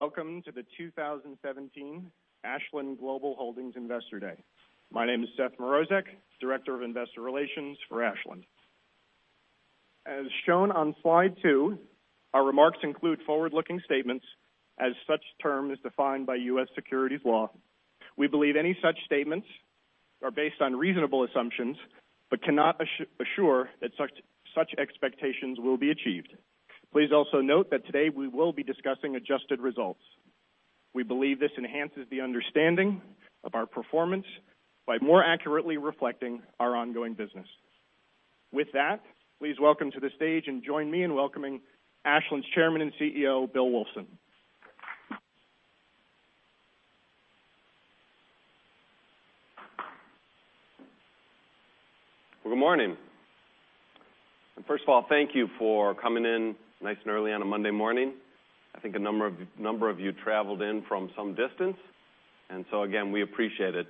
Welcome to the 2017 Ashland Global Holdings Investor Day. My name is Seth Mrozek, Director of Investor Relations for Ashland. As shown on slide two, our remarks include forward-looking statements as such term is defined by U.S. securities law. We believe any such statements are based on reasonable assumptions, but cannot assure that such expectations will be achieved. Please also note that today we will be discussing adjusted results. We believe this enhances the understanding of our performance by more accurately reflecting our ongoing business. With that, please welcome to the stage and join me in welcoming Ashland's Chairman and CEO, Bill Wulfsohn. Good morning. First of all, thank you for coming in nice and early on a Monday morning. I think a number of you traveled in from some distance, so again, we appreciate it.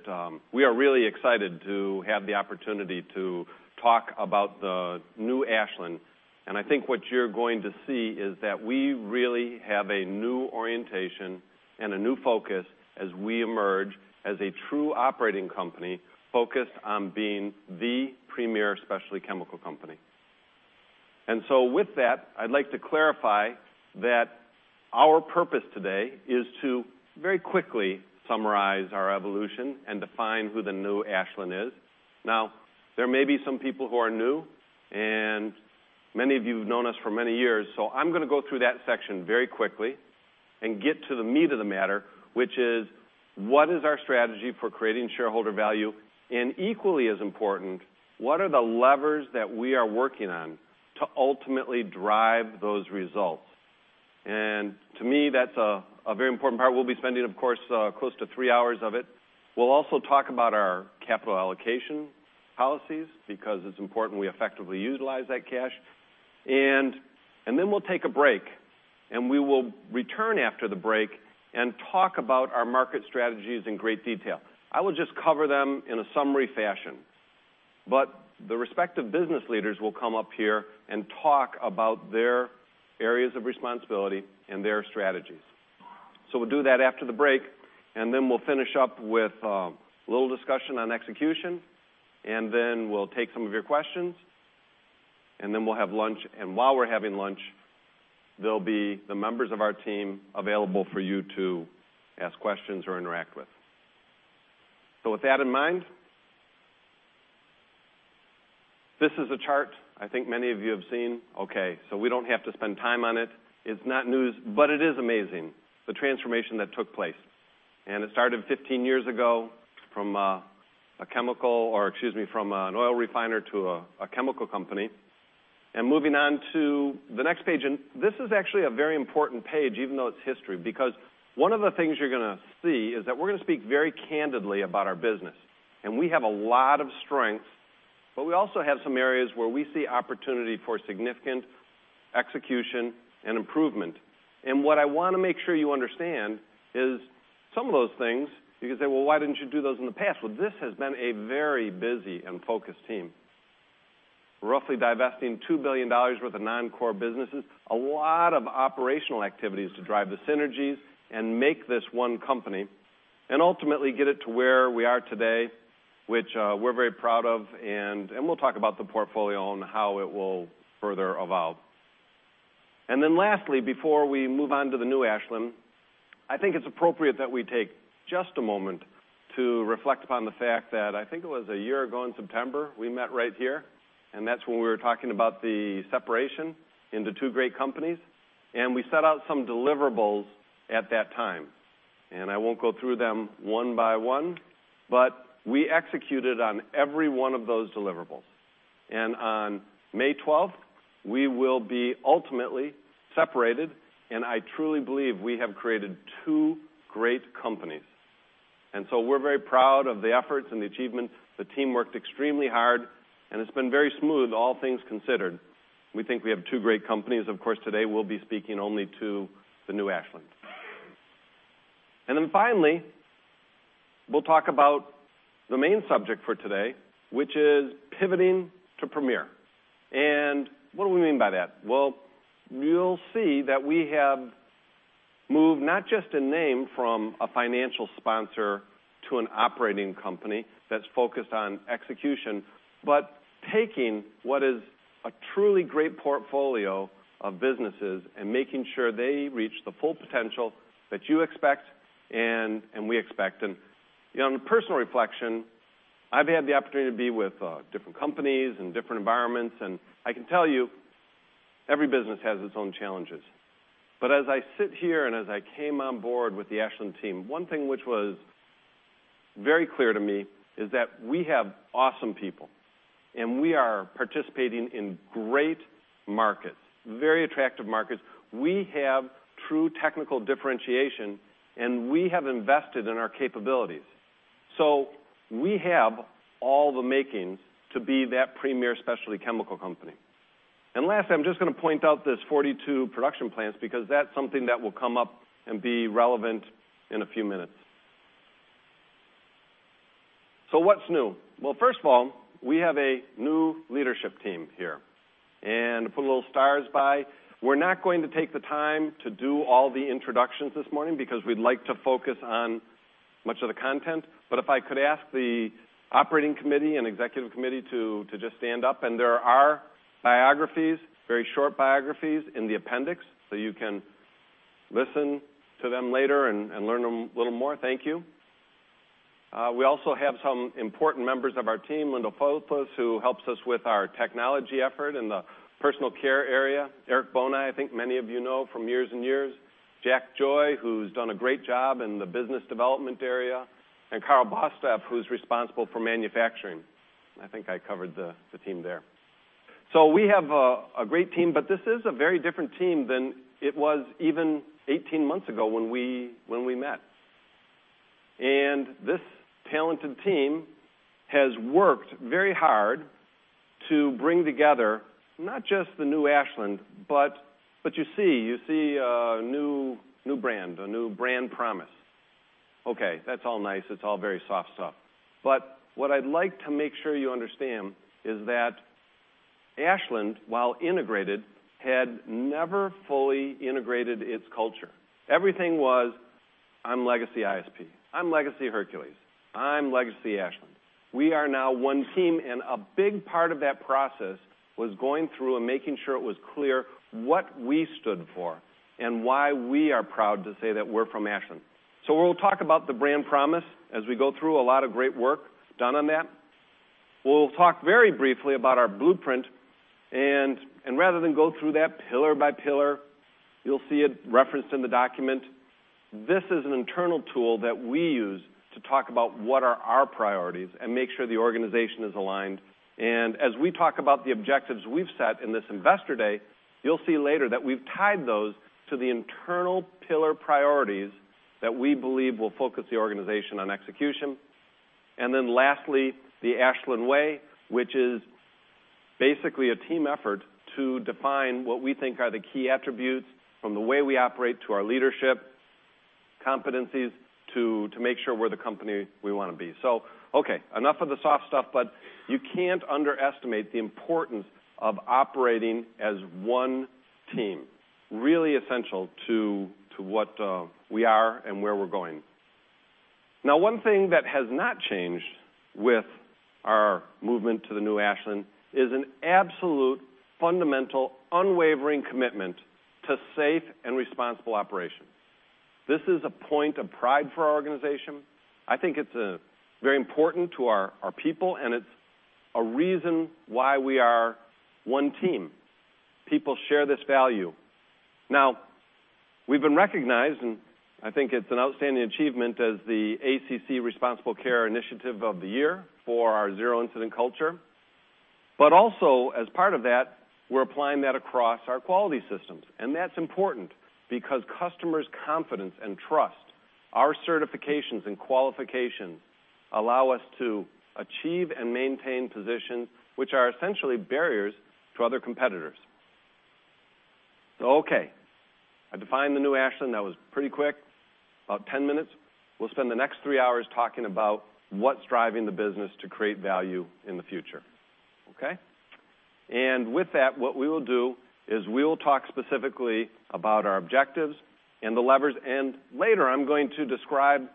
We are really excited to have the opportunity to talk about the new Ashland. I think what you're going to see is that we really have a new orientation and a new focus as we emerge as a true operating company focused on being the premier specialty chemical company. With that, I'd like to clarify that our purpose today is to very quickly summarize our evolution and define who the new Ashland is. There may be some people who are new, and many of you have known us for many years, so I'm going to go through that section very quickly and get to the meat of the matter, which is, what is our strategy for creating shareholder value? Equally as important, what are the levers that we are working on to ultimately drive those results? To me, that's a very important part. We'll be spending, of course, close to three hours of it. Then we'll take a break, and we will return after the break and talk about our market strategies in great detail. I will just cover them in a summary fashion, but the respective business leaders will come up here and talk about their areas of responsibility and their strategies. We'll do that after the break, then we'll finish up with a little discussion on execution, then we'll take some of your questions, then we'll have lunch, and while we're having lunch, there'll be the members of our team available for you to ask questions or interact with. With that in mind, this is a chart I think many of you have seen. Okay, we don't have to spend time on it. It's not news, but it is amazing the transformation that took place. It started 15 years ago from an oil refiner to a chemical company. Moving on to the next page, this is actually a very important page, even though it's history, because one of the things you're going to see is that we're going to speak very candidly about our business. We have a lot of strengths, but we also have some areas where we see opportunity for significant execution and improvement. What I want to make sure you understand is some of those things, you could say, "Well, why didn't you do those in the past?" This has been a very busy and focused team, roughly divesting $2 billion worth of non-core businesses. A lot of operational activities to drive the synergies and make this one company, and ultimately get it to where we are today, which we're very proud of, and we'll talk about the portfolio and how it will further evolve. Lastly, before we move on to the new Ashland, I think it's appropriate that we take just a moment to reflect upon the fact that I think it was a year ago in September, we met right here, and that's when we were talking about the separation into two great companies, and we set out some deliverables at that time. I won't go through them one by one, but we executed on every one of those deliverables. On May 12th, we will be ultimately separated, and I truly believe we have created two great companies. We're very proud of the efforts and the achievements. The team worked extremely hard, and it's been very smooth, all things considered. We think we have two great companies. Of course, today we'll be speaking only to the new Ashland. Finally, we'll talk about the main subject for today, which is pivoting to premier. What do we mean by that? You'll see that we have moved not just in name from a financial sponsor to an operating company that's focused on execution, but taking what is a truly great portfolio of businesses and making sure they reach the full potential that you expect and we expect. On personal reflection, I've had the opportunity to be with different companies and different environments, and I can tell you, every business has its own challenges. As I sit here and as I came on board with the Ashland team, one thing which was very clear to me is that we have awesome people, and we are participating in great markets, very attractive markets. We have true technical differentiation, and we have invested in our capabilities. We have all the makings to be that premier specialty chemical company. Lastly, I'm just going to point out this 42 production plants because that's something that will come up and be relevant in a few minutes. What's new? First of all, we have a new leadership team here. To put little stars by, we're not going to take the time to do all the introductions this morning, because we'd like to focus on much of the content. If I could ask the operating committee and executive committee to just stand up, and there are biographies, very short biographies, in the appendix, so you can listen to them later and learn a little more. Thank you. We also have some important members of our team, Linda Foltis, who helps us with our technology effort in the personal care area. Eric Bohn, I think many of you know from years and years. Jork Loyola, who's done a great job in the business development area, and Karl Bostaph, who's responsible for manufacturing. I think I covered the team there. We have a great team, but this is a very different team than it was even 18 months ago when we met. This talented team has worked very hard to bring together not just the new Ashland, but you see a new brand, a new brand promise. Okay, that's all nice. It's all very soft stuff. But what I'd like to make sure you understand is that Ashland, while integrated, had never fully integrated its culture. Everything was, "I'm legacy ISP. I'm legacy Hercules. I'm legacy Ashland." We are now one team, and a big part of that process was going through and making sure it was clear what we stood for and why we are proud to say that we're from Ashland. We'll talk about the brand promise as we go through a lot of great work that's done on that. We'll talk very briefly about our blueprint, and rather than go through that pillar by pillar, you'll see it referenced in the document. This is an internal tool that we use to talk about what are our priorities and make sure the organization is aligned. As we talk about the objectives we've set in this Investor Day, you'll see later that we've tied those to the internal pillar priorities that we believe will focus the organization on execution. Then lastly, "The Ashland Way," which is basically a team effort to define what we think are the key attributes from the way we operate to our leadership competencies to make sure we're the company we want to be. So, okay, enough of the soft stuff, but you can't underestimate the importance of operating as one team. Really essential to what we are and where we're going. Now, one thing that has not changed with our movement to the new Ashland is an absolute, fundamental, unwavering commitment to safe and responsible operations. This is a point of pride for our organization. I think it's very important to our people, and it's a reason why we are one team. People share this value. Now, we've been recognized, and I think it's an outstanding achievement, as the ACC Responsible Care Initiative of the Year for our zero-incident culture. But also, as part of that, we're applying that across our quality systems, and that's important, because customers' confidence and trust, our certifications and qualifications allow us to achieve and maintain positions, which are essentially barriers to other competitors. Okay. I defined the new Ashland. That was pretty quick, about 10 minutes. We'll spend the next 3 hours talking about what's driving the business to create value in the future. Okay? And with that, what we will do is we will talk specifically about our objectives and the levers. Later, I'm going to describe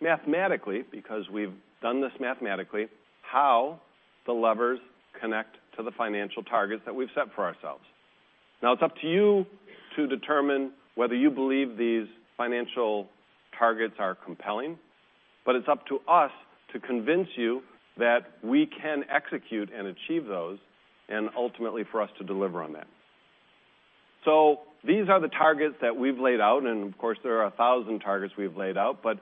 mathematically, because we've done this mathematically, how the levers connect to the financial targets that we've set for ourselves. It's up to you to determine whether you believe these financial targets are compelling, but it's up to us to convince you that we can execute and achieve those, and ultimately for us to deliver on that. These are the targets that we've laid out, and of course, there are 1,000 targets we've laid out, but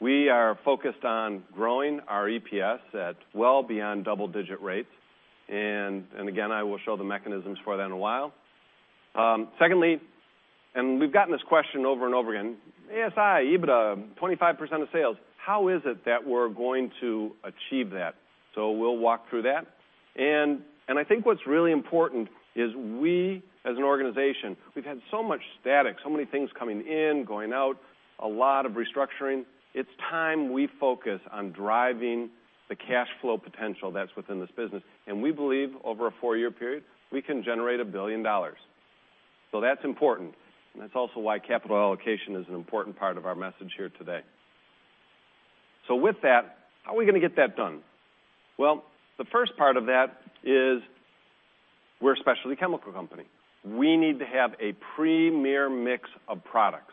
we are focused on growing our EPS at well beyond double-digit rates. Again, I will show the mechanisms for that in a while. Secondly, we've gotten this question over and over again, "ASI, EBITDA, 25% of sales. How is it that we're going to achieve that?" We'll walk through that. I think what's really important is we as an organization, we've had so much static, so many things coming in, going out, a lot of restructuring. It's time we focus on driving the cash flow potential that's within this business. We believe over a four-year period, we can generate $1 billion. That's important. That's also why capital allocation is an important part of our message here today. With that, how are we going to get that done? Well, the first part of that is we're a specialty chemical company. We need to have a premier mix of products.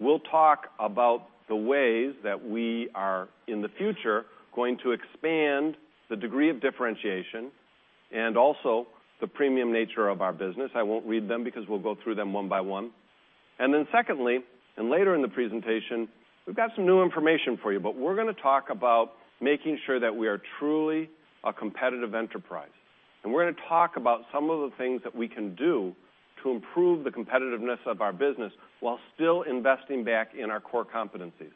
We'll talk about the ways that we are, in the future, going to expand the degree of differentiation and also the premium nature of our business. I won't read them because we'll go through them one by one. Secondly, later in the presentation, we've got some new information for you, but we're going to talk about making sure that we are truly a competitive enterprise. We're going to talk about some of the things that we can do to improve the competitiveness of our business while still investing back in our core competencies.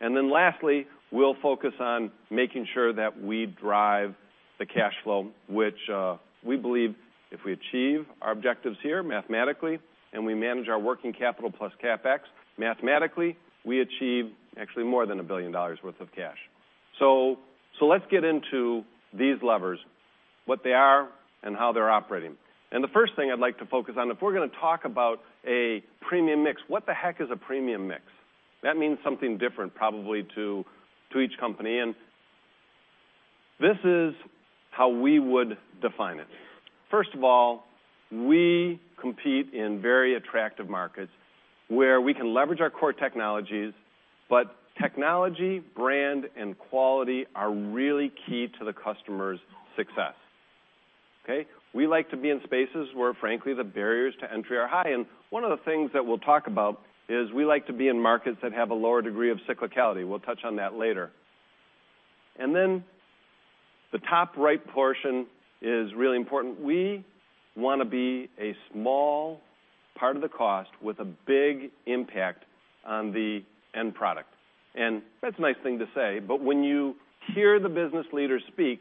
Lastly, we'll focus on making sure that we drive the cash flow, which we believe if we achieve our objectives here mathematically, and we manage our working capital plus CapEx, mathematically, we achieve actually more than $1 billion worth of cash. Let's get into these levers, what they are and how they're operating. The first thing I'd like to focus on, if we're going to talk about a premium mix, what the heck is a premium mix? That means something different probably to each company, and this is how we would define it. First of all, we compete in very attractive markets where we can leverage our core technologies, but technology, brand, and quality are really key to the customer's success. Okay? We like to be in spaces where, frankly, the barriers to entry are high. One of the things that we'll talk about is we like to be in markets that have a lower degree of cyclicality. We'll touch on that later. The top right portion is really important. We want to be a small part of the cost with a big impact on the end product. That's a nice thing to say, but when you hear the business leaders speak,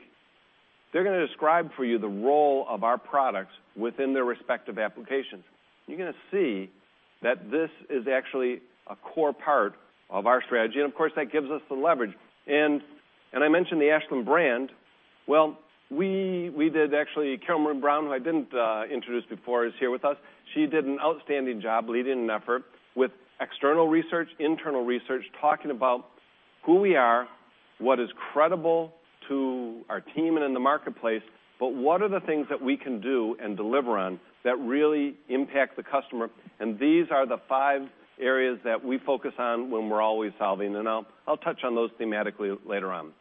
they're going to describe for you the role of our products within their respective applications. You're going to see that this is actually a core part of our strategy, and of course, that gives us the leverage. I mentioned the Ashland brand. We did actually Cameron Brown, who I didn't introduce before, is here with us. She did an outstanding job leading an effort with external research, internal research, talking about who we are, what is credible to our team and in the marketplace, but what are the things that we can do and deliver on that really impact the customer. These are the five areas that we focus on when we're Always Solving. I'll touch on those thematically later on.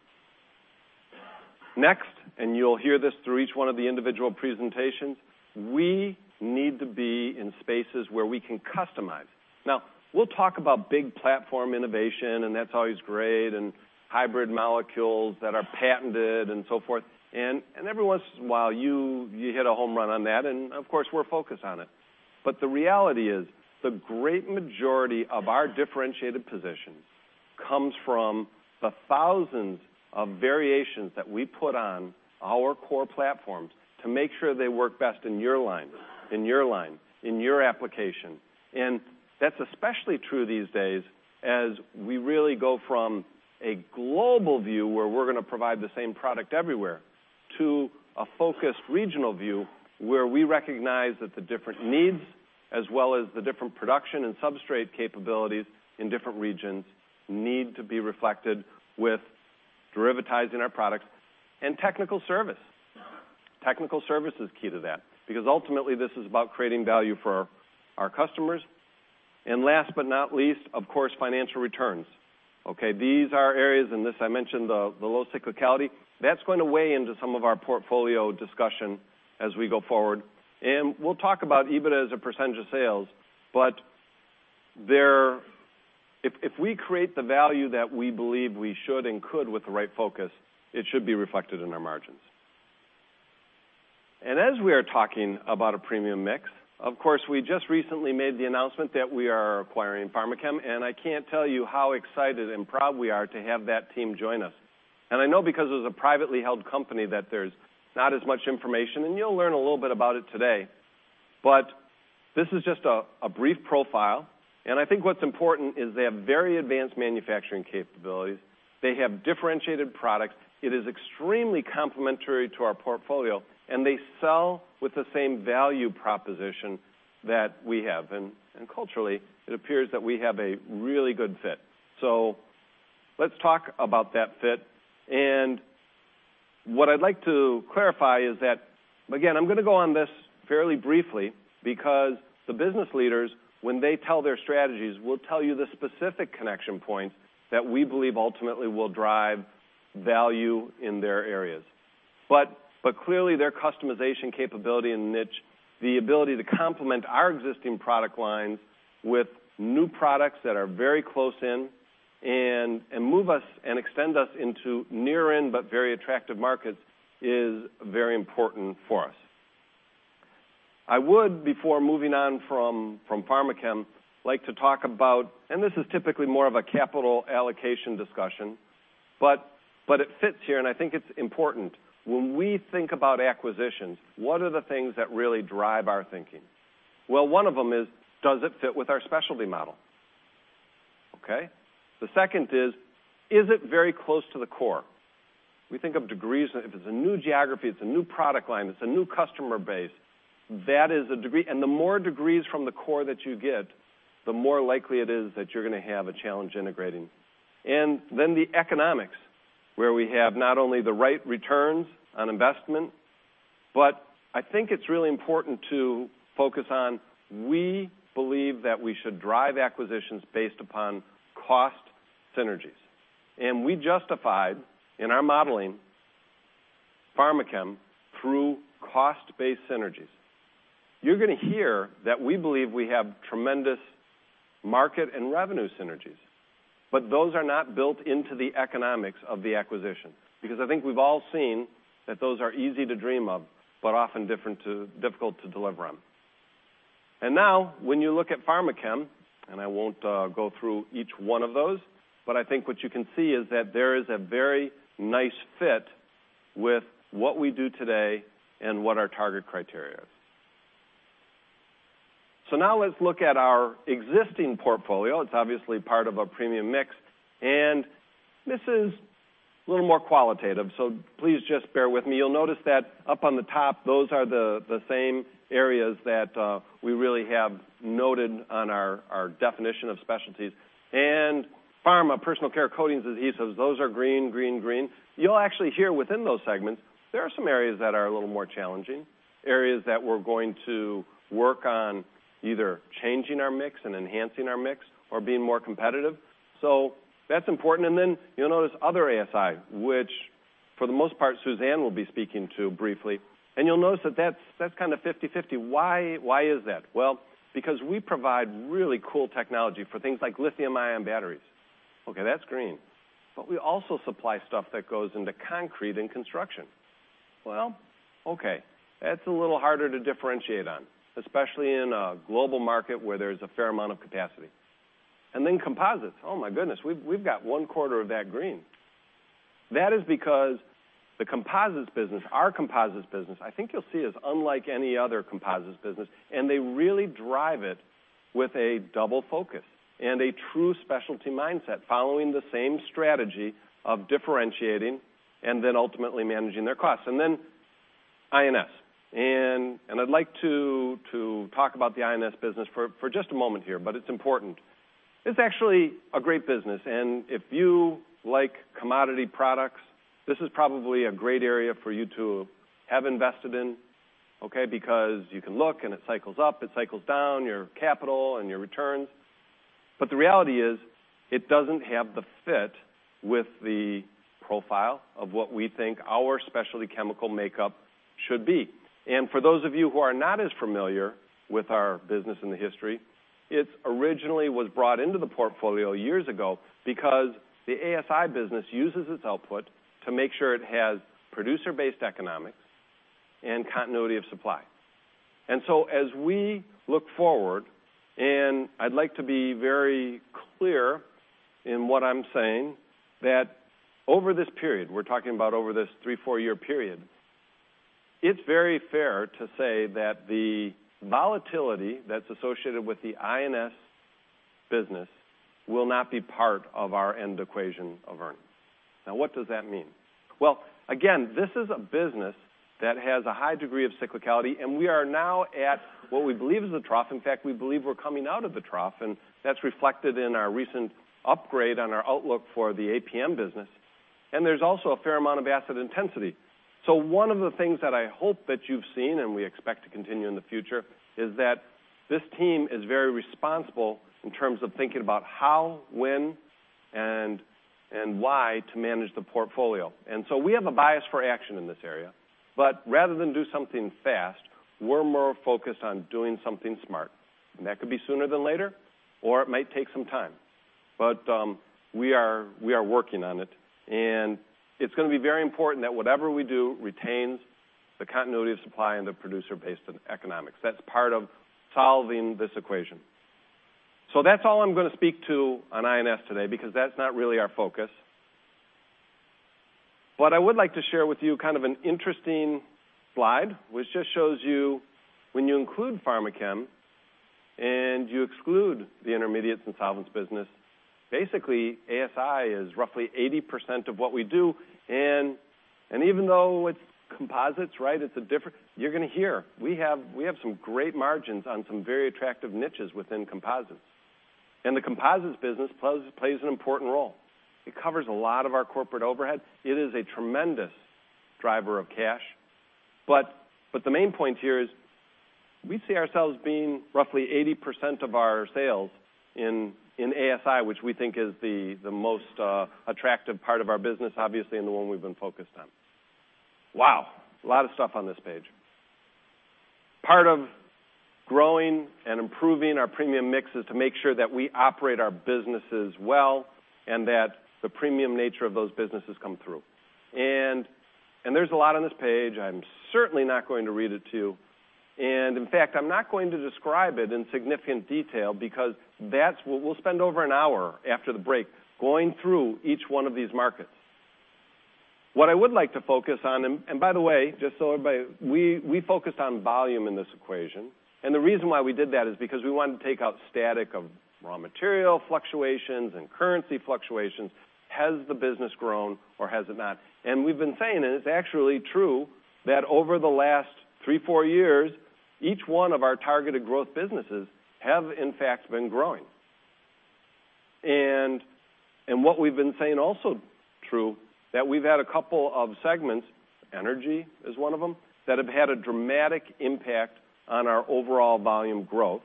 Next, you'll hear this through each one of the individual presentations, we need to be in spaces where we can customize. We'll talk about big platform innovation, and that's always great, and hybrid molecules that are patented and so forth. Every once in a while, you hit a home run on that, and of course, we're focused on it. The reality is, the great majority of our differentiated positions comes from the thousands of variations that we put on our core platforms to make sure they work best in your line, in your line, in your application. That's especially true these days as we really go from a global view, where we're going to provide the same product everywhere, to a focused regional view, where we recognize that the different needs as well as the different production and substrate capabilities in different regions need to be reflected with derivatizing our products and technical service. Technical service is key to that because ultimately, this is about creating value for our customers. Last but not least, of course, financial returns. These are areas, and this I mentioned, the low cyclicality. That's going to weigh into some of our portfolio discussion as we go forward. We'll talk about EBITDA as a percentage of sales, but if we create the value that we believe we should and could with the right focus, it should be reflected in our margins. As we are talking about a premium mix, of course, we just recently made the announcement that we are acquiring Pharmachem, and I can't tell you how excited and proud we are to have that team join us. I know because it was a privately held company that there's not as much information, and you'll learn a little bit about it today. This is just a brief profile, and I think what's important is they have very advanced manufacturing capabilities. They have differentiated products. It is extremely complementary to our portfolio, and they sell with the same value proposition that we have. Culturally, it appears that we have a really good fit. Let's talk about that fit, and what I'd like to clarify is that, again, I'm going to go on this fairly briefly because the business leaders, when they tell their strategies, will tell you the specific connection points that we believe ultimately will drive value in their areas. Clearly, their customization capability and niche, the ability to complement our existing product lines with new products that are very close in and move us and extend us into near-in but very attractive markets is very important for us. I would, before moving on from Pharmachem, like to talk about, and this is typically more of a capital allocation discussion, but it fits here, and I think it's important. When we think about acquisitions, what are the things that really drive our thinking? One of them is, does it fit with our specialty model? The second is it very close to the core? We think of degrees. If it's a new geography, it's a new product line, it's a new customer base. That is a degree. The more degrees from the core that you get, the more likely it is that you're going to have a challenge integrating. The economics, where we have not only the right returns on investment, but I think it's really important to focus on, we believe that we should drive acquisitions based upon cost synergies. We justified, in our modeling, Pharmachem through cost-based synergies. You're going to hear that we believe we have tremendous market and revenue synergies, but those are not built into the economics of the acquisition, because I think we've all seen that those are easy to dream of, but often difficult to deliver on. When you look at Pharmachem, I won't go through each one of those, but I think what you can see is that there is a very nice fit with what we do today and what our target criteria is. Let's look at our existing portfolio. It's obviously part of our premium mix, and this is a little more qualitative, so please just bear with me. You'll notice that up on the top, those are the same areas that we really have noted on our definition of specialties. Pharma personal care coatings, adhesives, those are green. You'll actually hear within those segments, there are some areas that are a little more challenging. Areas that we're going to work on, either changing our mix and enhancing our mix or being more competitive. That's important. You'll notice other ASI, which for the most part, Suzanne will be speaking to briefly, and you'll notice that that's kind of 50/50. Why is that? Because we provide really cool technology for things like lithium-ion batteries. Okay, that's green. We also supply stuff that goes into concrete and construction. Okay. That's a little harder to differentiate on, especially in a global market where there's a fair amount of capacity. Composites. Oh my goodness, we've got one quarter of that green. That is because the composites business, our composites business, I think you'll see is unlike any other composites business, and they really drive it with a double focus and a true specialty mindset following the same strategy of differentiating and then ultimately managing their costs. INS. I'd like to talk about the INS business for just a moment here, but it's important. It's actually a great business. If you like commodity products, this is probably a great area for you to have invested in, okay, because you can look and it cycles up, it cycles down your capital and your returns. The reality is, it doesn't have the fit with the profile of what we think our specialty chemical makeup should be. For those of you who are not as familiar with our business and the history, it originally was brought into the portfolio years ago because the ASI business uses its output to make sure it has producer-based economics and continuity of supply. As we look forward, I'd like to be very clear in what I'm saying, that over this period, we're talking about over this three, four-year period, it's very fair to say that the volatility that's associated with the INS business will not be part of our end equation of earnings. What does that mean? Again, this is a business that has a high degree of cyclicality, and we are now at what we believe is a trough. In fact, we believe we're coming out of the trough, and that's reflected in our recent upgrade on our outlook for the APM business. There's also a fair amount of asset intensity. One of the things that I hope that you've seen and we expect to continue in the future is that this team is very responsible in terms of thinking about how, when, and why to manage the portfolio. We have a bias for action in this area. Rather than do something fast, we're more focused on doing something smart. That could be sooner than later, or it might take some time. We are working on it, and it's going to be very important that whatever we do retains the continuity of supply and the producer-based economics. That's part of solving this equation. That's all I'm going to speak to on INS today, because that's not really our focus. What I would like to share with you, kind of an interesting slide, which just shows you when you include Pharmachem and you exclude the intermediates and solvents business, basically ASI is roughly 80% of what we do. Even though it's composites, right, it's a different. You're going to hear. We have some great margins on some very attractive niches within composites. The composites business plays an important role. It covers a lot of our corporate overhead. It is a tremendous driver of cash. The main point here is we see ourselves being roughly 80% of our sales in ASI, which we think is the most attractive part of our business, obviously, and the one we've been focused on. Wow. A lot of stuff on this page. Part of growing and improving our premium mix is to make sure that we operate our businesses well and that the premium nature of those businesses come through. There's a lot on this page. I'm certainly not going to read it to you. In fact, I'm not going to describe it in significant detail because that's what we'll spend over an hour after the break, going through each one of these markets. What I would like to focus on, and by the way, just so everybody. We focused on volume in this equation. The reason why we did that is because we wanted to take out static of raw material fluctuations and currency fluctuations. Has the business grown or has it not? We've been saying, it's actually true, that over the last three, four years, each one of our targeted growth businesses have in fact been growing. What we've been saying also true, that we've had a couple of segments, energy is one of them, that have had a dramatic impact on our overall volume growth.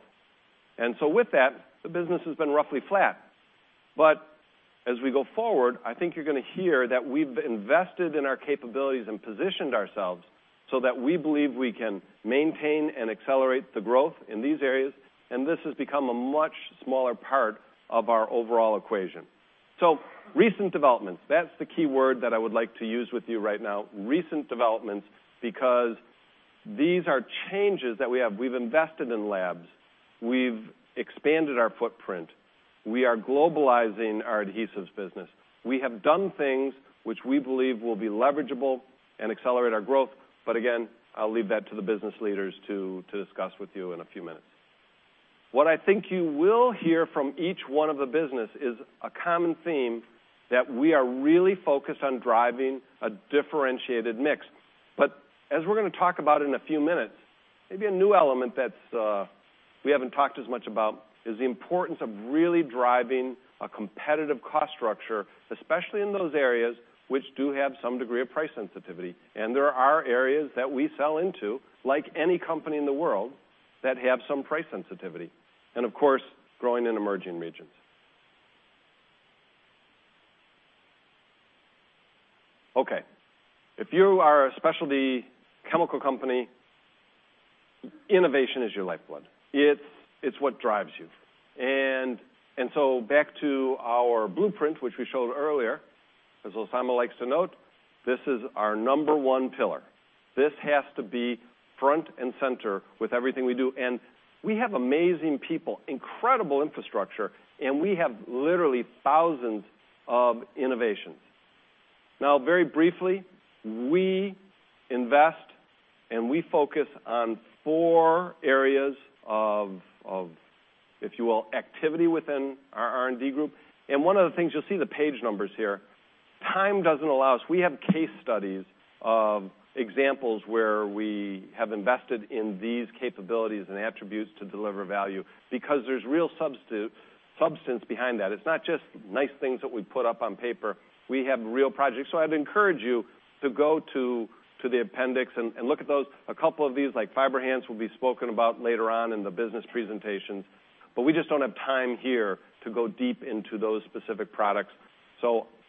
With that, the business has been roughly flat. As we go forward, I think you're going to hear that we've invested in our capabilities and positioned ourselves so that we believe we can maintain and accelerate the growth in these areas, this has become a much smaller part of our overall equation. Recent developments, that's the key word that I would like to use with you right now, recent developments, because these are changes that we have. We've invested in labs. We've expanded our footprint. We are globalizing our adhesives business. We have done things which we believe will be leverageable and accelerate our growth. Again, I'll leave that to the business leaders to discuss with you in a few minutes. What I think you will hear from each one of the business is a common theme that we are really focused on driving a differentiated mix. As we're going to talk about in a few minutes, maybe a new element that we haven't talked as much about is the importance of really driving a competitive cost structure, especially in those areas which do have some degree of price sensitivity. There are areas that we sell into, like any company in the world, that have some price sensitivity. Of course, growing in emerging regions. Okay. If you are a specialty chemicals company, innovation is your lifeblood. It's what drives you. Back to our blueprint, which we showed earlier, as Oussama likes to note, this is our number 1 pillar. This has to be front and center with everything we do. We have amazing people, incredible infrastructure, and we have literally thousands of innovations. Now, very briefly, we invest and we focus on four areas of, if you will, activity within our R&D group. One of the things you'll see the page numbers here, time doesn't allow us. We have case studies of examples where we have invested in these capabilities and attributes to deliver value because there's real substance behind that. It's not just nice things that we put up on paper. We have real projects. I'd encourage you to go to the appendix and look at those. A couple of these, like FiberHance, will be spoken about later on in the business presentations. We just don't have time here to go deep into those specific products.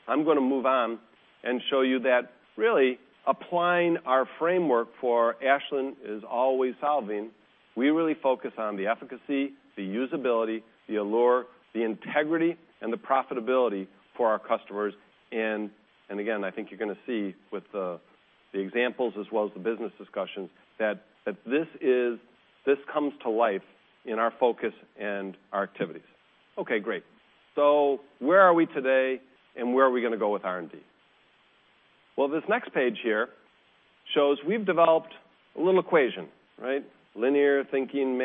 I'm going to move on and show you that really applying our framework for Ashland is Always Solving. We really focus on the efficacy, the usability, the allure, the integrity, and the profitability for our customers. Again, I think you're going to see with the examples as well as the business discussions that this comes to life in our focus and our activities. Okay, great. Where are we today and where are we going to go with R&D? This next page here shows we've developed a little equation, right? Linear thinking,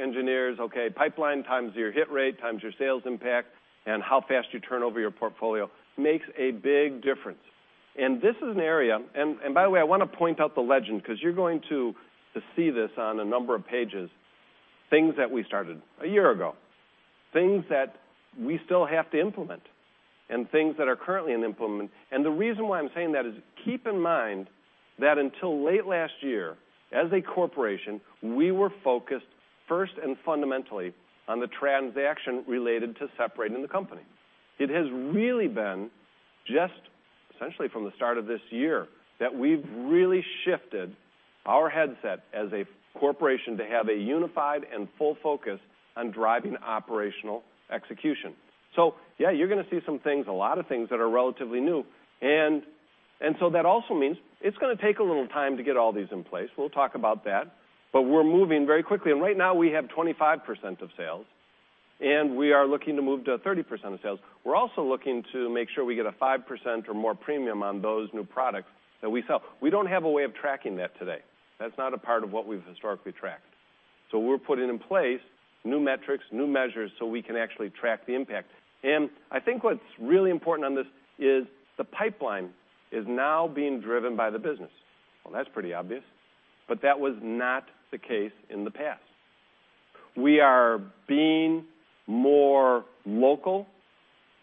engineers, okay, pipeline times your hit rate, times your sales impact, and how fast you turn over your portfolio makes a big difference. This is an area, by the way, I want to point out the legend because you're going to see this on a number of pages, things that we started a year ago, things that we still have to implement, and things that are currently in implement. The reason why I'm saying that is keep in mind that until late last year, as a corporation, we were focused first and fundamentally on the transaction related to separating the company. It has really been just essentially from the start of this year that we've really shifted our headset as a corporation to have a unified and full focus on driving operational execution. Yeah, you're going to see some things, a lot of things that are relatively new. That also means it's going to take a little time to get all these in place. We're moving very quickly. Right now, we have 25% of sales, and we are looking to move to 30% of sales. We're also looking to make sure we get a 5% or more premium on those new products that we sell. We don't have a way of tracking that today. That's not a part of what we've historically tracked. We're putting in place new metrics, new measures, so we can actually track the impact. I think what's really important on this is the pipeline is now being driven by the business. That's pretty obvious, but that was not the case in the past. We are being more local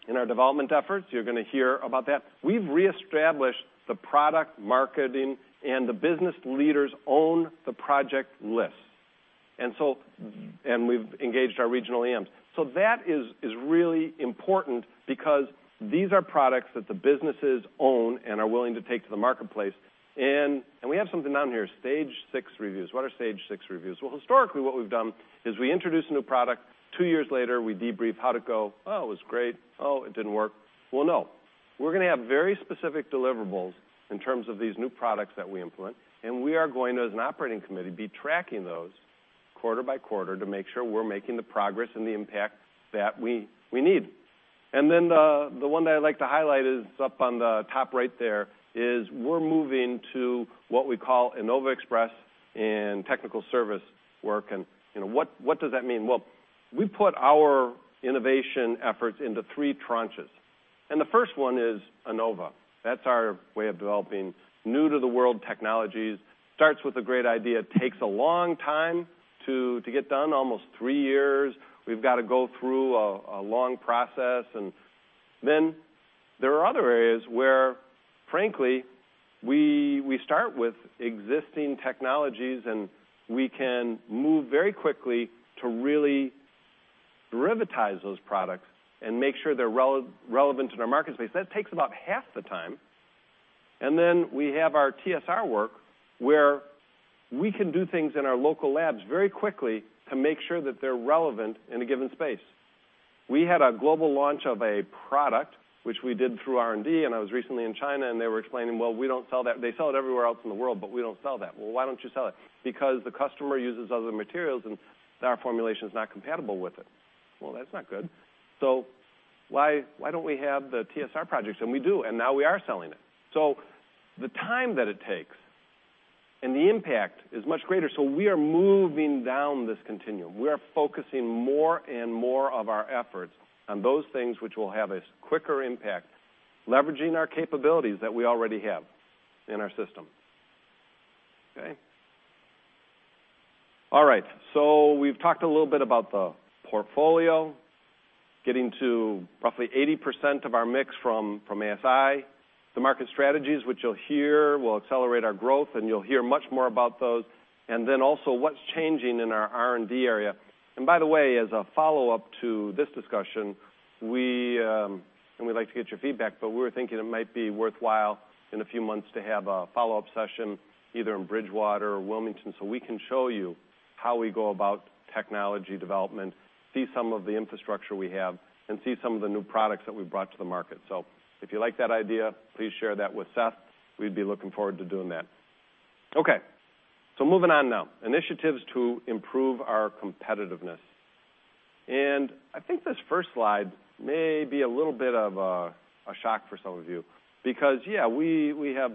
in our development efforts. You're going to hear about that. We've reestablished the product marketing and the business leaders own the project lists. We've engaged our regional AMs. That is really important because these are products that the businesses own and are willing to take to the marketplace. We have something down here, stage 6 reviews. What are stage 6 reviews? Historically, what we've done is we introduce a new product. Two years later, we debrief how'd it go. "Oh, it was great. Oh, it didn't work." No. We're going to have very specific deliverables in terms of these new products that we implement, and we are going to, as an operating committee, be tracking those quarter by quarter to make sure we're making the progress and the impact that we need. The one that I like to highlight is up on the top right there is we're moving to what we call Innova Express and technical service work. What does that mean? We put our innovation efforts into three tranches. The first one is Innova. That's our way of developing new-to-the-world technologies. Starts with a great idea. Takes a long time to get done, almost three years. We've got to go through a long process. There are other areas where, frankly, we start with existing technologies, and we can move very quickly to really derivatize those products and make sure they're relevant to their market space. That takes about half the time. We have our TSR work, where we can do things in our local labs very quickly to make sure that they're relevant in a given space. We had a global launch of a product, which we did through R&D, and I was recently in China, and they were explaining, "Well, they sell it everywhere else in the world, but we don't sell that." "Well, why don't you sell it?" "Because the customer uses other materials, and our formulation is not compatible with it." Well, that's not good. Why don't we have the TSR projects? We do, and now we are selling it. The time that it takes and the impact is much greater. We are moving down this continuum. We are focusing more and more of our efforts on those things which will have a quicker impact, leveraging our capabilities that we already have in our system. Okay. All right, we've talked a little bit about the portfolio, getting to roughly 80% of our mix from ASI. The market strategies, which you'll hear, will accelerate our growth, and you'll hear much more about those. Also, what's changing in our R&D area. As a follow-up to this discussion, and we'd like to get your feedback, but we were thinking it might be worthwhile in a few months to have a follow-up session, either in Bridgewater or Wilmington, so we can show you how we go about technology development, see some of the infrastructure we have, and see some of the new products that we've brought to the market. If you like that idea, please share that with Seth. We'd be looking forward to doing that. Okay, moving on now. Initiatives to improve our competitiveness. I think this first slide may be a little bit of a shock for some of you because, yeah, we have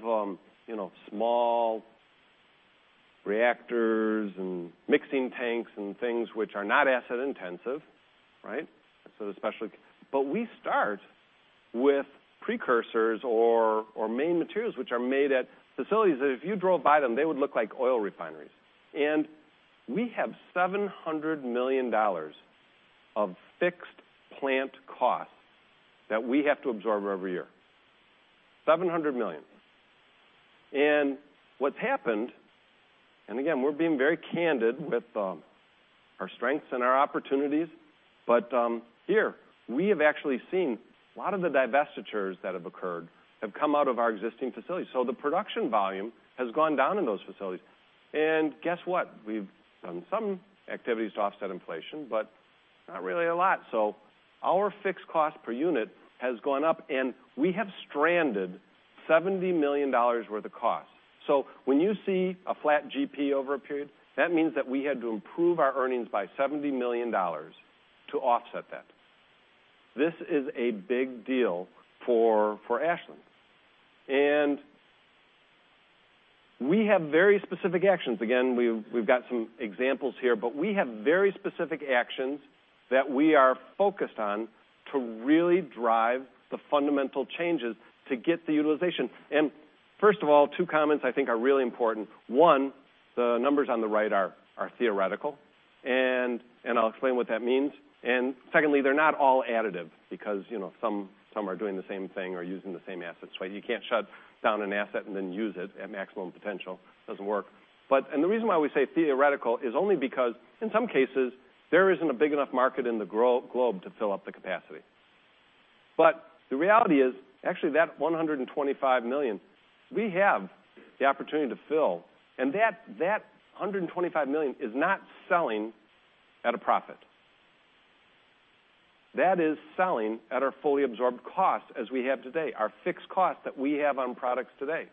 small reactors and mixing tanks and things which are not asset intensive, right? We start with precursors or main materials, which are made at facilities that if you drove by them, they would look like oil refineries. We have $700 million of fixed plant costs that we have to absorb every year. Seven hundred million. What's happened, and again, we're being very candid with our strengths and our opportunities, but here, we have actually seen a lot of the divestitures that have occurred have come out of our existing facilities. The production volume has gone down in those facilities. Guess what? We've done some activities to offset inflation, but not really a lot. Our fixed cost per unit has gone up, and we have stranded $70 million worth of cost. When you see a flat GP over a period, that means that we had to improve our earnings by $70 million to offset that. This is a big deal for Ashland. We have very specific actions. Again, we've got some examples here, but we have very specific actions that we are focused on to really drive the fundamental changes to get the utilization. First of all, two comments I think are really important. One, the numbers on the right are theoretical, and I'll explain what that means. Secondly, they're not all additive because some are doing the same thing or using the same assets, right? You can't shut down an asset and then use it at maximum potential. Doesn't work. The reason why we say theoretical is only because in some cases, there isn't a big enough market in the globe to fill up the capacity. The reality is, actually, that $125 million, we have the opportunity to fill, and that $125 million is not selling at a profit. That is selling at our fully absorbed cost as we have today, our fixed cost that we have on products today.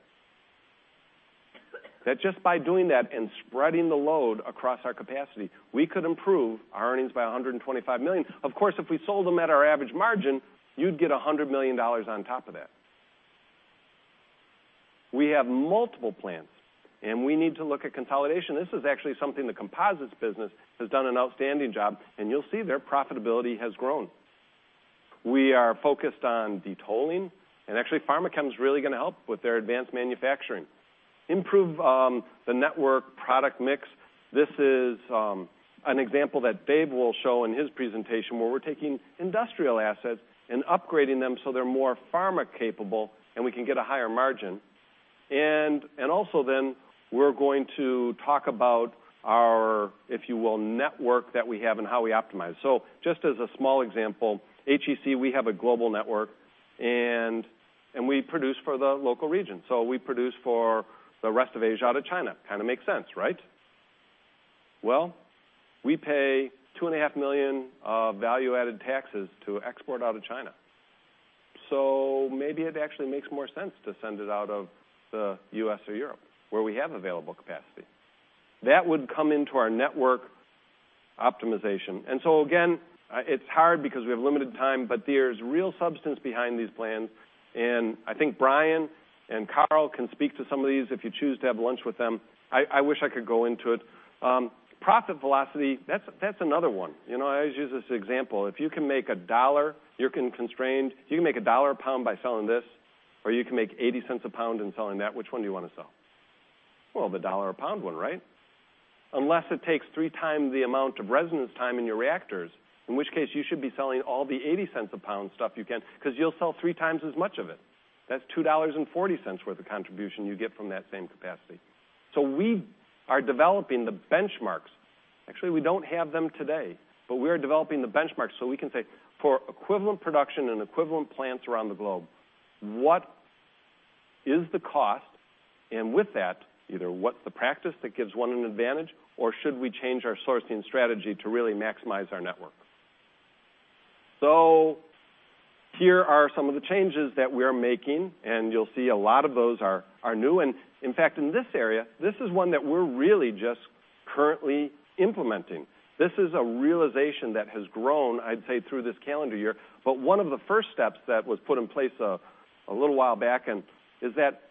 That just by doing that and spreading the load across our capacity, we could improve our earnings by $125 million. Of course, if we sold them at our average margin, you'd get $100 million on top of that. We have multiple plants, and we need to look at consolidation. This is actually something the Composites business has done an outstanding job, and you'll see their profitability has grown. We are focused on de-tolling, and actually, Pharmachem is really going to help with their advanced manufacturing. Improve the network product mix. This is an example that Dave will show in his presentation, where we're taking industrial assets and upgrading them so they're more pharma capable and we can get a higher margin. Also then we're going to talk about our, if you will, network that we have and how we optimize. Just as a small example, HEC, we have a global network, and we produce for the local region. We produce for the rest of Asia out of China. Kind of makes sense, right? Well, we pay $2.5 million value-added taxes to export out of China. Maybe it actually makes more sense to send it out of the U.S. or Europe, where we have available capacity. That would come into our network optimization. Again, it's hard because we have limited time, but there's real substance behind these plans, and I think Brian and Karl can speak to some of these if you choose to have lunch with them. I wish I could go into it. Profit velocity, that's another one. I always use this example. If you can make $1, you're constrained. If you can make $1 a pound by selling this, or you can make $0.80 a pound in selling that, which one do you want to sell? Well, the $1 a pound one, right? Unless it takes three times the amount of residence time in your reactors, in which case you should be selling all the $0.80 a pound stuff you can because you'll sell three times as much of it. That's $2.40 worth of contribution you get from that same capacity. We are developing the benchmarks. Actually, we don't have them today, but we are developing the benchmarks so we can say for equivalent production and equivalent plants around the globe, what is the cost? With that, either what's the practice that gives one an advantage, or should we change our sourcing strategy to really maximize our network? Here are some of the changes that we're making, and you'll see a lot of those are new. In fact, in this area, this is one that we're really just currently implementing. This is a realization that has grown, I'd say, through this calendar year. One of the first steps that was put in place a little while back is that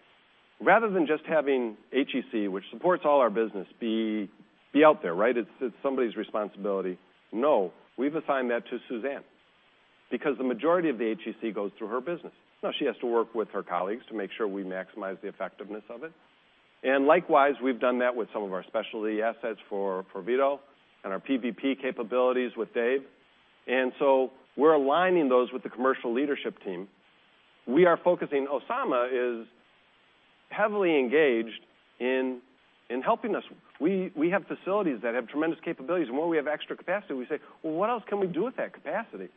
rather than just having HEC, which supports all our business, be out there. It's somebody's responsibility. We've assigned that to Suzanne because the majority of the HEC goes through her business. She has to work with her colleagues to make sure we maximize the effectiveness of it. Likewise, we've done that with some of our specialty assets for Vito and our PVP capabilities with Dave. We're aligning those with the commercial leadership team. We are focusing. Oussama is heavily engaged in helping us. We have facilities that have tremendous capabilities, and when we have extra capacity, we say, "What else can we do with that capacity?"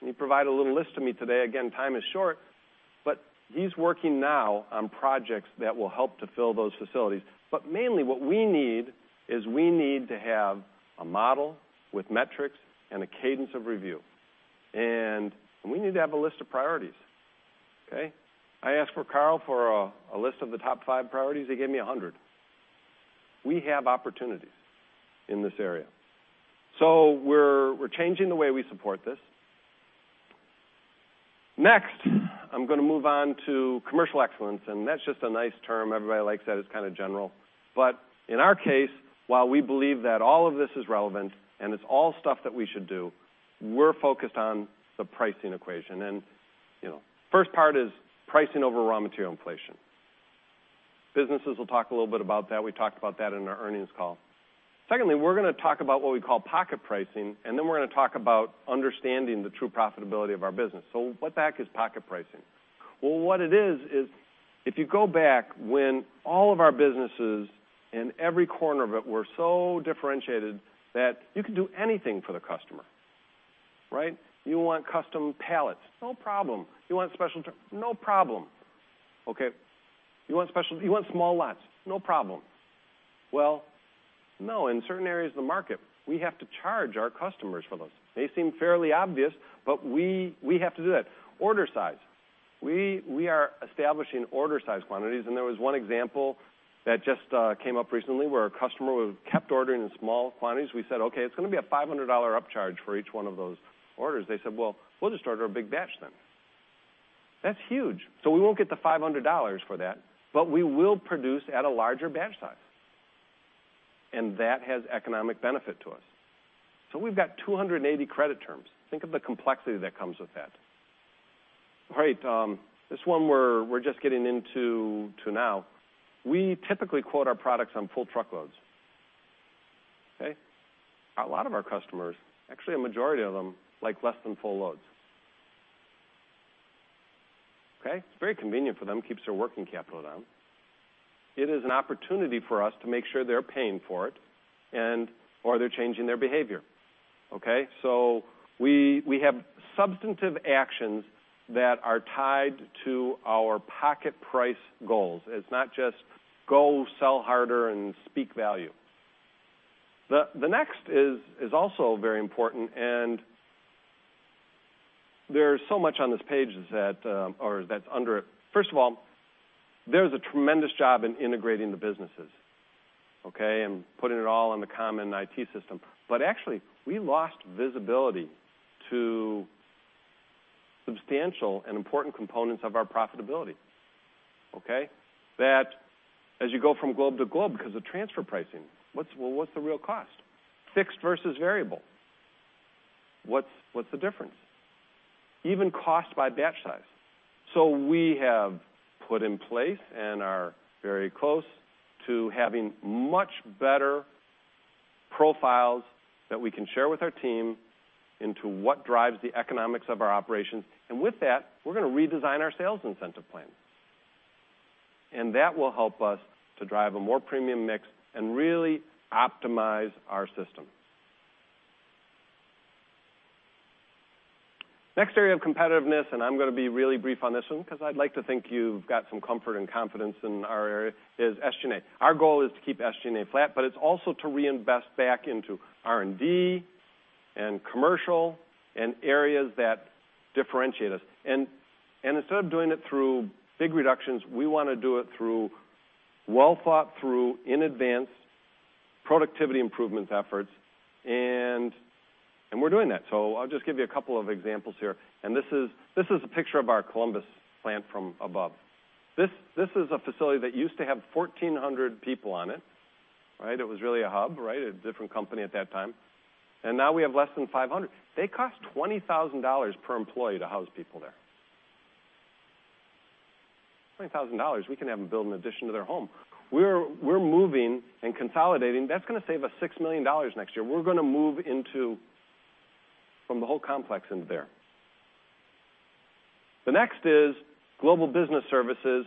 He provided a little list to me today. Time is short, but he's working now on projects that will help to fill those facilities. Mainly what we need is we need to have a model with metrics and a cadence of review. We need to have a list of priorities. Okay. I asked for Carl for a list of the top five priorities. He gave me 100. We have opportunities in this area. We're changing the way we support this. Next, I'm going to move on to commercial excellence, that's just a nice term. Everybody likes that. It's kind of general. In our case, while we believe that all of this is relevant and it's all stuff that we should do, we're focused on the pricing equation. First part is pricing over raw material inflation. Businesses will talk a little bit about that. We talked about that in our earnings call. Secondly, we're going to talk about what we call pocket pricing, then we're going to talk about understanding the true profitability of our business. What the heck is pocket pricing? What it is, if you go back when all of our businesses in every corner of it were so differentiated that you could do anything for the customer. You want custom pallets? No problem. You want special. No problem. Okay. You want small lots? No problem. No, in certain areas of the market, we have to charge our customers for those. They seem fairly obvious, but we have to do that. Order size. We are establishing order size quantities, and there was one example that just came up recently where a customer who kept ordering in small quantities. We said, "Okay, it's going to be a $500 upcharge for each one of those orders." They said, "We'll just order a big batch then." That's huge. We won't get the $500 for that, but we will produce at a larger batch size. That has economic benefit to us. We've got 280 credit terms. Think of the complexity that comes with that. All right. This one we're just getting into now. We typically quote our products on full truckloads. Okay. A lot of our customers, actually a majority of them, like less than full loads. Okay. It's very convenient for them, keeps their working capital down. It is an opportunity for us to make sure they're paying for it or they're changing their behavior. Okay. We have substantive actions that are tied to our pocket price goals. It's not just go sell harder and speak value. The next is also very important, there's so much on this page that's under it. First of all, there's a tremendous job in integrating the businesses, okay, and putting it all in the common IT system. Actually, we lost visibility to substantial and important components of our profitability. Okay. As you go from globe to globe because of transfer pricing, what's the real cost? Fixed versus variable. What's the difference? Even cost by batch size. We have put in place and are very close to having much better profiles that we can share with our team into what drives the economics of our operations. With that, we're going to redesign our sales incentive plan. That will help us to drive a more premium mix and really optimize our system. Next area of competitiveness, I'm going to be really brief on this one because I'd like to think you've got some comfort and confidence in our area, is SG&A. Our goal is to keep SG&A flat, it's also to reinvest back into R&D and commercial and areas that differentiate us. Instead of doing it through big reductions, we want to do it through well thought through, in advance, productivity improvement efforts. We're doing that. I'll just give you a couple of examples here. This is a picture of our Columbus plant from above. This is a facility that used to have 1,400 people on it. It was really a hub. A different company at that time. Now we have less than 500. They cost $20,000 per employee to house people there. $20,000, we can have them build an addition to their home. We're moving and consolidating. That's going to save us $6 million next year. We're going to move from the whole complex into there. The next is global business services,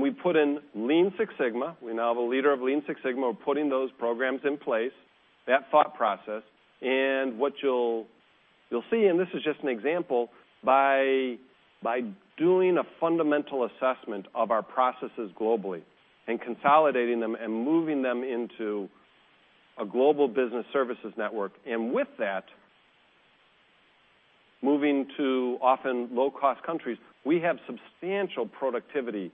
we put in Lean Six Sigma. We now have a leader of Lean Six Sigma. We're putting those programs in place, that thought process. What you'll see, and this is just an example, by doing a fundamental assessment of our processes globally and consolidating them and moving them into a global business services network. With that, moving to often low-cost countries, we have substantial productivity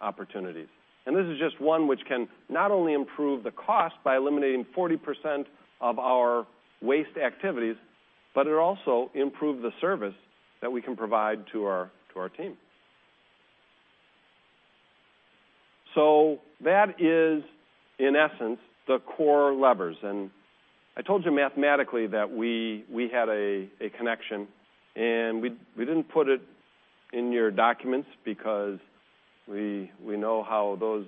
opportunities. This is just one which can not only improve the cost by eliminating 40% of our waste activities, but it also improves the service that we can provide to our team. That is, in essence, the core levers. I told you mathematically that we had a connection, and we didn't put it in your documents because we know how those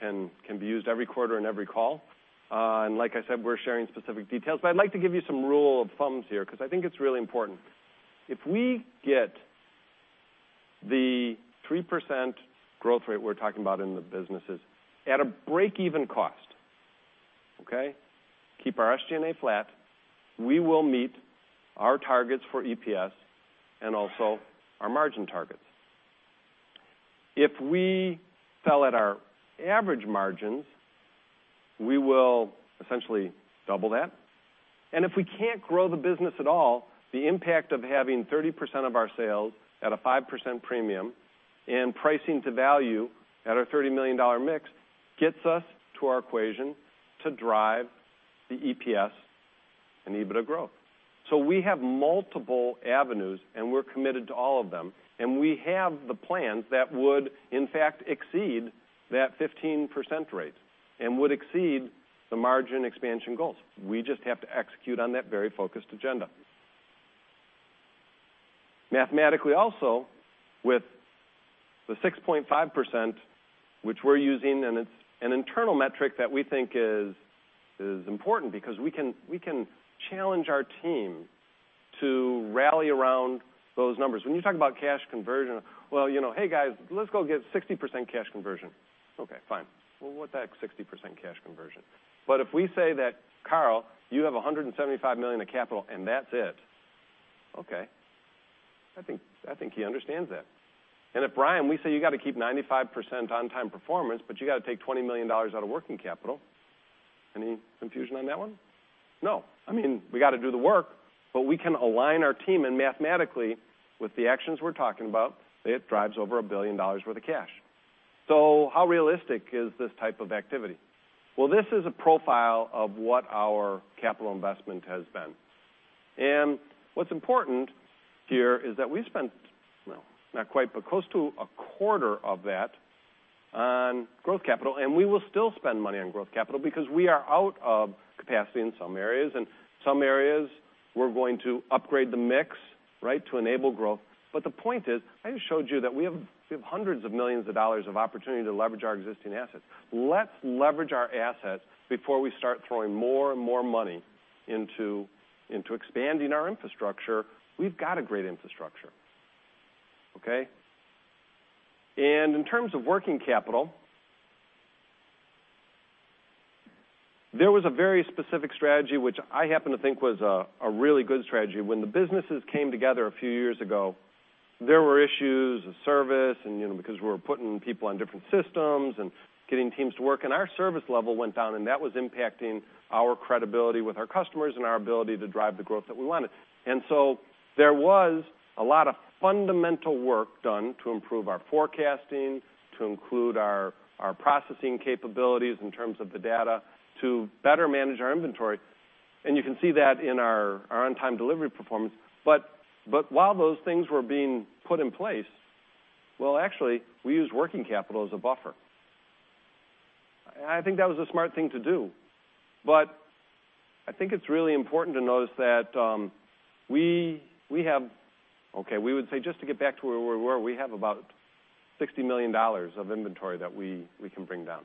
can be used every quarter and every call. Like I said, we're sharing specific details. I'd like to give you some rule of thumbs here, because I think it's really important. If we get the 3% growth rate we're talking about in the businesses at a break-even cost, okay, keep our SG&A flat, we will meet our targets for EPS and also our margin targets. If we sell at our average margins, we will essentially double that. If we can't grow the business at all, the impact of having 30% of our sales at a 5% premium and pricing to value at our $30 million mix gets us to our equation to drive the EPS and EBITDA growth. We have multiple avenues, we're committed to all of them, and we have the plans that would, in fact, exceed that 15% rate and would exceed the margin expansion goals. We just have to execute on that very focused agenda. Mathematically also, with the 6.5%, which we're using, it's an internal metric that we think is important because we can challenge our team to rally around those numbers. When you talk about cash conversion, "Well, hey guys, let's go get 60% cash conversion." Okay, fine. Well, what the heck is 60% cash conversion? If we say that, "Carl, you have $175 million of capital, and that's it." Okay. I think he understands that. If, Brian, we say you got to keep 95% on-time performance, but you got to take $20 million out of working capital. Any confusion on that one? No. We got to do the work, but we can align our team, and mathematically, with the actions we're talking about, it drives over $1 billion worth of cash. How realistic is this type of activity? Well, this is a profile of what our capital investment has been. What's important here is that we spent, well, not quite, but close to a quarter of that on growth capital, and we will still spend money on growth capital because we are out of capacity in some areas. In some areas, we're going to upgrade the mix to enable growth. The point is, I just showed you that we have hundreds of millions of dollars of opportunity to leverage our existing assets. Let's leverage our assets before we start throwing more and more money into expanding our infrastructure. We've got a great infrastructure. Okay? In terms of working capital, there was a very specific strategy, which I happen to think was a really good strategy. When the businesses came together a few years ago, there were issues of service, and because we were putting people on different systems and getting teams to work, and our service level went down, and that was impacting our credibility with our customers and our ability to drive the growth that we wanted. There was a lot of fundamental work done to improve our forecasting, to include our processing capabilities in terms of the data, to better manage our inventory. You can see that in our on-time delivery performance. While those things were being put in place, well, actually, we used working capital as a buffer. I think that was a smart thing to do. I think it's really important to notice that we have Okay, we would say just to get back to where we were, we have about $60 million of inventory that we can bring down.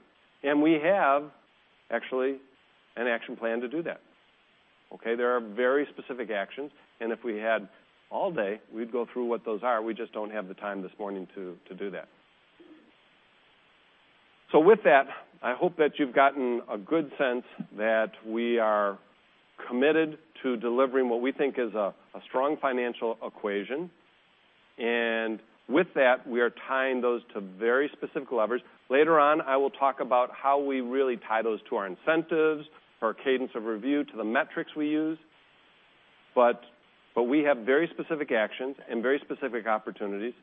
We have, actually, an action plan to do that. Okay? There are very specific actions, and if we had all day, we'd go through what those are. We just don't have the time this morning to do that. With that, I hope that you've gotten a good sense that we are committed to delivering what we think is a strong financial equation. With that, we are tying those to very specific levers. Later on, I will talk about how we really tie those to our incentives, our cadence of review, to the metrics we use. We have very specific actions and very specific opportunities,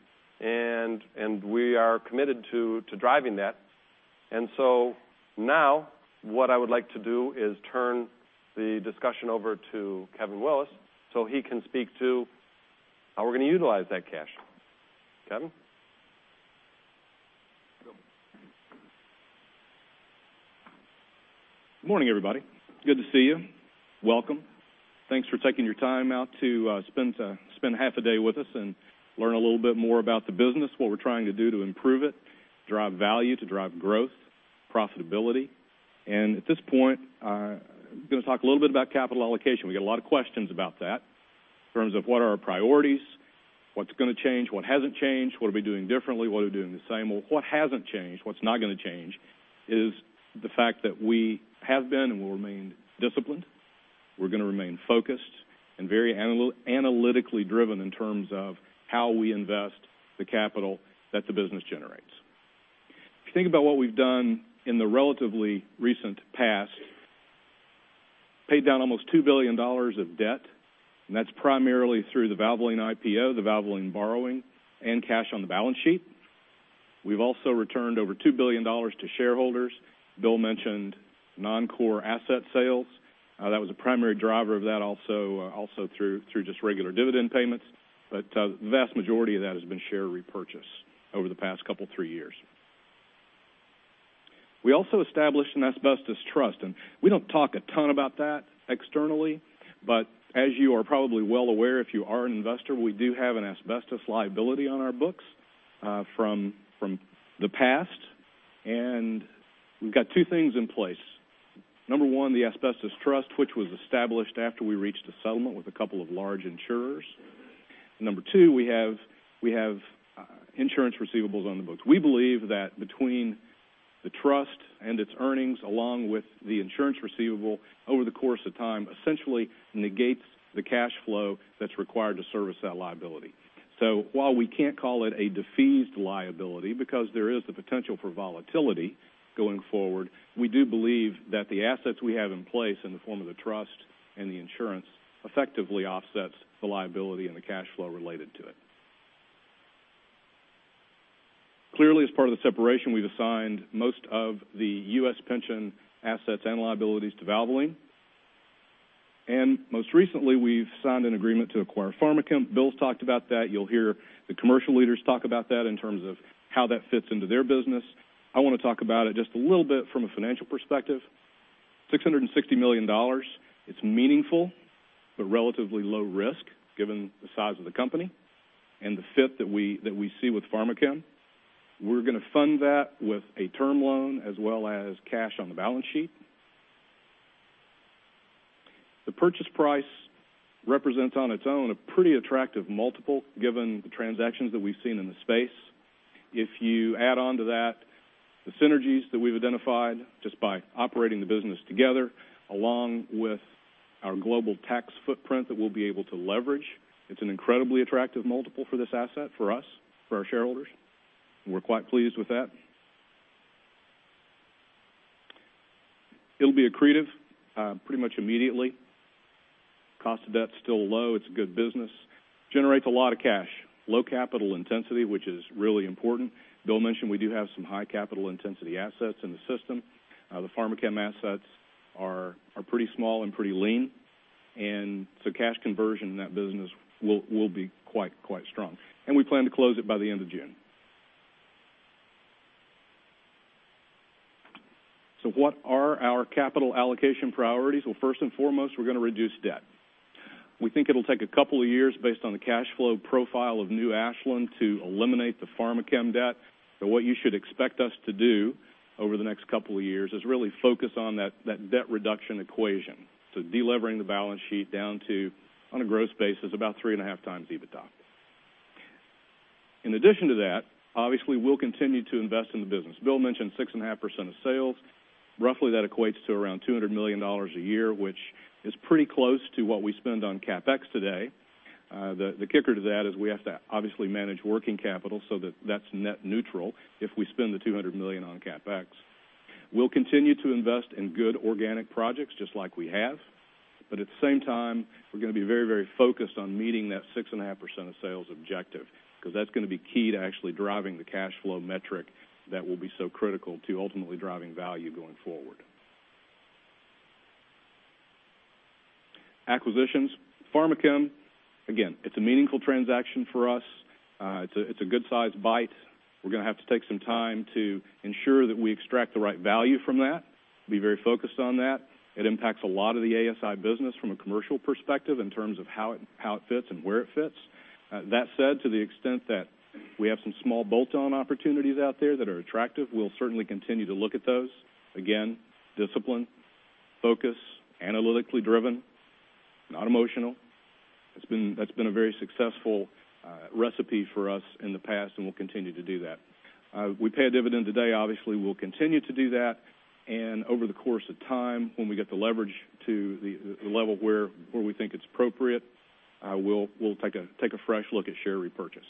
and we are committed to driving that. Now what I would like to do is turn the discussion over to Kevin Willis so he can speak to how we're going to utilize that cash. Kevin? Good morning, everybody. Good to see you. Welcome. Thanks for taking your time out to spend half a day with us and learn a little bit more about the business, what we're trying to do to improve it, drive value, to drive growth, profitability. At this point, going to talk a little bit about capital allocation. We get a lot of questions about that in terms of what are our priorities, what's going to change, what hasn't changed, what are we doing differently, what are we doing the same. What hasn't changed, what's not going to change is the fact that we have been and will remain disciplined. We're going to remain focused and very analytically driven in terms of how we invest the capital that the business generates. If you think about what we've done in the relatively recent past, paid down almost $2 billion of debt, and that's primarily through the Valvoline IPO, the Valvoline borrowing, and cash on the balance sheet. We've also returned over $2 billion to shareholders. Bill mentioned non-core asset sales. That was a primary driver of that also through just regular dividend payments. The vast majority of that has been share repurchase over the past couple three years. We also established an asbestos trust, and we don't talk a ton about that externally, but as you are probably well aware, if you are an investor, we do have an asbestos liability on our books from the past, and we've got two things in place. Number 1, the asbestos trust, which was established after we reached a settlement with a couple of large insurers. Number 2, we have insurance receivables on the books. We believe that between the trust and its earnings, along with the insurance receivable over the course of time, essentially negates the cash flow that's required to service that liability. While we can't call it a defeased liability because there is the potential for volatility going forward, we do believe that the assets we have in place in the form of the trust and the insurance effectively offsets the liability and the cash flow related to it. Clearly, as part of the separation, we've assigned most of the U.S. pension assets and liabilities to Valvoline. Most recently, we've signed an agreement to acquire Pharmachem. Bill's talked about that. You'll hear the commercial leaders talk about that in terms of how that fits into their business. I want to talk about it just a little bit from a financial perspective, $660 million. It's meaningful, but relatively low risk given the size of the company and the fit that we see with Pharmachem. We're going to fund that with a term loan as well as cash on the balance sheet. The purchase price represents on its own a pretty attractive multiple given the transactions that we've seen in the space. If you add on to that the synergies that we've identified just by operating the business together, along with our global tax footprint that we'll be able to leverage, it's an incredibly attractive multiple for this asset for us, for our shareholders. We're quite pleased with that. It'll be accretive pretty much immediately. Cost of debt's still low. It's a good business. Generates a lot of cash. Low capital intensity, which is really important. Bill mentioned we do have some high capital intensity assets in the system. The Pharmachem assets are pretty small and pretty lean, cash conversion in that business will be quite strong. We plan to close it by the end of June. What are our capital allocation priorities? Well, first and foremost, we're going to reduce debt. We think it'll take a couple of years based on the cash flow profile of new Ashland to eliminate the Pharmachem debt. What you should expect us to do over the next couple of years is really focus on that debt reduction equation. De-levering the balance sheet down to, on a gross basis, about three and a half times EBITDA. In addition to that, obviously, we'll continue to invest in the business. Bill mentioned 6.5% of sales. Roughly that equates to around $200 million a year, which is pretty close to what we spend on CapEx today. The kicker to that is we have to obviously manage working capital so that that's net neutral if we spend the $200 million on CapEx. We'll continue to invest in good organic projects just like we have. At the same time, we're going to be very focused on meeting that 6.5% of sales objective, because that's going to be key to actually driving the cash flow metric that will be so critical to ultimately driving value going forward. Acquisitions. Pharmachem, again, it's a meaningful transaction for us. It's a good size bite. We're going to have to take some time to ensure that we extract the right value from that, be very focused on that. It impacts a lot of the ASI business from a commercial perspective in terms of how it fits and where it fits. That said, to the extent that we have some small bolt-on opportunities out there that are attractive, we'll certainly continue to look at those. Again, discipline, focus, analytically driven, not emotional. That's been a very successful recipe for us in the past, we'll continue to do that. We pay a dividend today. Obviously, we'll continue to do that, over the course of time, when we get the leverage to the level where we think it's appropriate, we'll take a fresh look at share repurchase.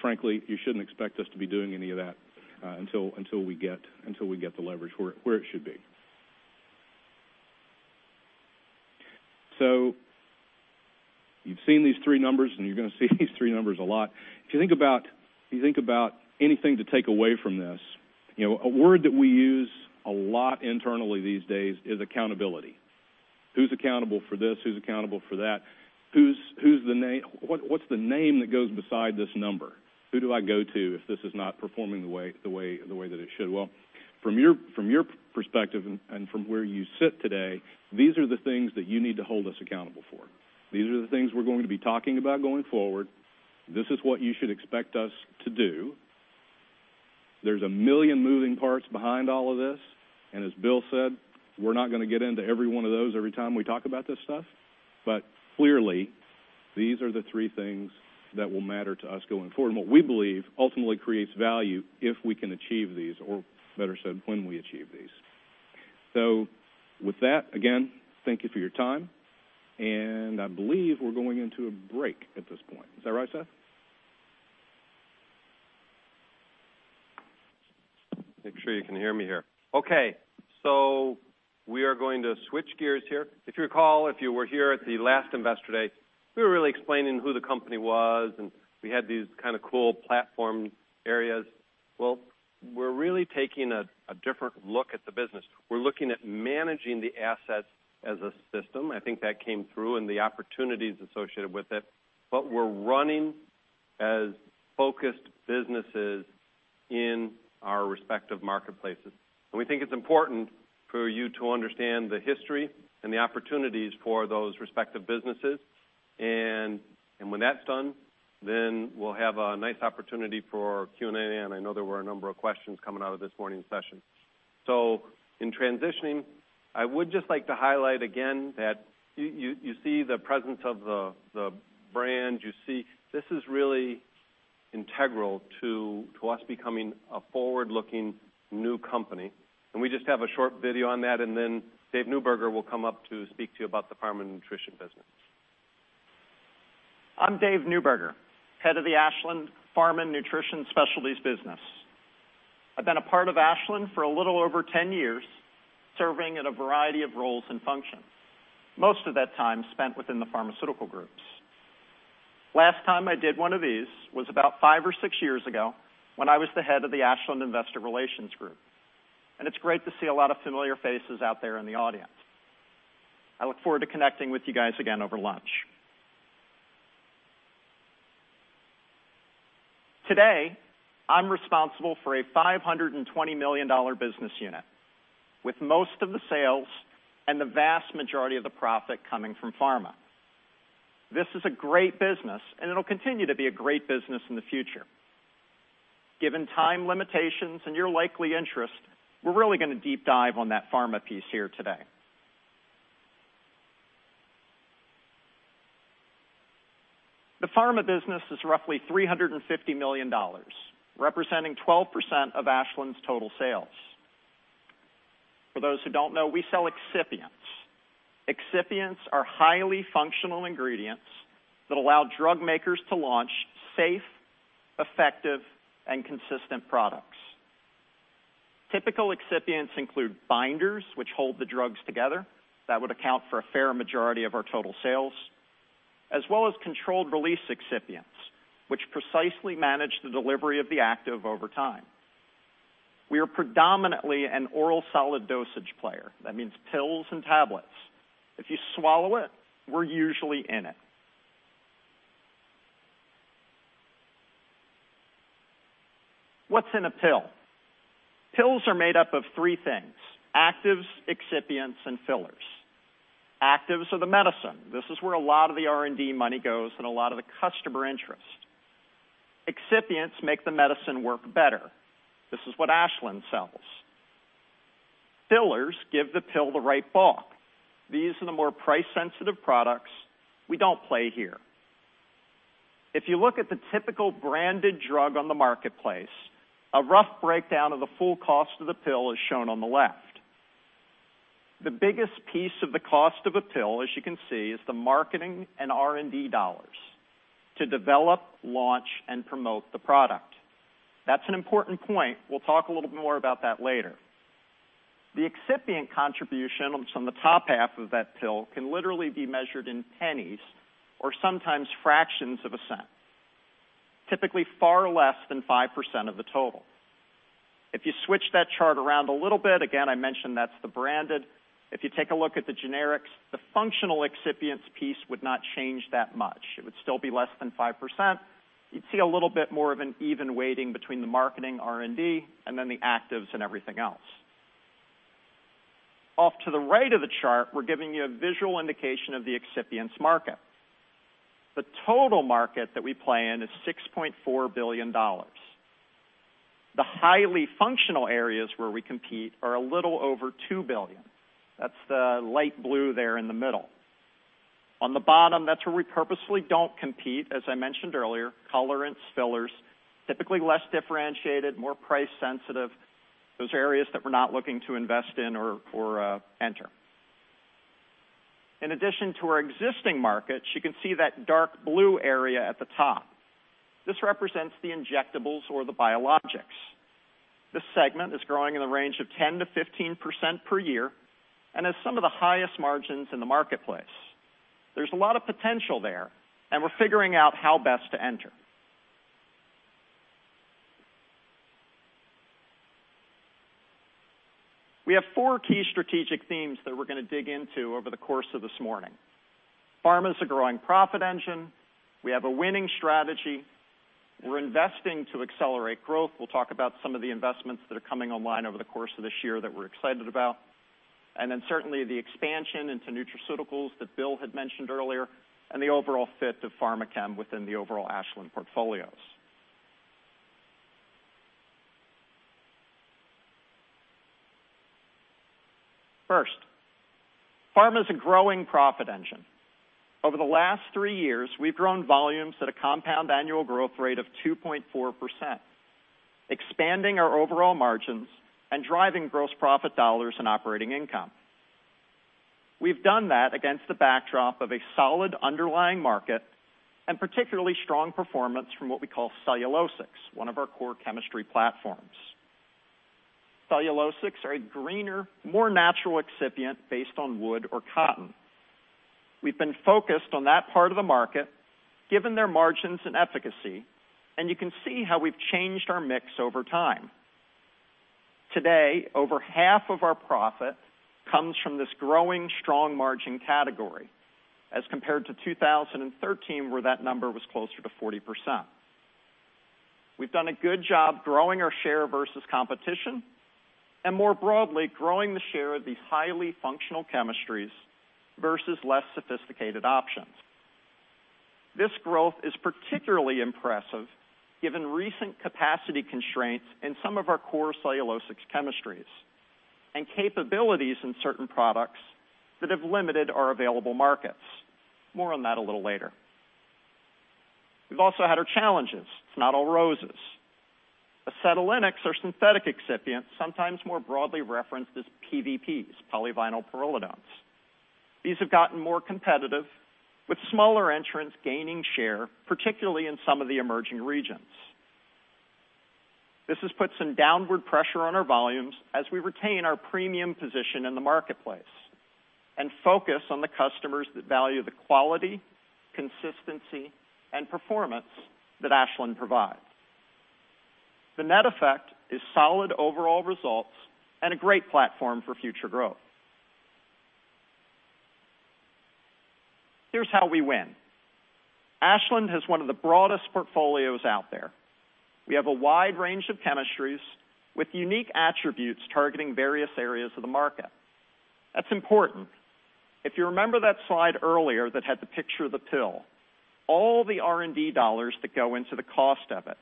Frankly, you shouldn't expect us to be doing any of that until we get the leverage where it should be. You've seen these three numbers, you're going to see these three numbers a lot. If you think about anything to take away from this, a word that we use a lot internally these days is accountability. Who's accountable for this? Who's accountable for that? What's the name that goes beside this number? Who do I go to if this is not performing the way that it should? From your perspective and from where you sit today, these are the things that you need to hold us accountable for. These are the things we're going to be talking about going forward. This is what you should expect us to do. There's a million moving parts behind all of this, and as Bill said, we're not going to get into every one of those every time we talk about this stuff. Clearly, these are the three things that will matter to us going forward, and what we believe ultimately creates value if we can achieve these, or better said, when we achieve these. With that, again, thank you for your time, and I believe we're going into a break at this point. Is that right, Seth? Make sure you can hear me here. We are going to switch gears here. If you recall, if you were here at the last Investor Day, we were really explaining who the company was, and we had these kind of cool platform areas. We're really taking a different look at the business. We're looking at managing the assets as a system, I think that came through, and the opportunities associated with it. We're running as focused businesses in our respective marketplaces. We think it's important for you to understand the history and the opportunities for those respective businesses. When that's done, we'll have a nice opportunity for Q&A, and I know there were a number of questions coming out of this morning's session. In transitioning, I would just like to highlight again that you see the presence of the brand, you see this is really integral to us becoming a forward-looking new company. We just have a short video on that, Dave Neuberger will come up to speak to you about the Pharma & Nutrition business. I'm Dave Neuberger, Head of the Ashland Pharma and Nutrition Specialties business. I've been a part of Ashland for a little over 10 years, serving in a variety of roles and functions, most of that time spent within the pharmaceutical groups. Last time I did one of these was about five or six years ago, when I was the head of the Ashland Investor Relations Group. It's great to see a lot of familiar faces out there in the audience. I look forward to connecting with you guys again over lunch. Today, I'm responsible for a $520 million business unit, with most of the sales and the vast majority of the profit coming from pharma. This is a great business. It'll continue to be a great business in the future. Given time limitations and your likely interest, we're really going to deep dive on that pharma piece here today. The pharma business is roughly $350 million, representing 12% of Ashland's total sales. For those who don't know, we sell excipients. Excipients are highly functional ingredients that allow drug makers to launch safe, effective, and consistent products. Typical excipients include binders, which hold the drugs together. That would account for a fair majority of our total sales. As well as controlled release excipients, which precisely manage the delivery of the active over time. We are predominantly an oral solid dosage player. That means pills and tablets. If you swallow it, we're usually in it. What's in a pill? Pills are made up of three things: actives, excipients, and fillers. Actives are the medicine. This is where a lot of the R&D money goes, a lot of the customer interest. Excipients make the medicine work better. This is what Ashland sells. Fillers give the pill the right bulk. These are the more price-sensitive products. We don't play here. If you look at the typical branded drug on the marketplace, a rough breakdown of the full cost of the pill is shown on the left. The biggest piece of the cost of a pill, as you can see, is the marketing and R&D dollars to develop, launch, and promote the product. That's an important point. We'll talk a little bit more about that later. The excipient contribution, which is on the top half of that pill, can literally be measured in pennies or sometimes fractions of a cent, typically far less than 5% of the total. If you switch that chart around a little bit, I mentioned that's the branded. If you take a look at the generics, the functional excipients piece would not change that much. It would still be less than 5%. You'd see a little bit more of an even weighting between the marketing R&D, the actives and everything else. Off to the right of the chart, we're giving you a visual indication of the excipients market. The total market that we play in is $6.4 billion. The highly functional areas where we compete are a little over $2 billion. That's the light blue there in the middle. On the bottom, that's where we purposely don't compete, as I mentioned earlier, colorants, fillers, typically less differentiated, more price sensitive. Those areas that we're not looking to invest in or enter. In addition to our existing markets, you can see that dark blue area at the top. This represents the injectables or the biologics. This segment is growing in the range of 10%-15% per year and has some of the highest margins in the marketplace. There's a lot of potential there, and we're figuring out how best to enter. We have four key strategic themes that we're going to dig into over the course of this morning. Pharma is a growing profit engine. We have a winning strategy. We're investing to accelerate growth. We'll talk about some of the investments that are coming online over the course of this year that we're excited about, and then certainly the expansion into nutraceuticals that Bill had mentioned earlier, and the overall fit of Pharmachem within the overall Ashland portfolios. First, Pharma's a growing profit engine. Over the last three years, we've grown volumes at a compound annual growth rate of 2.4%, expanding our overall margins and driving gross profit dollars and operating income. We've done that against the backdrop of a solid underlying market and particularly strong performance from what we call cellulosics, one of our core chemistry platforms. Cellulosics are a greener, more natural excipient based on wood or cotton. We've been focused on that part of the market, given their margins and efficacy, and you can see how we've changed our mix over time. Today, over half of our profit comes from this growing strong margin category, as compared to 2013, where that number was closer to 40%. We've done a good job growing our share versus competition, and more broadly, growing the share of these highly functional chemistries versus less sophisticated options. This growth is particularly impressive given recent capacity constraints in some of our core cellulosics chemistries and capabilities in certain products that have limited our available markets. More on that a little later. We've also had our challenges. It's not all roses. Acetylenics are synthetic excipients, sometimes more broadly referenced as PVPs, polyvinylpyrrolidones. These have gotten more competitive, with smaller entrants gaining share, particularly in some of the emerging regions. This has put some downward pressure on our volumes as we retain our premium position in the marketplace and focus on the customers that value the quality, consistency, and performance that Ashland provides. The net effect is solid overall results and a great platform for future growth. Here's how we win. Ashland has one of the broadest portfolios out there. We have a wide range of chemistries with unique attributes targeting various areas of the market. That's important. If you remember that slide earlier that had the picture of the pill, all the R&D dollars that go into the cost of it.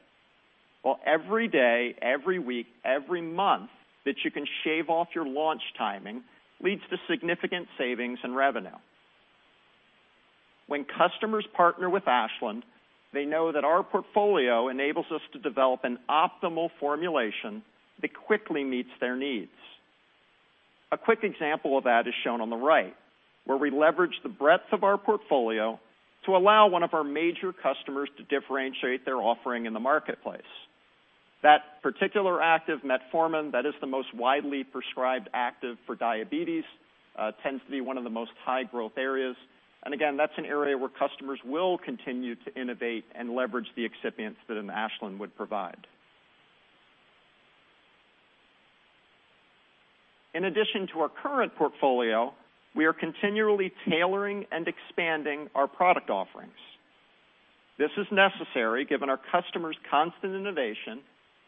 Every day, every week, every month that you can shave off your launch timing leads to significant savings and revenue. When customers partner with Ashland, they know that our portfolio enables us to develop an optimal formulation that quickly meets their needs. A quick example of that is shown on the right, where we leverage the breadth of our portfolio to allow one of our major customers to differentiate their offering in the marketplace. That particular active metformin, that is the most widely prescribed active for diabetes, tends to be one of the most high-growth areas. Again, that's an area where customers will continue to innovate and leverage the excipients that an Ashland would provide. In addition to our current portfolio, we are continually tailoring and expanding our product offerings. This is necessary given our customers' constant innovation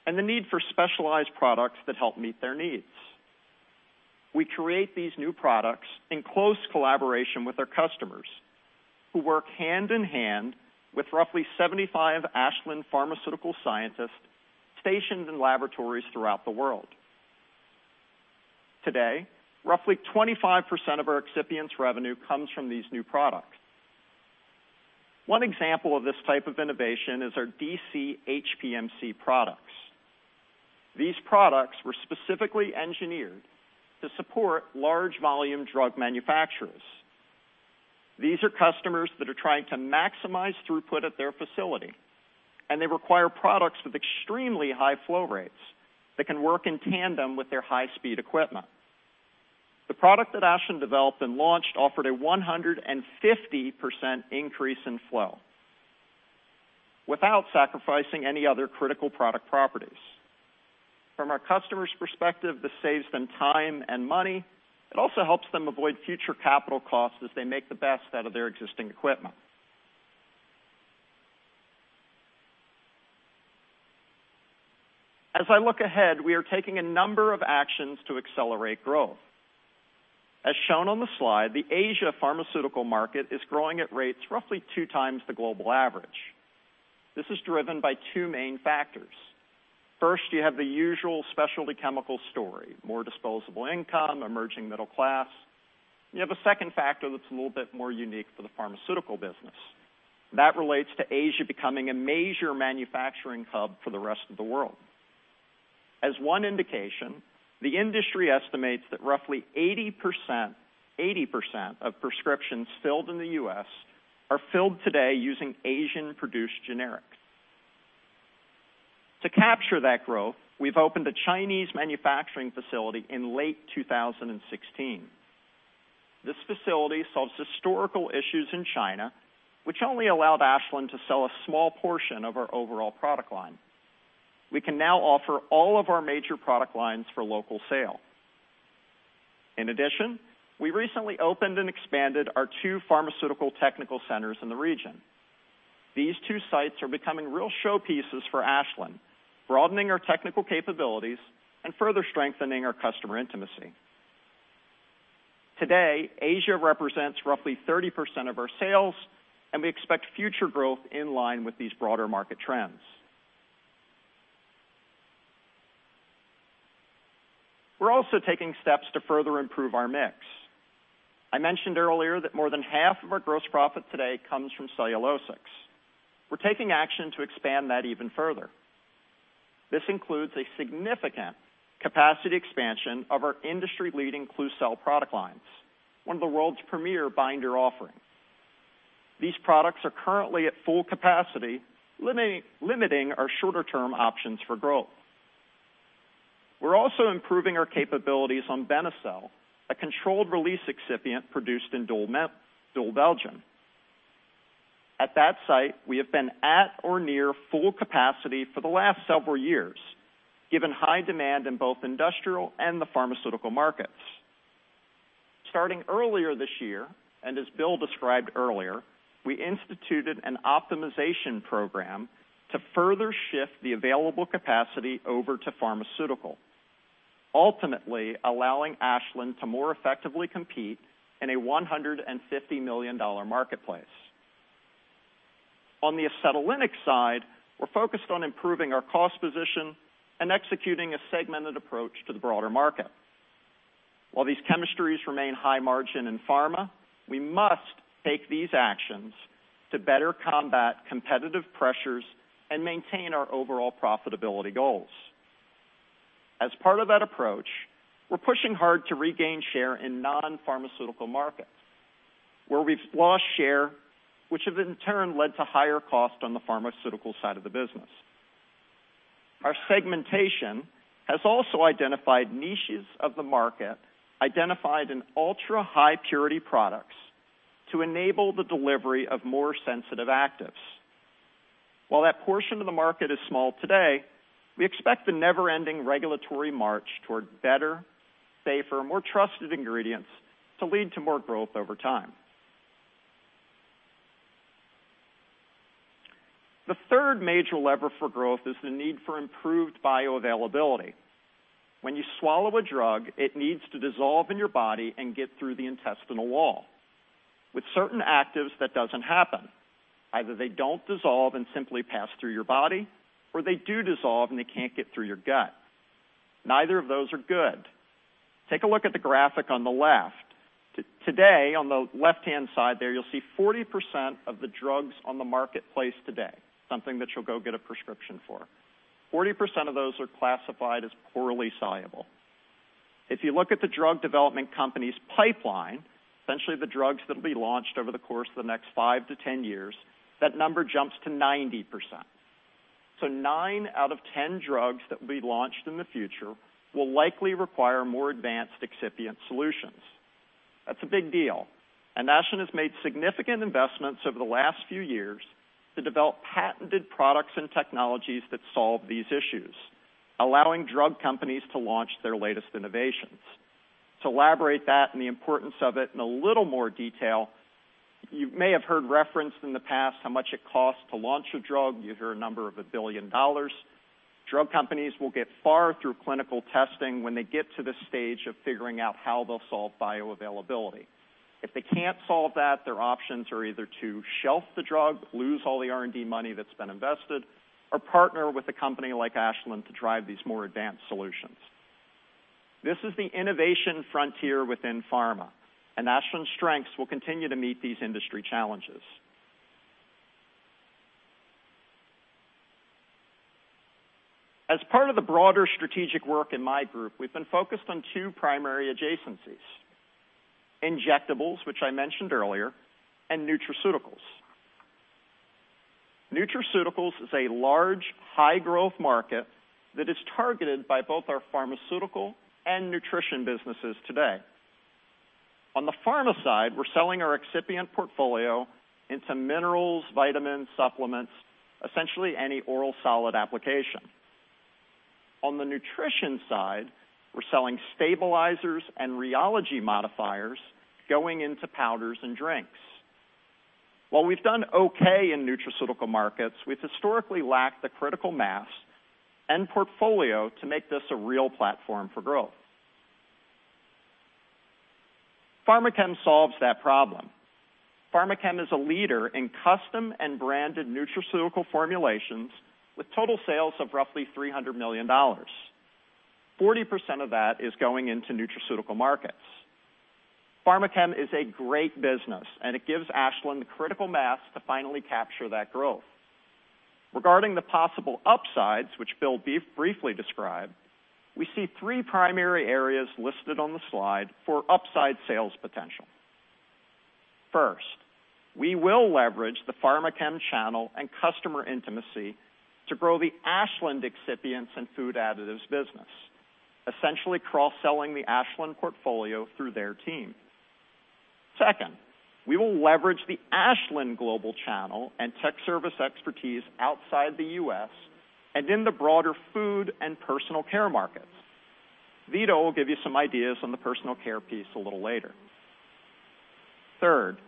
and the need for specialized products that help meet their needs. We create these new products in close collaboration with our customers, who work hand in hand with roughly 75 Ashland pharmaceutical scientists stationed in laboratories throughout the world. Today, roughly 25% of our excipients revenue comes from these new products. One example of this type of innovation is our DC HPMC products. These products were specifically engineered to support large volume drug manufacturers. These are customers that are trying to maximize throughput at their facility, and they require products with extremely high flow rates that can work in tandem with their high-speed equipment. The product that Ashland developed and launched offered a 150% increase in flow without sacrificing any other critical product properties. From our customer's perspective, this saves them time and money. It also helps them avoid future capital costs as they make the best out of their existing equipment. As I look ahead, we are taking a number of actions to accelerate growth. As shown on the slide, the Asia pharmaceutical market is growing at rates roughly two times the global average. This is driven by two main factors. First, you have the usual specialty chemical story, more disposable income, emerging middle class. You have a second factor that's a little bit more unique for the pharmaceutical business. That relates to Asia becoming a major manufacturing hub for the rest of the world. As one indication, the industry estimates that roughly 80% of prescriptions filled in the U.S. are filled today using Asian-produced generics. To capture that growth, we've opened a Chinese manufacturing facility in late 2016. This facility solves historical issues in China, which only allowed Ashland to sell a small portion of our overall product line. We can now offer all of our major product lines for local sale. In addition, we recently opened and expanded our two pharmaceutical technical centers in the region. These two sites are becoming real showpieces for Ashland, broadening our technical capabilities and further strengthening our customer intimacy. Today, Asia represents roughly 30% of our sales, and we expect future growth in line with these broader market trends. We're also taking steps to further improve our mix. I mentioned earlier that more than half of our gross profit today comes from cellulosics. We're taking action to expand that even further. This includes a significant capacity expansion of our industry-leading Klucel product lines, one of the world's premier binder offerings. These products are currently at full capacity, limiting our shorter-term options for growth. We're also improving our capabilities on Benecel, a controlled release excipient produced in Doel, Belgium. At that site, we have been at or near full capacity for the last several years, given high demand in both industrial and the pharmaceutical markets. Starting earlier this year, and as Bill described earlier, we instituted an optimization program to further shift the available capacity over to pharmaceutical, ultimately allowing Ashland to more effectively compete in a $150 million marketplace. On the acetylenic side, we're focused on improving our cost position and executing a segmented approach to the broader market. While these chemistries remain high margin in pharma, we must take these actions to better combat competitive pressures and maintain our overall profitability goals. As part of that approach, we're pushing hard to regain share in non-pharmaceutical markets, where we've lost share, which has in turn led to higher cost on the pharmaceutical side of the business. Our segmentation has also identified niches of the market identified in ultra-high purity products to enable the delivery of more sensitive actives. While that portion of the market is small today, we expect the never-ending regulatory march toward better, safer, more trusted ingredients to lead to more growth over time. The third major lever for growth is the need for improved bioavailability. When you swallow a drug, it needs to dissolve in your body and get through the intestinal wall. With certain actives, that doesn't happen. Either they don't dissolve and simply pass through your body, or they do dissolve and they can't get through your gut. Neither of those are good. Take a look at the graphic on the left. Today, on the left-hand side there, you'll see 40% of the drugs on the marketplace today, something that you'll go get a prescription for. 40% of those are classified as poorly soluble. If you look at the drug development company's pipeline, essentially the drugs that'll be launched over the course of the next 5 to 10 years, that number jumps to 90%. Nine out of 10 drugs that will be launched in the future will likely require more advanced excipient solutions. That's a big deal, and Ashland has made significant investments over the last few years to develop patented products and technologies that solve these issues, allowing drug companies to launch their latest innovations. To elaborate that and the importance of it in a little more detail, you may have heard referenced in the past how much it costs to launch a drug. You hear a number of $1 billion. Drug companies will get far through clinical testing when they get to the stage of figuring out how they'll solve bioavailability. If they can't solve that, their options are either to shelf the drug, lose all the R&D money that's been invested, or partner with a company like Ashland to drive these more advanced solutions. This is the innovation frontier within pharma, and Ashland's strengths will continue to meet these industry challenges. As part of the broader strategic work in my group, we've been focused on two primary adjacencies, injectables, which I mentioned earlier, and nutraceuticals. Nutraceuticals is a large, high-growth market that is targeted by both our pharmaceutical and nutrition businesses today. On the pharma side, we're selling our excipient portfolio into minerals, vitamins, supplements, essentially any oral solid application. On the nutrition side, we're selling stabilizers and rheology modifiers going into powders and drinks. While we've done okay in nutraceutical markets, we've historically lacked the critical mass and portfolio to make this a real platform for growth. Pharmachem solves that problem. Pharmachem is a leader in custom and branded nutraceutical formulations with total sales of roughly $300 million. 40% of that is going into nutraceutical markets. Pharmachem is a great business, and it gives Ashland the critical mass to finally capture that growth. Regarding the possible upsides, which Bill briefly described, we see three primary areas listed on the slide for upside sales potential. First, we will leverage the Pharmachem channel and customer intimacy to grow the Ashland Excipients and Food Additives business, essentially cross-selling the Ashland portfolio through their team. Second, we will leverage the Ashland global channel and tech service expertise outside the U.S. and in the broader food and personal care markets. Vito will give you some ideas on the personal care piece a little later. Third,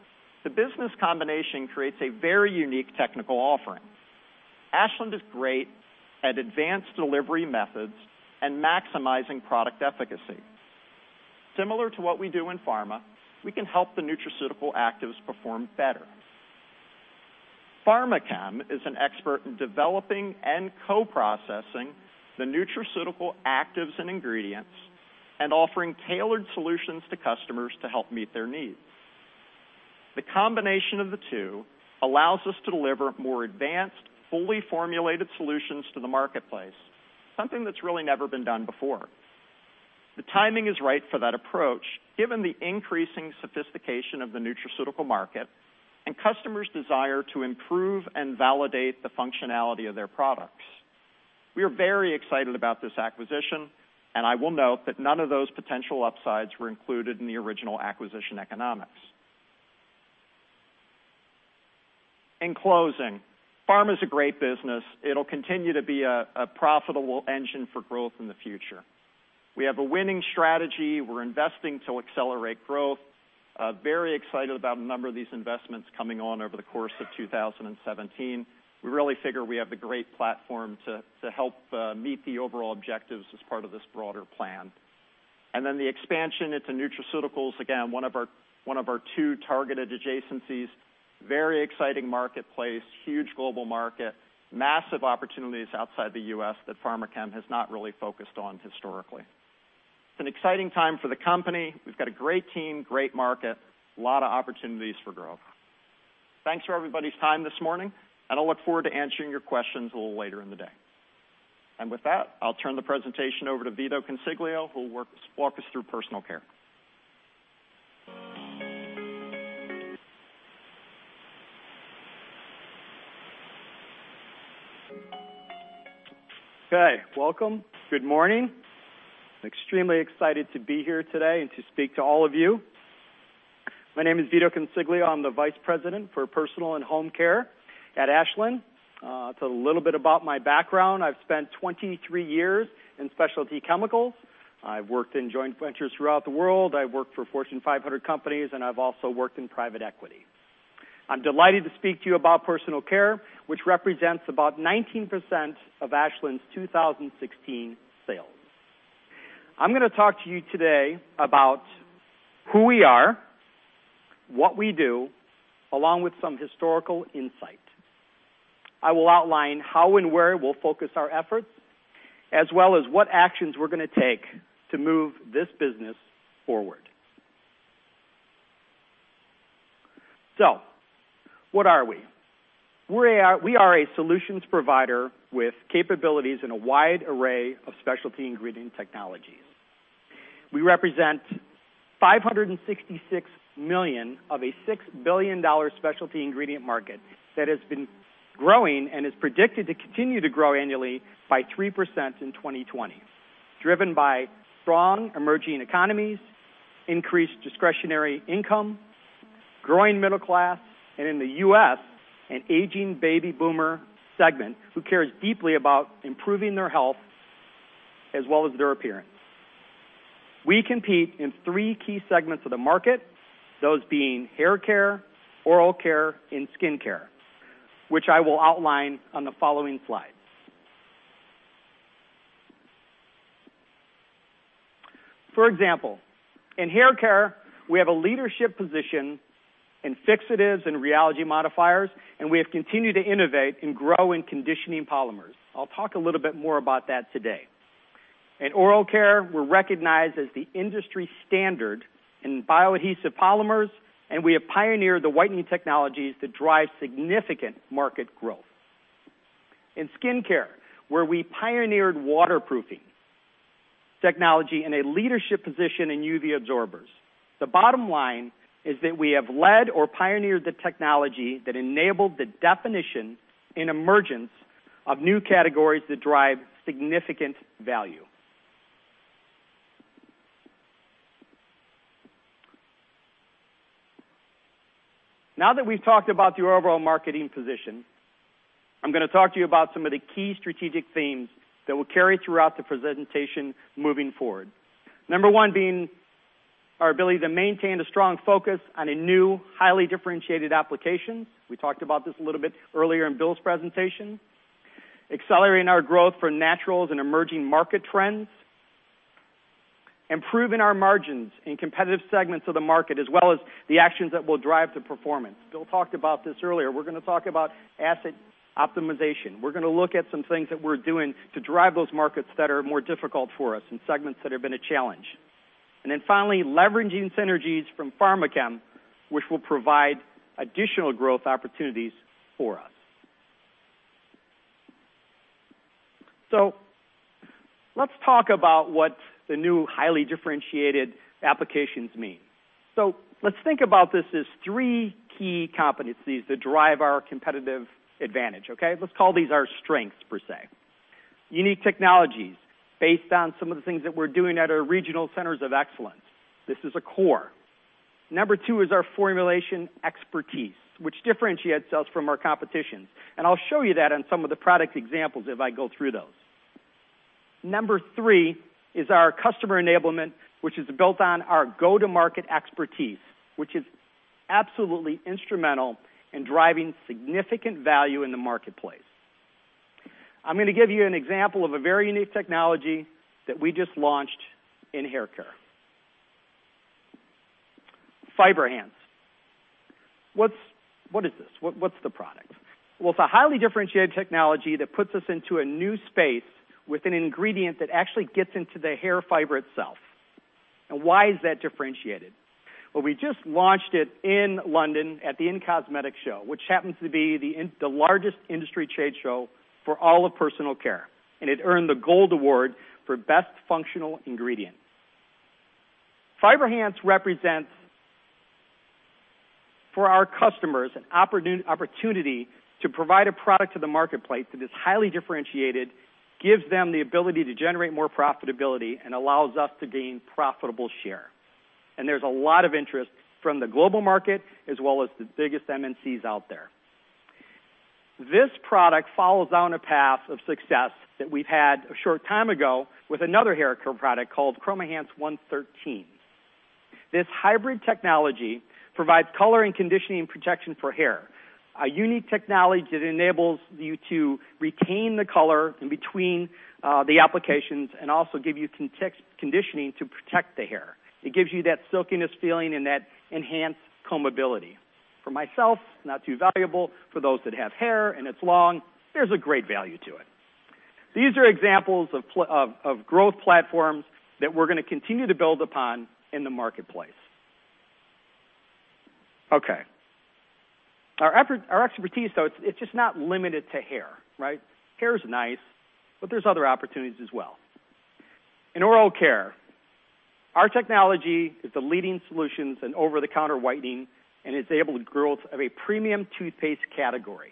the business combination creates a very unique technical offering. Ashland is great at advanced delivery methods and maximizing product efficacy. Similar to what we do in pharma, we can help the nutraceutical actives perform better. Pharmachem is an expert in developing and co-processing the nutraceutical actives and ingredients and offering tailored solutions to customers to help meet their needs. The combination of the two allows us to deliver more advanced, fully formulated solutions to the marketplace, something that's really never been done before. The timing is right for that approach, given the increasing sophistication of the nutraceutical market and customers' desire to improve and validate the functionality of their products. We are very excited about this acquisition. I will note that none of those potential upsides were included in the original acquisition economics. In closing, Pharma's a great business. It'll continue to be a profitable engine for growth in the future. We have a winning strategy. We're investing to accelerate growth. Very excited about a number of these investments coming on over the course of 2017. We really figure we have the great platform to help meet the overall objectives as part of this broader plan. The expansion into nutraceuticals, again, one of our two targeted adjacencies. Very exciting marketplace, huge global market, massive opportunities outside the U.S. that Pharmachem has not really focused on historically. It's an exciting time for the company. We've got a great team, great market, a lot of opportunities for growth. Thanks for everybody's time this morning. I'll look forward to answering your questions a little later in the day. With that, I'll turn the presentation over to Vito Consiglio, who will walk us through personal care. Okay, welcome. Good morning. Extremely excited to be here today and to speak to all of you. My name is Vito Consiglio. I'm the Vice President for Personal and Home Care at Ashland. To a little bit about my background, I've spent 23 years in specialty chemicals. I've worked in joint ventures throughout the world, I've worked for Fortune 500 companies, and I've also worked in private equity. I'm delighted to speak to you about personal care, which represents about 19% of Ashland's 2016 sales. I'm going to talk to you today about who we are, what we do, along with some historical insight. I will outline how and where we'll focus our efforts, as well as what actions we're going to take to move this business forward. What are we? We are a solutions provider with capabilities in a wide array of specialty ingredient technologies. We represent $566 million of a $6 billion specialty ingredient market that has been growing and is predicted to continue to grow annually by 3% in 2020, driven by strong emerging economies, increased discretionary income, growing middle class, and in the U.S., an aging baby boomer segment who cares deeply about improving their health as well as their appearance. We compete in three key segments of the market, those being hair care, oral care, and skin care, which I will outline on the following slide. For example, in hair care, we have a leadership position in fixatives and rheology modifiers, and we have continued to innovate and grow in conditioning polymers. I'll talk a little bit more about that today. In oral care, we're recognized as the industry standard in bioadhesive polymers, and we have pioneered the whitening technologies that drive significant market growth. In skin care, where we pioneered waterproofing technology and a leadership position in UV absorbers. The bottom line is that we have led or pioneered the technology that enabled the definition and emergence of new categories that drive significant value. Now that we've talked about the overall marketing position, I'm going to talk to you about some of the key strategic themes that we'll carry throughout the presentation moving forward. Number one being our ability to maintain a strong focus on a new, highly differentiated application. We talked about this a little bit earlier in Bill's presentation. Accelerating our growth for naturals and emerging market trends. Improving our margins in competitive segments of the market, as well as the actions that will drive the performance. Bill talked about this earlier. We're going to talk about asset optimization. We're going to look at some things that we're doing to drive those markets that are more difficult for us and segments that have been a challenge. Finally, leveraging synergies from Pharmachem, which will provide additional growth opportunities for us. Let's talk about what the new highly differentiated applications mean. Let's think about this as three key competencies that drive our competitive advantage, okay? Let's call these our strengths, per se. Unique technologies based on some of the things that we're doing at our regional centers of excellence. This is a core. Number two is our formulation expertise, which differentiates us from our competition, and I'll show you that on some of the product examples as I go through those. Number three is our customer enablement, which is built on our go-to-market expertise, which is absolutely instrumental in driving significant value in the marketplace. I'm going to give you an example of a very unique technology that we just launched in hair care. FiberHance. What is this? What's the product? It's a highly differentiated technology that puts us into a new space with an ingredient that actually gets into the hair fiber itself. Why is that differentiated? We just launched it in London at the in-cosmetics show, which happens to be the largest industry trade show for all of personal care, and it earned the Gold Award for best functional ingredient. FiberHance represents for our customers an opportunity to provide a product to the marketplace that is highly differentiated, gives them the ability to generate more profitability, and allows us to gain profitable share. There's a lot of interest from the global market as well as the biggest MNCs out there. This product follows down a path of success that we've had a short time ago with another haircare product called ChromoHance 113. This hybrid technology provides color and conditioning protection for hair, a unique technology that enables you to retain the color in between the applications and also give you conditioning to protect the hair. It gives you that silkiness feeling and that enhanced combability. For myself, not too valuable. For those that have hair and it's long, there's a great value to it. These are examples of growth platforms that we're going to continue to build upon in the marketplace. Okay. Our expertise, though, it's just not limited to hair, right? Hair is nice, there's other opportunities as well. In oral care, our technology is the leading solutions in over-the-counter whitening and has enabled the growth of a premium toothpaste category.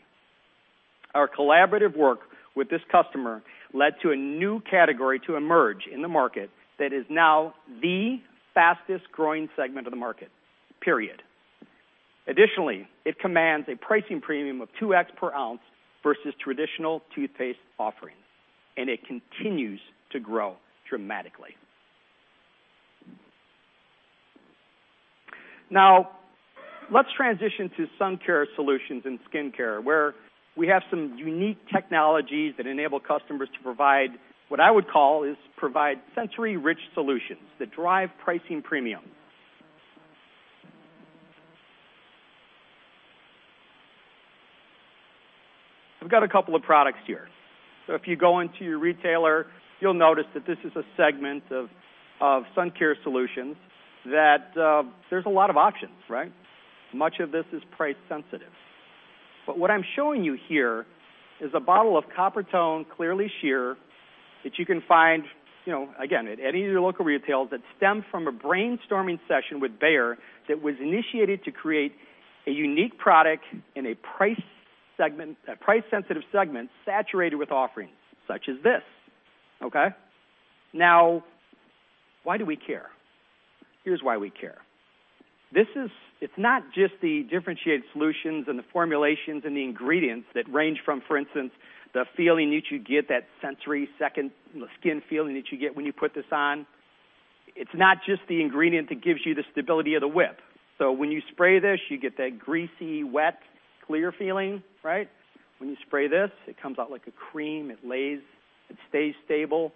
Our collaborative work with this customer led to a new category to emerge in the market that is now the fastest-growing segment of the market, period. Additionally, it commands a pricing premium of 2x per ounce versus traditional toothpaste offerings. It continues to grow dramatically. Let's transition to sun care solutions and skincare, where we have some unique technologies that enable customers to provide what I would call is provide sensory-rich solutions that drive pricing premium. I've got a couple of products here. If you go into your retailer, you'll notice that this is a segment of sun care solutions, that there's a lot of options, right? Much of this is price sensitive. What I'm showing you here is a bottle of Coppertone Clearly Sheer that you can find, again, at any of your local retailers, that stemmed from a brainstorming session with Bayer that was initiated to create a unique product in a price-sensitive segment saturated with offerings such as this. Okay? Why do we care? Here's why we care. It's not just the differentiated solutions and the formulations and the ingredients that range from, for instance, the feeling that you get, that sensory second skin feeling that you get when you put this on. It's not just the ingredient that gives you the stability of the whip. When you spray this, you get that greasy, wet, clear feeling, right? When you spray this, it comes out like a cream. It lays, it stays stable.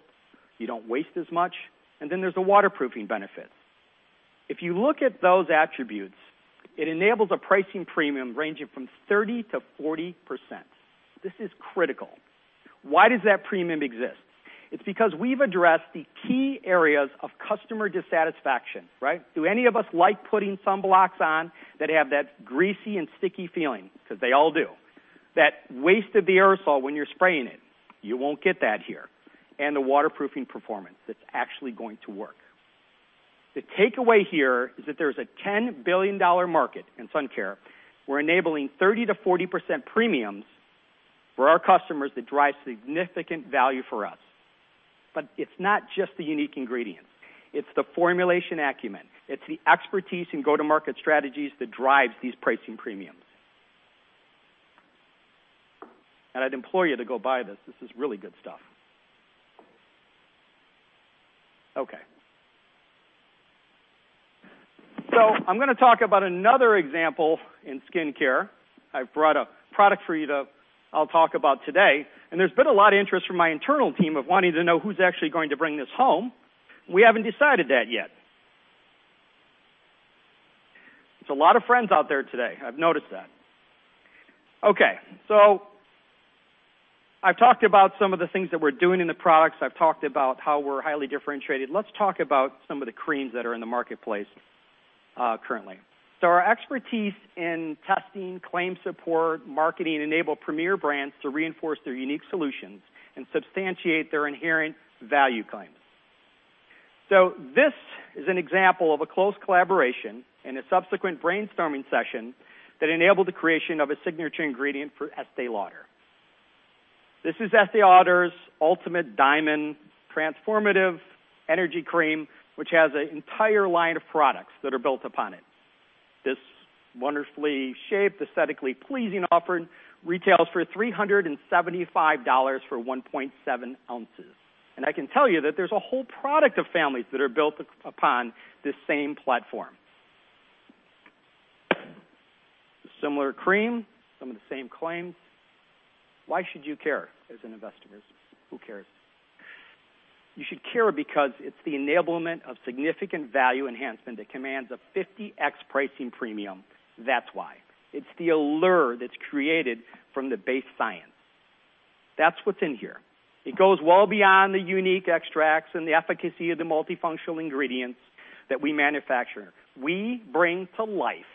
You don't waste as much. Then there's the waterproofing benefit. If you look at those attributes, it enables a pricing premium ranging from 30%-40%. This is critical. Why does that premium exist? It's because we've addressed the key areas of customer dissatisfaction, right? Do any of us like putting sunblocks on that have that greasy and sticky feeling? Because they all do. That waste of the aerosol when you're spraying it, you won't get that here. The waterproofing performance that's actually going to work. The takeaway here is that there's a $10 billion market in sun care. We're enabling 30%-40% premiums for our customers that drive significant value for us. It's not just the unique ingredients. It's the formulation acumen. It's the expertise in go-to-market strategies that drives these pricing premiums. I'd implore you to go buy this. This is really good stuff. Okay. I'm going to talk about another example in skincare. I've brought a product for you that I'll talk about today, there's been a lot of interest from my internal team of wanting to know who's actually going to bring this home. We haven't decided that yet. There's a lot of friends out there today. I've noticed that. I've talked about some of the things that we're doing in the products. I've talked about how we're highly differentiated. Let's talk about some of the creams that are in the marketplace currently. Our expertise in testing, claim support, marketing enable premier brands to reinforce their unique solutions and substantiate their inherent value claims. This is an example of a close collaboration and a subsequent brainstorming session that enabled the creation of a signature ingredient for Estée Lauder. This is Estée Lauder's Ultimate Diamond Transformative Energy Creme, which has an entire line of products that are built upon it. This wonderfully shaped, aesthetically pleasing offering retails for $375 for 1.7 ounces. I can tell you that there's a whole product of families that are built upon this same platform. Similar cream, some of the same claims. Why should you care as an investor? Who cares? You should care because it's the enablement of significant value enhancement that commands a 50x pricing premium. That's why. It's the allure that's created from the base science. That's what's in here. It goes well beyond the unique extracts and the efficacy of the multifunctional ingredients that we manufacture. We bring to life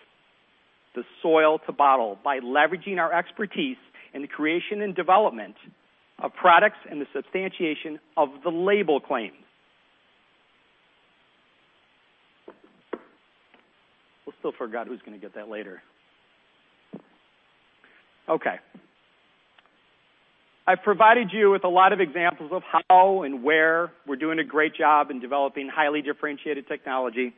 the soil to bottle by leveraging our expertise in the creation and development of products and the substantiation of the label claim. We'll still forgot who's going to get that later. I've provided you with a lot of examples of how and where we're doing a great job in developing highly differentiated technology.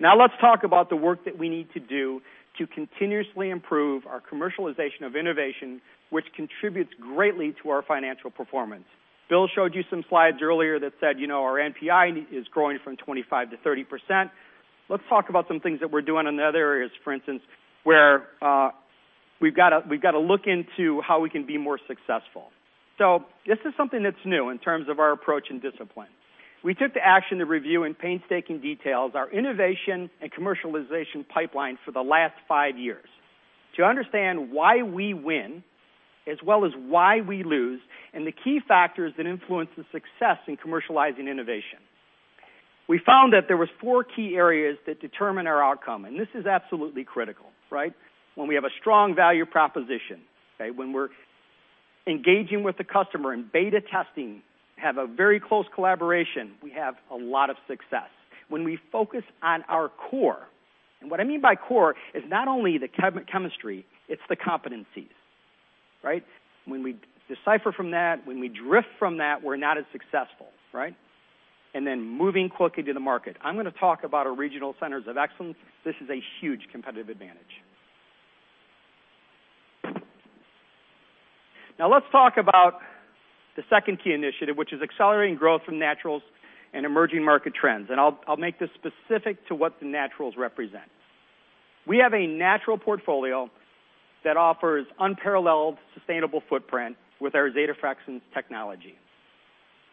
Let's talk about the work that we need to do to continuously improve our commercialization of innovation, which contributes greatly to our financial performance. Bill showed you some slides earlier that said our NPI is growing from 25%-30%. Let's talk about some things that we're doing in other areas, for instance, where we've got to look into how we can be more successful. This is something that's new in terms of our approach and discipline. We took the action to review in painstaking details our innovation and commercialization pipeline for the last five years to understand why we win as well as why we lose and the key factors that influence the success in commercializing innovation. We found that there was four key areas that determine our outcome, this is absolutely critical. When we have a strong value proposition, when we're engaging with the customer in beta testing, have a very close collaboration, we have a lot of success. When we focus on our core, what I mean by core is not only the chemistry, it's the competencies. When we decipher from that, when we drift from that, we're not as successful. Moving quickly to the market. I'm going to talk about our regional centers of excellence. This is a huge competitive advantage. Now let's talk about the second key initiative, which is accelerating growth from naturals and emerging market trends, and I'll make this specific to what the naturals represent. We have a natural portfolio that offers unparalleled sustainable footprint with our Zeta Fraction technology.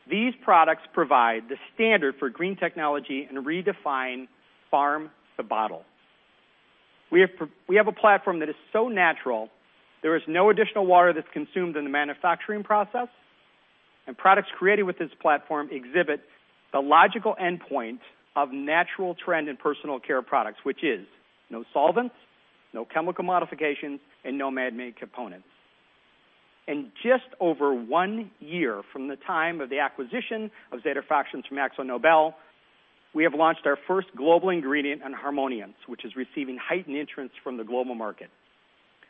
These products provide the standard for green technology and redefine farm to bottle. We have a platform that is so natural, there is no additional water that's consumed in the manufacturing process, and products created with this platform exhibit the logical endpoint of natural trend in personal care products, which is no solvents, no chemical modifications, and no man-made components. In just over one year from the time of the acquisition of Zeta Fraction from AkzoNobel, we have launched our first global ingredient in Harmoniance, which is receiving heightened interest from the global market.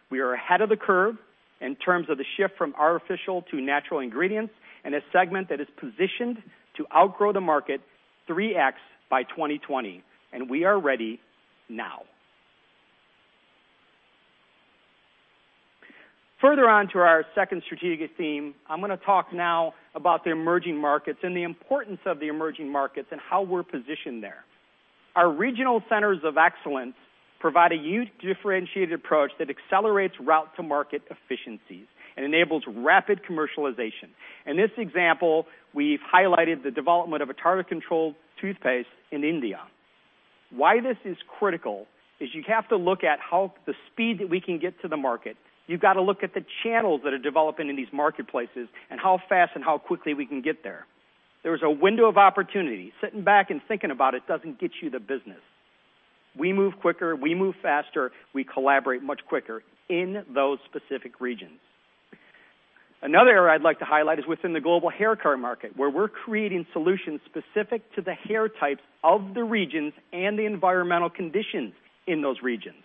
We are ahead of the curve in terms of the shift from artificial to natural ingredients in a segment that is positioned to outgrow the market 3x by 2020, and we are ready now. Further on to our second strategic theme, I'm going to talk now about the emerging markets and the importance of the emerging markets and how we're positioned there. Our regional centers of excellence provide a huge differentiated approach that accelerates route to market efficiencies and enables rapid commercialization. In this example, we've highlighted the development of a tartar control toothpaste in India. Why this is critical is you have to look at how the speed that we can get to the market. You've got to look at the channels that are developing in these marketplaces and how fast and how quickly we can get there. There is a window of opportunity. Sitting back and thinking about it doesn't get you the business. We move quicker, we move faster, we collaborate much quicker in those specific regions. Another area I'd like to highlight is within the global haircare market, where we're creating solutions specific to the hair types of the regions and the environmental conditions in those regions.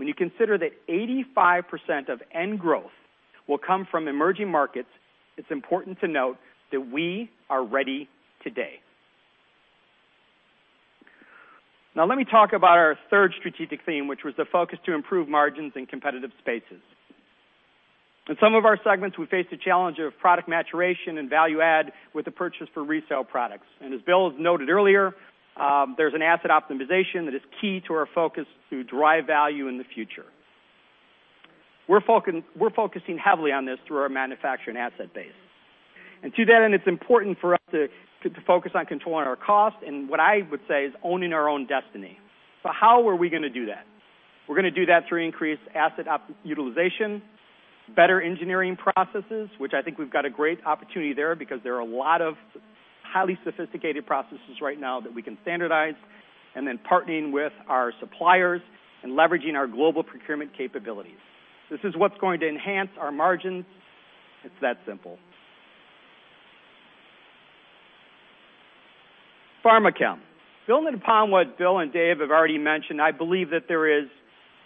When you consider that 85% of end growth will come from emerging markets, it's important to note that we are ready today. Now let me talk about our third strategic theme, which was the focus to improve margins in competitive spaces. In some of our segments, we face the challenge of product maturation and value add with the purchase for resale products. As Bill has noted earlier, there's an asset optimization that is key to our focus to drive value in the future. We're focusing heavily on this through our manufacturing asset base. To that end, it's important for us to focus on controlling our costs and what I would say is owning our own destiny. So how are we going to do that? We're going to do that through increased asset utilization, better engineering processes, which I think we've got a great opportunity there because there are a lot of highly sophisticated processes right now that we can standardize, and then partnering with our suppliers and leveraging our global procurement capabilities. This is what's going to enhance our margins. It's that simple. Pharmachem. Building upon what Bill and Dave have already mentioned, I believe that there is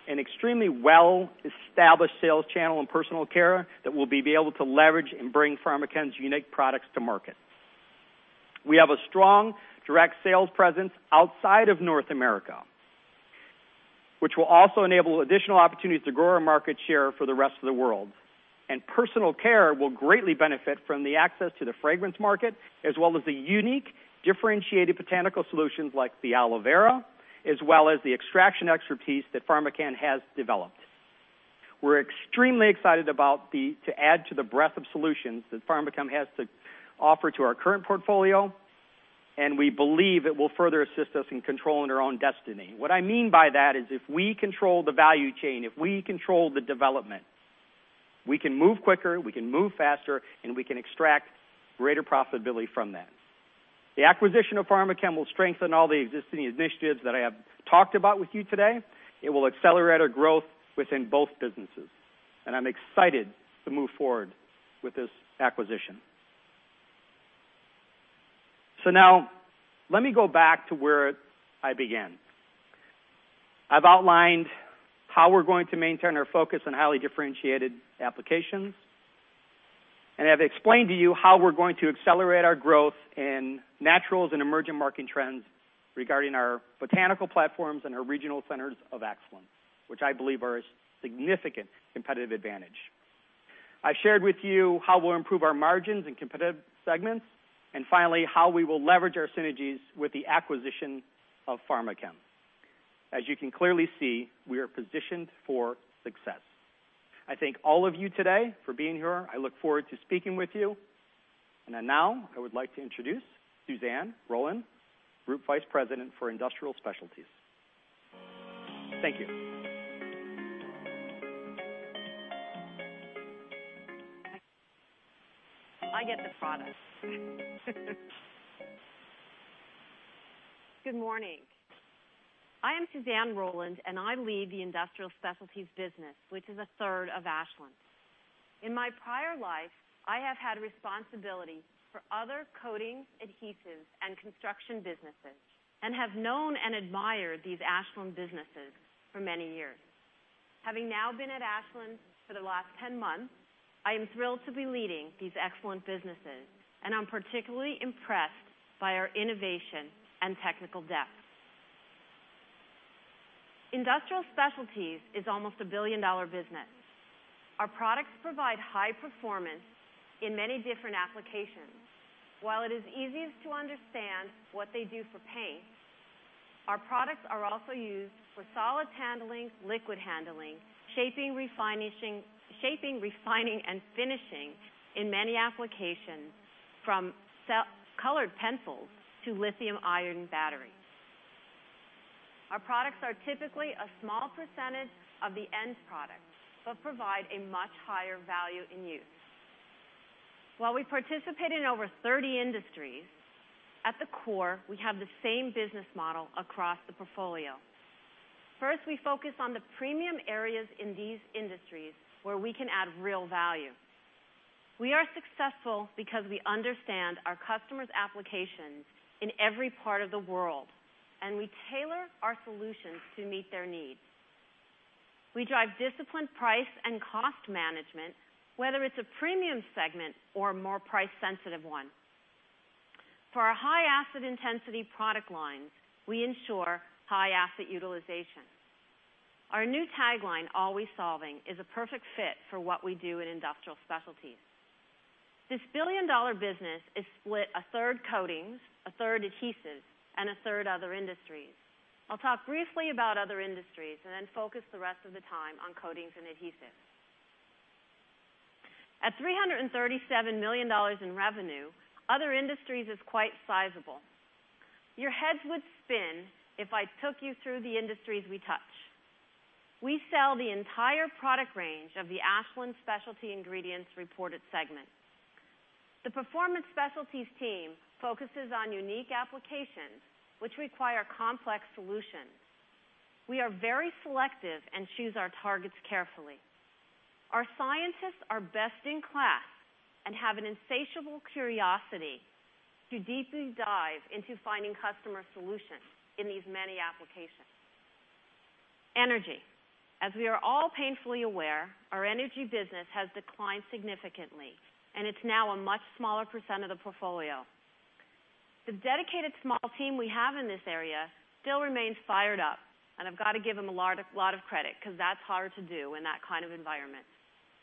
an extremely well-established sales channel in personal care that we'll be able to leverage and bring Pharmachem's unique products to market. We have a strong direct sales presence outside of North America, which will also enable additional opportunities to grow our market share for the rest of the world. Personal care will greatly benefit from the access to the fragrance market, as well as the unique differentiated botanical solutions like the aloe vera, as well as the extraction expertise that Pharmachem has developed. We are extremely excited to add to the breadth of solutions that Pharmachem has to offer to our current portfolio, and we believe it will further assist us in controlling our own destiny. What I mean by that is, if we control the value chain, if we control the development, we can move quicker, we can move faster, and we can extract greater profitability from that. The acquisition of Pharmachem will strengthen all the existing initiatives that I have talked about with you today. It will accelerate our growth within both businesses, and I am excited to move forward with this acquisition. Now, let me go back to where I began. I have outlined how we are going to maintain our focus on highly differentiated applications, and I have explained to you how we are going to accelerate our growth in naturals and emerging market trends regarding our botanical platforms and our regional centers of excellence, which I believe are a significant competitive advantage. I have shared with you how we will improve our margins in competitive segments, and finally, how we will leverage our synergies with the acquisition of Pharmachem. As you can clearly see, we are positioned for success. I thank all of you today for being here. I look forward to speaking with you. Now, I would like to introduce Suzanne Rowland, Group Vice President for Industrial Specialties. Thank you. I get the product. Good morning. I am Suzanne Rowland, and I lead the Industrial Specialties business, which is a third of Ashland. In my prior life, I have had responsibility for other coatings, adhesives, and construction businesses, and have known and admired these Ashland businesses for many years. Having now been at Ashland for the last 10 months, I am thrilled to be leading these excellent businesses, and I am particularly impressed by our innovation and technical depth. Industrial Specialties is almost a billion-dollar business. Our products provide high performance in many different applications. While it is easiest to understand what they do for paint, our products are also used for solids handling, liquid handling, shaping, refining, and finishing in many applications, from colored pencils to lithium-ion batteries. Our products are typically a small percentage of the end product but provide a much higher value in use. While we participate in over 30 industries, at the core, we have the same business model across the portfolio. First, we focus on the premium areas in these industries where we can add real value. We are successful because we understand our customers' applications in every part of the world, and we tailor our solutions to meet their needs. We drive disciplined price and cost management, whether it is a premium segment or a more price-sensitive one. For our high asset intensity product lines, we ensure high asset utilization. Our new tagline, "Always Solving," is a perfect fit for what we do in Industrial Specialties. This billion-dollar business is split a third coatings, a third adhesives, and a third other industries. I will talk briefly about other industries and then focus the rest of the time on coatings and adhesives. At $337 million in revenue, other industries is quite sizable. Your heads would spin if I took you through the industries we touch. We sell the entire product range of the Ashland Specialty Ingredients reported segment. The Performance Specialties team focuses on unique applications which require complex solutions. We are very selective and choose our targets carefully. Our scientists are best in class and have an insatiable curiosity to deeply dive into finding customer solutions in these many applications. Energy. As we are all painfully aware, our energy business has declined significantly, and it's now a much smaller % of the portfolio. The dedicated small team we have in this area still remains fired up, and I've got to give them a lot of credit, because that's hard to do in that kind of environment,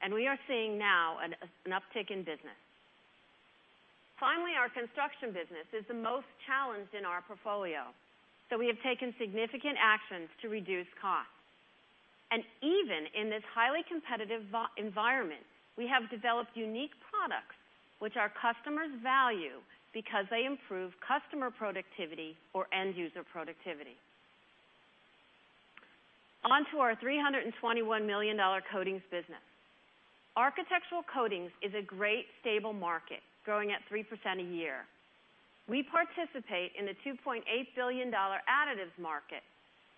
and we are seeing now an uptick in business. Our construction business is the most challenged in our portfolio, so we have taken significant actions to reduce costs. Even in this highly competitive environment, we have developed unique products which our customers value because they improve customer productivity or end user productivity. On to our $321 million coatings business. Architectural coatings is a great, stable market, growing at 3% a year. We participate in the $2.8 billion additives market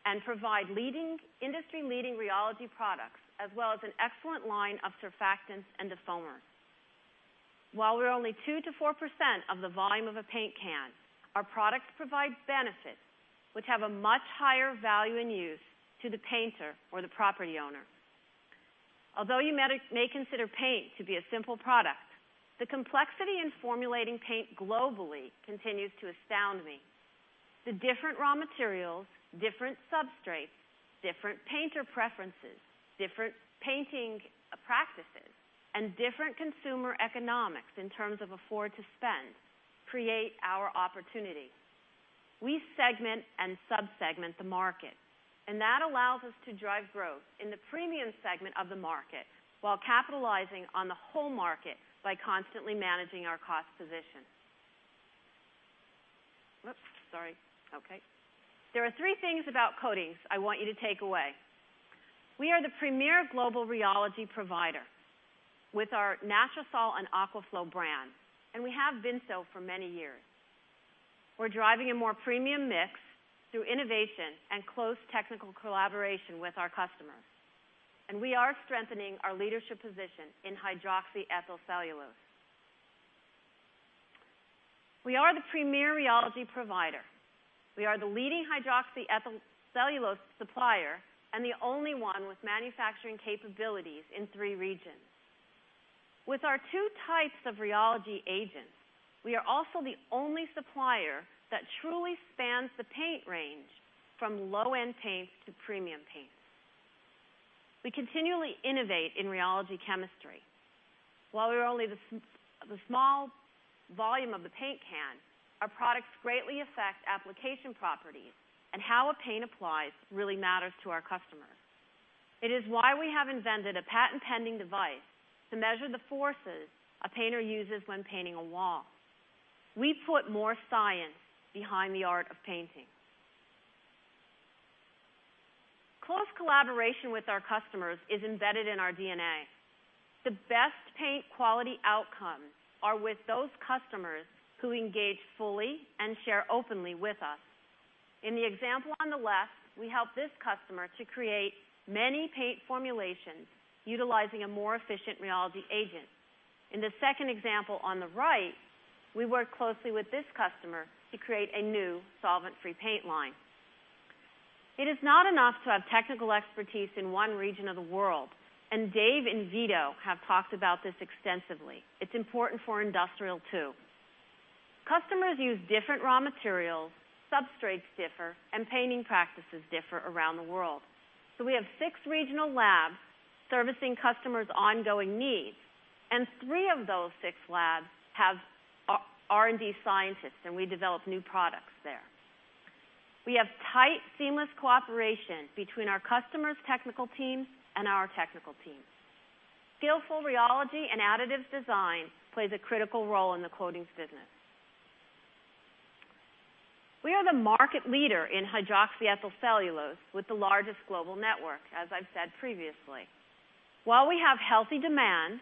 and provide industry-leading rheology products, as well as an excellent line of surfactants and defoamers. While we're only 2%-4% of the volume of a paint can, our products provide benefits that have a much higher value in use to the painter or the property owner. Although you may consider paint to be a simple product, the complexity in formulating paint globally continues to astound me. The different raw materials, different substrates, different painter preferences, different painting practices, and different consumer economics in terms of afford to spend, create our opportunity. We segment and sub-segment the market, and that allows us to drive growth in the premium segment of the market while capitalizing on the whole market by constantly managing our cost position. There are three things about coatings I want you to take away. We are the premier global rheology provider with our Natrosol and Aquaflow brands, and we have been so for many years. We're driving a more premium mix through innovation and close technical collaboration with our customers. We are strengthening our leadership position in hydroxyethyl cellulose. We are the premier rheology provider. We are the leading hydroxyethyl cellulose supplier and the only one with manufacturing capabilities in three regions. With our two types of rheology agents, we are also the only supplier that truly spans the paint range from low-end paints to premium paints. We continually innovate in rheology chemistry. While we're only the small volume of the paint can, our products greatly affect application properties, and how a paint applies really matters to our customers. It is why we have invented a patent-pending device to measure the forces a painter uses when painting a wall. We put more science behind the art of painting. Close collaboration with our customers is embedded in our DNA. The best paint quality outcomes are with those customers who engage fully and share openly with us. In the example on the left, we help this customer to create many paint formulations utilizing a more efficient rheology agent. In the second example on the right, we work closely with this customer to create a new solvent-free paint line. It is not enough to have technical expertise in one region of the world, and Dave and Vito have talked about this extensively. It's important for Industrial too. Customers use different raw materials, substrates differ, and painting practices differ around the world. We have six regional labs servicing customers' ongoing needs, and three of those six labs have R&D scientists, and we develop new products there. We have tight, seamless cooperation between our customers' technical teams and our technical teams. Skillful rheology and additives design plays a critical role in the coatings business. We are the market leader in hydroxyethyl cellulose with the largest global network, as I've said previously. While we have healthy demand,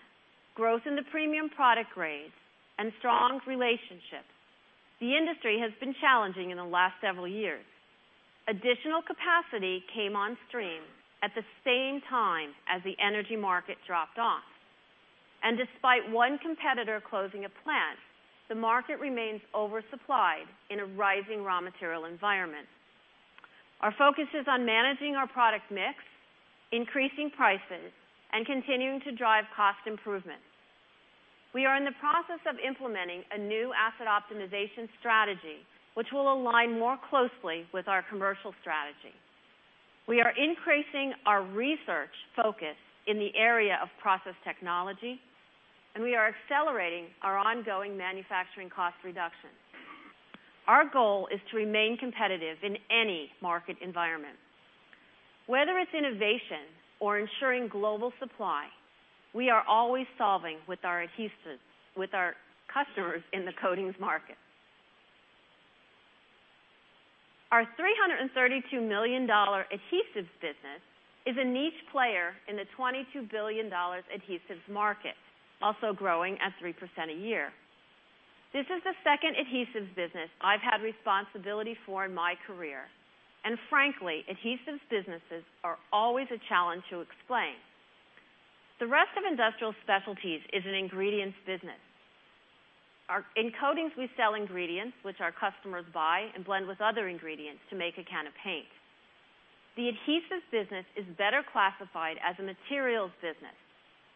growth in the premium product grades, and strong relationships, the industry has been challenging in the last several years. Additional capacity came on stream at the same time as the energy market dropped off. Despite one competitor closing a plant, the market remains oversupplied in a rising raw material environment. Our focus is on managing our product mix, increasing prices, and continuing to drive cost improvements. We are in the process of implementing a new asset optimization strategy, which will align more closely with our commercial strategy. We are increasing our research focus in the area of process technology, and we are accelerating our ongoing manufacturing cost reduction. Our goal is to remain competitive in any market environment. Whether it's innovation or ensuring global supply, we are always solving with our customers in the coatings market. Our $332 million adhesives business is a niche player in the $22 billion adhesives market, also growing at 3% a year. This is the second adhesives business I've had responsibility for in my career, and frankly, adhesives businesses are always a challenge to explain. The rest of Industrial Specialties is an ingredients business. In coatings, we sell ingredients, which our customers buy and blend with other ingredients to make a can of paint. The adhesives business is better classified as a materials business.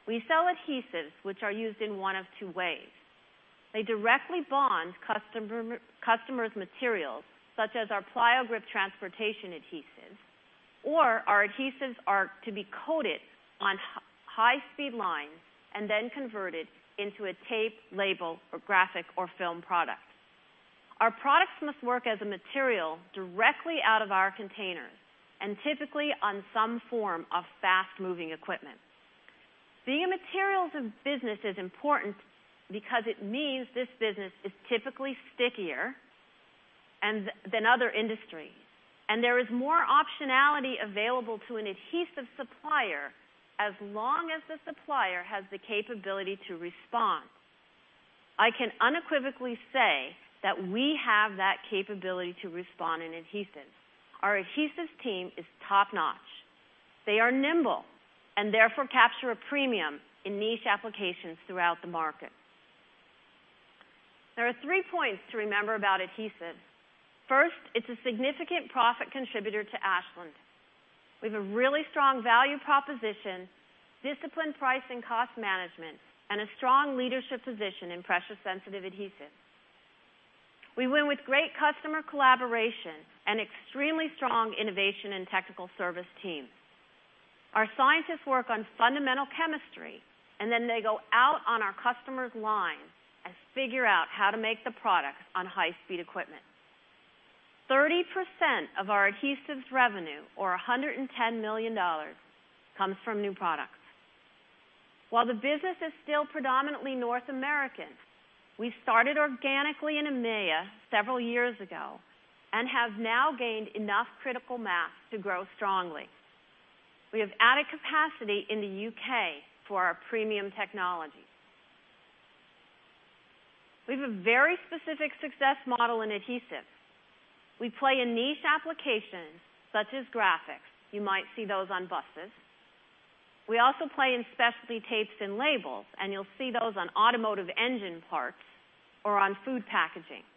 We sell adhesives, which are used in one of two ways. They directly bond customers' materials, such as our Pliogrip transportation adhesive, or our adhesives are to be coated on high-speed lines and then converted into a tape, label, or graphic, or film product. Our products must work as a material directly out of our containers, and typically on some form of fast-moving equipment. Being a materials business is important because it means this business is typically stickier than other industries. There is more optionality available to an adhesive supplier as long as the supplier has the capability to respond. I can unequivocally say that we have that capability to respond in adhesives. Our adhesives team is top-notch. They are nimble, and therefore capture a premium in niche applications throughout the market. There are three points to remember about adhesives. First, it's a significant profit contributor to Ashland, with a really strong value proposition, disciplined price and cost management, and a strong leadership position in pressure-sensitive adhesives. We win with great customer collaboration and extremely strong innovation and technical service teams. Our scientists work on fundamental chemistry, and then they go out on our customers' lines and figure out how to make the products on high-speed equipment. 30% of our adhesives revenue, or $110 million, comes from new products. While the business is still predominantly North American, we started organically in EMEA several years ago and have now gained enough critical mass to grow strongly. We have added capacity in the U.K. for our premium technologies. We have a very specific success model in adhesives. We play in niche applications such as graphics. You might see those on buses. We also play in specialty tapes and labels, and you'll see those on automotive engine parts or on food packaging.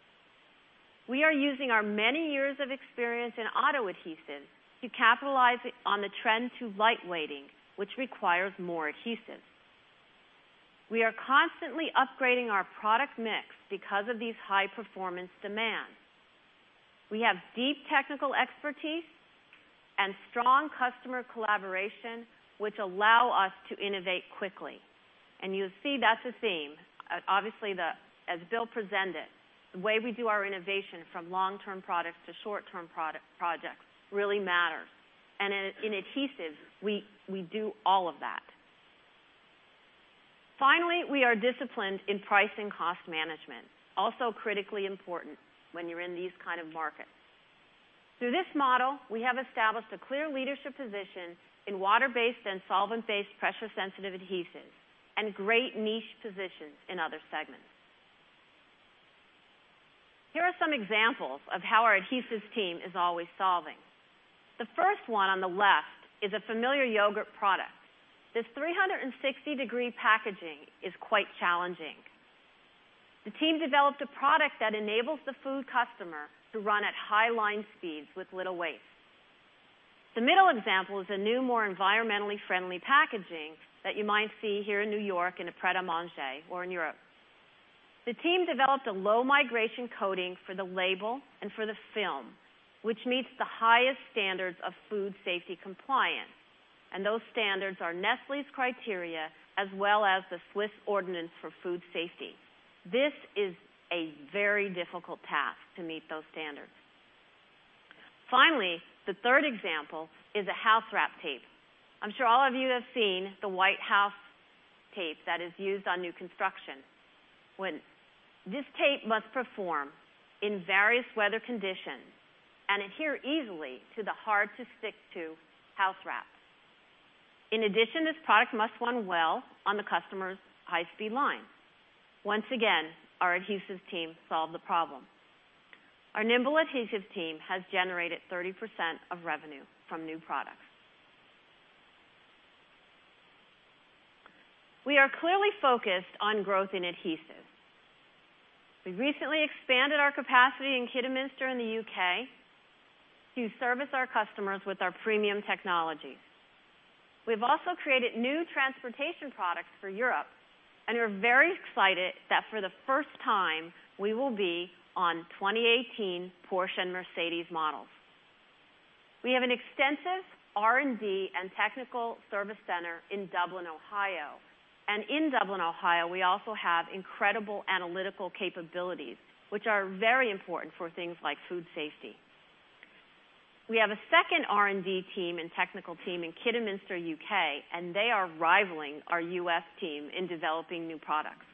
We are using our many years of experience in auto adhesives to capitalize on the trend to lightweighting, which requires more adhesives. We are constantly upgrading our product mix because of these high-performance demands. We have deep technical expertise and strong customer collaboration, which allow us to innovate quickly, and you'll see that's a theme. Obviously, as Bill presented, the way we do our innovation from long-term products to short-term projects really matters. In adhesives, we do all of that. Finally, we are disciplined in price and cost management, also critically important when you're in these kind of markets. Through this model, we have established a clear leadership position in water-based and solvent-based pressure-sensitive adhesives, and great niche positions in other segments. Here are some examples of how our adhesives team is Always Solving. The first one on the left is a familiar yogurt product. This 360-degree packaging is quite challenging. The team developed a product that enables the food customer to run at high line speeds with little waste. The middle example is a new, more environmentally friendly packaging that you might see here in N.Y. in a Pret a Manger or in Europe. The team developed a low-migration coating for the label and for the film, which meets the highest standards of food safety compliance, and those standards are Nestlé's criteria as well as the Swiss ordinance for food safety. This is a very difficult task to meet those standards. Finally, the third example is a housewrap tape. I'm sure all of you have seen the white house tape that is used on new construction. This tape must perform in various weather conditions and adhere easily to the hard-to-stick-to housewrap. In addition, this product must run well on the customer's high-speed line. Once again, our adhesives team solved the problem. Our nimble adhesives team has generated 30% of revenue from new products. We are clearly focused on growth in adhesives. We recently expanded our capacity in Kidderminster in the U.K. to service our customers with our premium technologies. We've also created new transportation products for Europe, and we're very excited that for the first time, we will be on 2018 Porsche and Mercedes models. We have an extensive R&D and technical service center in Dublin, Ohio. In Dublin, Ohio, we also have incredible analytical capabilities, which are very important for things like food safety. We have a second R&D team and technical team in Kidderminster, U.K., and they are rivaling our U.S. team in developing new products.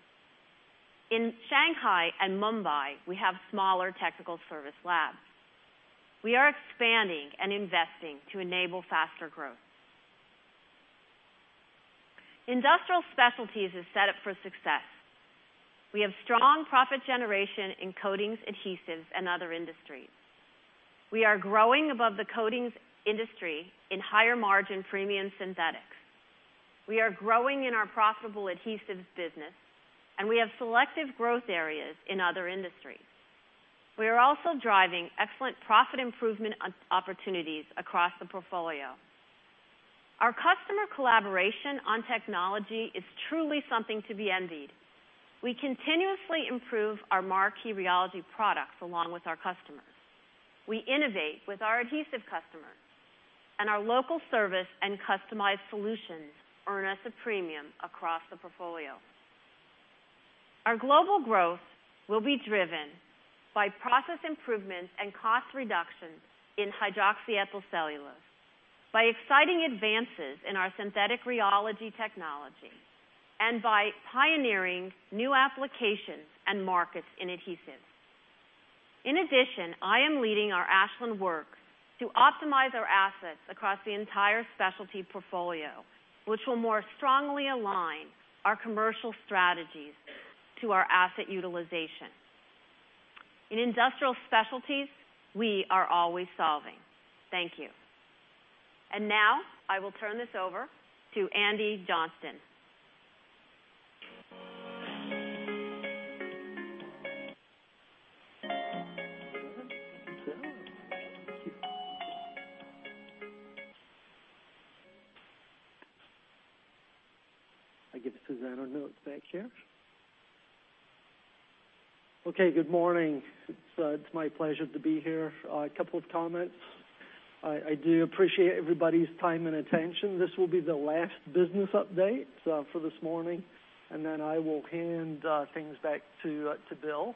In Shanghai and Mumbai, we have smaller technical service labs. We are expanding and investing to enable faster growth. Industrial Specialties is set up for success. We have strong profit generation in coatings, adhesives, and other industries. We are growing above the coatings industry in higher-margin premium synthetics. We are growing in our profitable adhesives business, and we have selective growth areas in other industries. We are also driving excellent profit improvement opportunities across the portfolio. Our customer collaboration on technology is truly something to be envied. We continuously improve our marquee rheology products along with our customers. We innovate with our adhesive customers, and our local service and customized solutions earn us a premium across the portfolio. Our global growth will be driven by process improvements and cost reductions in hydroxyethyl cellulose. By exciting advances in our synthetic rheology technology and by pioneering new applications and markets in adhesives. In addition, I am leading our Ashland work to optimize our assets across the entire specialty portfolio, which will more strongly align our commercial strategies to our asset utilization. In Industrial Specialties, we are Always Solving. Thank you. Now I will turn this over to Andy Johnston. I give Suzanne notes back here. Okay, good morning. It's my pleasure to be here. A couple of comments. I do appreciate everybody's time and attention. This will be the last business update for this morning, and then I will hand things back to Bill.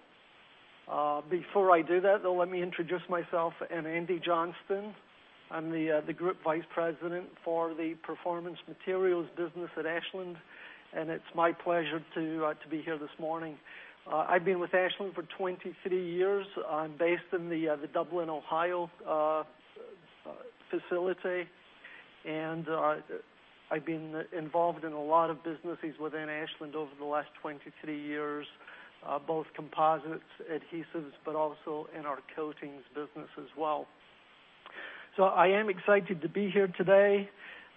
Before I do that, though, let me introduce myself. I'm Andy Johnston. I'm the Group Vice President for the Performance Materials business at Ashland, and it's my pleasure to be here this morning. I've been with Ashland for 23 years. I'm based in the Dublin, Ohio, facility, and I've been involved in a lot of businesses within Ashland over the last 23 years, both composites adhesives, but also in our coatings business as well. I am excited to be here today.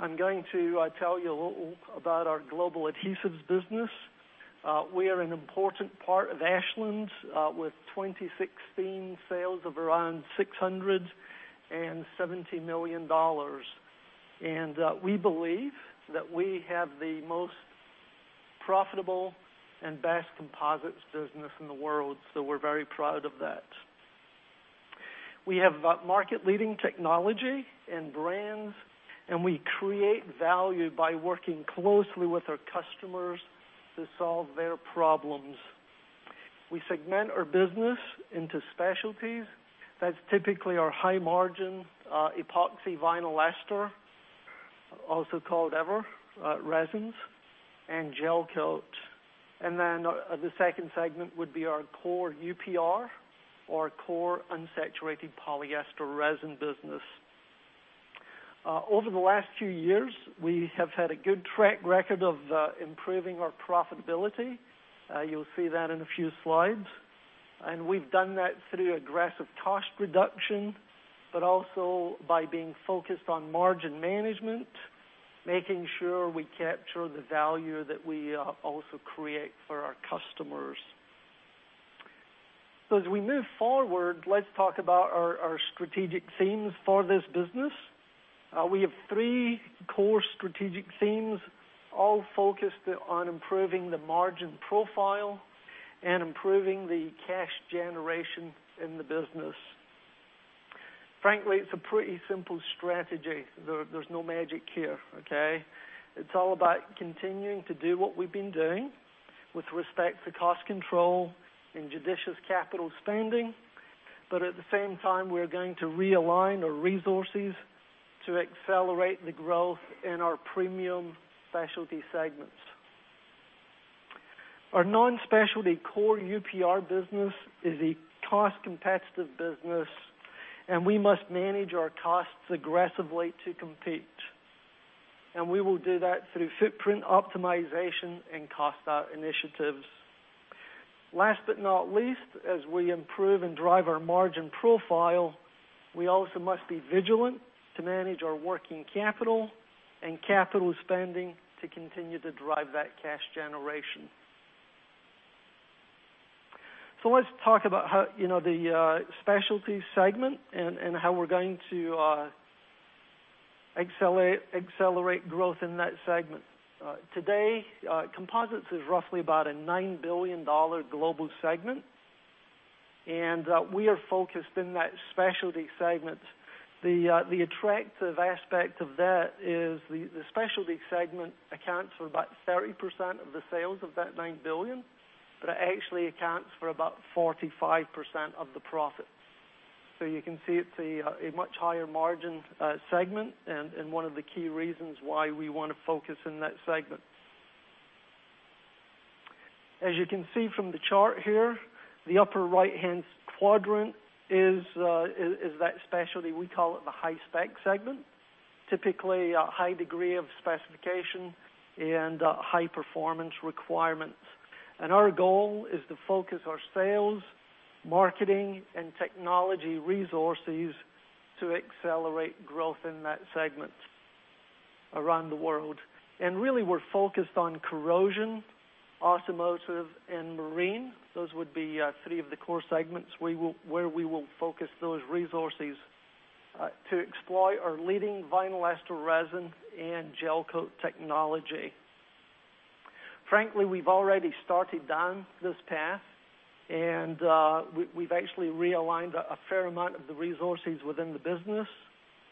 I'm going to tell you a little about our global adhesives business. We are an important part of Ashland, with 2016 sales of around $670 million. We believe that we have the most profitable and best composites business in the world, so we're very proud of that. We have market leading technology and brands, and we create value by working closely with our customers to solve their problems. We segment our business into specialties. That's typically our high margin epoxy vinyl ester, also called EVER resins and gelcoat. The second segment would be our core UPR or core unsaturated polyester resin business. Over the last few years, we have had a good track record of improving our profitability. You'll see that in a few slides. We've done that through aggressive cost reduction, but also by being focused on margin management, making sure we capture the value that we also create for our customers. As we move forward, let's talk about our strategic themes for this business. We have three core strategic themes, all focused on improving the margin profile and improving the cash generation in the business. Frankly, it's a pretty simple strategy. There's no magic here, okay? It's all about continuing to do what we've been doing with respect to cost control and judicious capital spending. At the same time, we are going to realign our resources to accelerate the growth in our premium specialty segments. Our non-specialty core UPR business is a cost-competitive business, and we must manage our costs aggressively to compete. We will do that through footprint optimization and cost out initiatives. Last but not least, as we improve and drive our margin profile, we also must be vigilant to manage our working capital and capital spending to continue to drive that cash generation. Let's talk about the specialty segment and how we're going to accelerate growth in that segment. Today, composites is roughly about a $9 billion global segment, and we are focused in that specialty segment. The attractive aspect of that is the specialty segment accounts for about 30% of the sales of that $9 billion, but it actually accounts for about 45% of the profits. You can see it's a much higher margin segment and one of the key reasons why we want to focus in that segment. As you can see from the chart here, the upper right-hand quadrant is that specialty. We call it the high spec segment. Typically, a high degree of specification and high performance requirements. Our goal is to focus our sales, marketing, and technology resources to accelerate growth in that segment around the world. Really, we're focused on corrosion, automotive, and marine. Those would be three of the core segments where we will focus those resources to exploit our leading vinyl ester resin and gelcoat technology. Frankly, we've already started down this path, and we've actually realigned a fair amount of the resources within the business.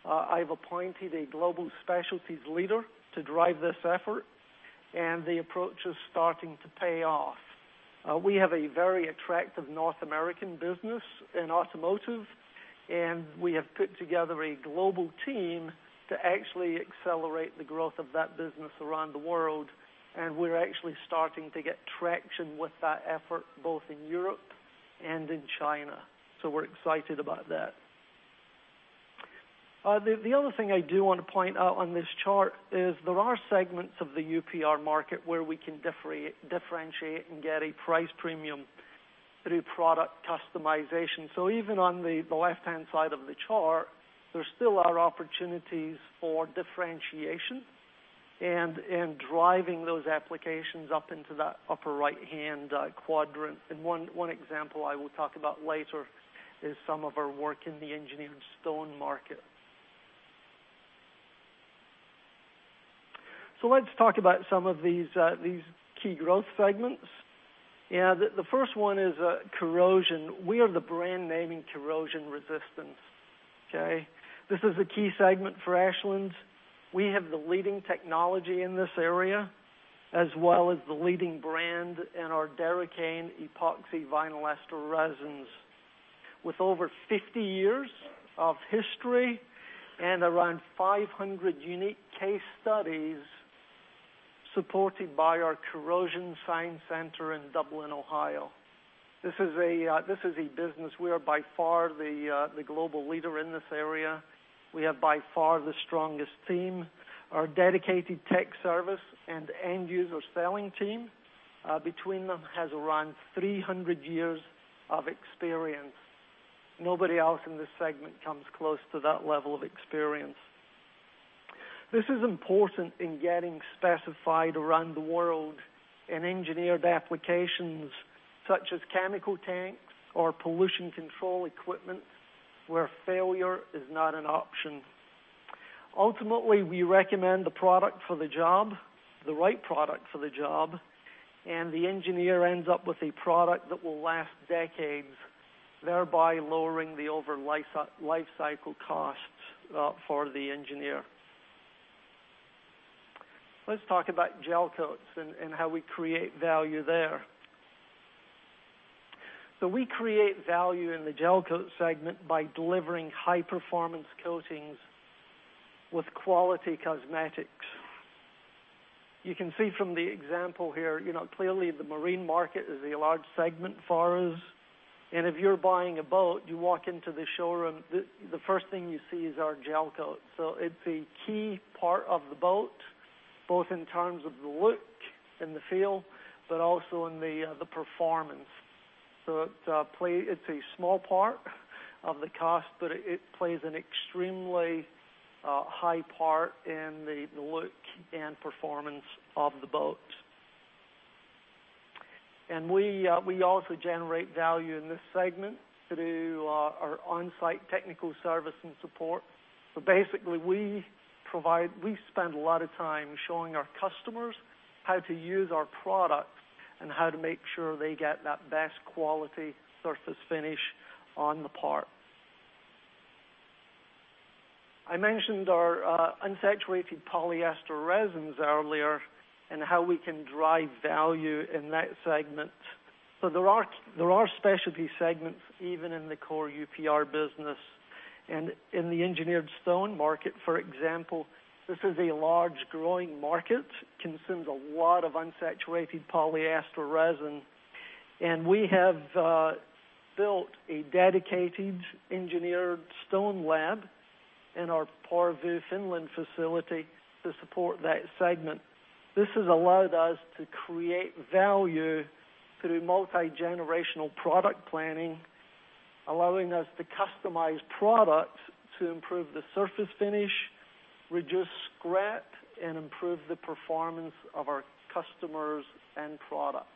I've appointed a global specialties leader to drive this effort, and the approach is starting to pay off. We have a very attractive North American business in automotive, and we have put together a global team to actually accelerate the growth of that business around the world. We're actually starting to get traction with that effort, both in Europe and in China. We're excited about that. The other thing I do want to point out on this chart is there are segments of the UPR market where we can differentiate and get a price premium through product customization. Even on the left-hand side of the chart, there still are opportunities for differentiation and driving those applications up into that upper right-hand quadrant. One example I will talk about later is some of our work in the engineered stone market. Let's talk about some of these key growth segments. The first one is corrosion. We are the brand name in corrosion resistance. Okay. This is a key segment for Ashland. We have the leading technology in this area, as well as the leading brand in our Derakane epoxy vinyl ester resins, with over 50 years of history and around 500 unique case studies supported by our Corrosion Science Center in Dublin, Ohio. This is a business, we are by far the global leader in this area. We have by far the strongest team. Our dedicated tech service and end user selling team, between them, has around 300 years of experience. Nobody else in this segment comes close to that level of experience. This is important in getting specified around the world in engineered applications such as chemical tanks or pollution control equipment, where failure is not an option. Ultimately, we recommend the product for the job, the right product for the job, and the engineer ends up with a product that will last decades, thereby lowering the overall lifecycle costs for the engineer. Let's talk about gelcoats and how we create value there. We create value in the gelcoat segment by delivering high performance coatings with quality cosmetics. You can see from the example here, clearly the marine market is a large segment for us. If you're buying a boat, you walk into the showroom, the first thing you see is our gelcoat. It's a key part of the boat, both in terms of the look and the feel, but also in the performance. It's a small part of the cost, but it plays an extremely high part in the look and performance of the boat. We also generate value in this segment through our on-site technical service and support. Basically, we spend a lot of time showing our customers how to use our products and how to make sure they get that best quality surface finish on the part. I mentioned our unsaturated polyester resins earlier and how we can drive value in that segment. There are specialty segments even in the core UPR business. In the engineered stone market, for example, this is a large growing market. Consumes a lot of unsaturated polyester resin. We have built a dedicated engineered stone lab in our Porvoo, Finland facility to support that segment. This has allowed us to create value through multi-generational product planning, allowing us to customize products to improve the surface finish, reduce scrap, and improve the performance of our customers and products.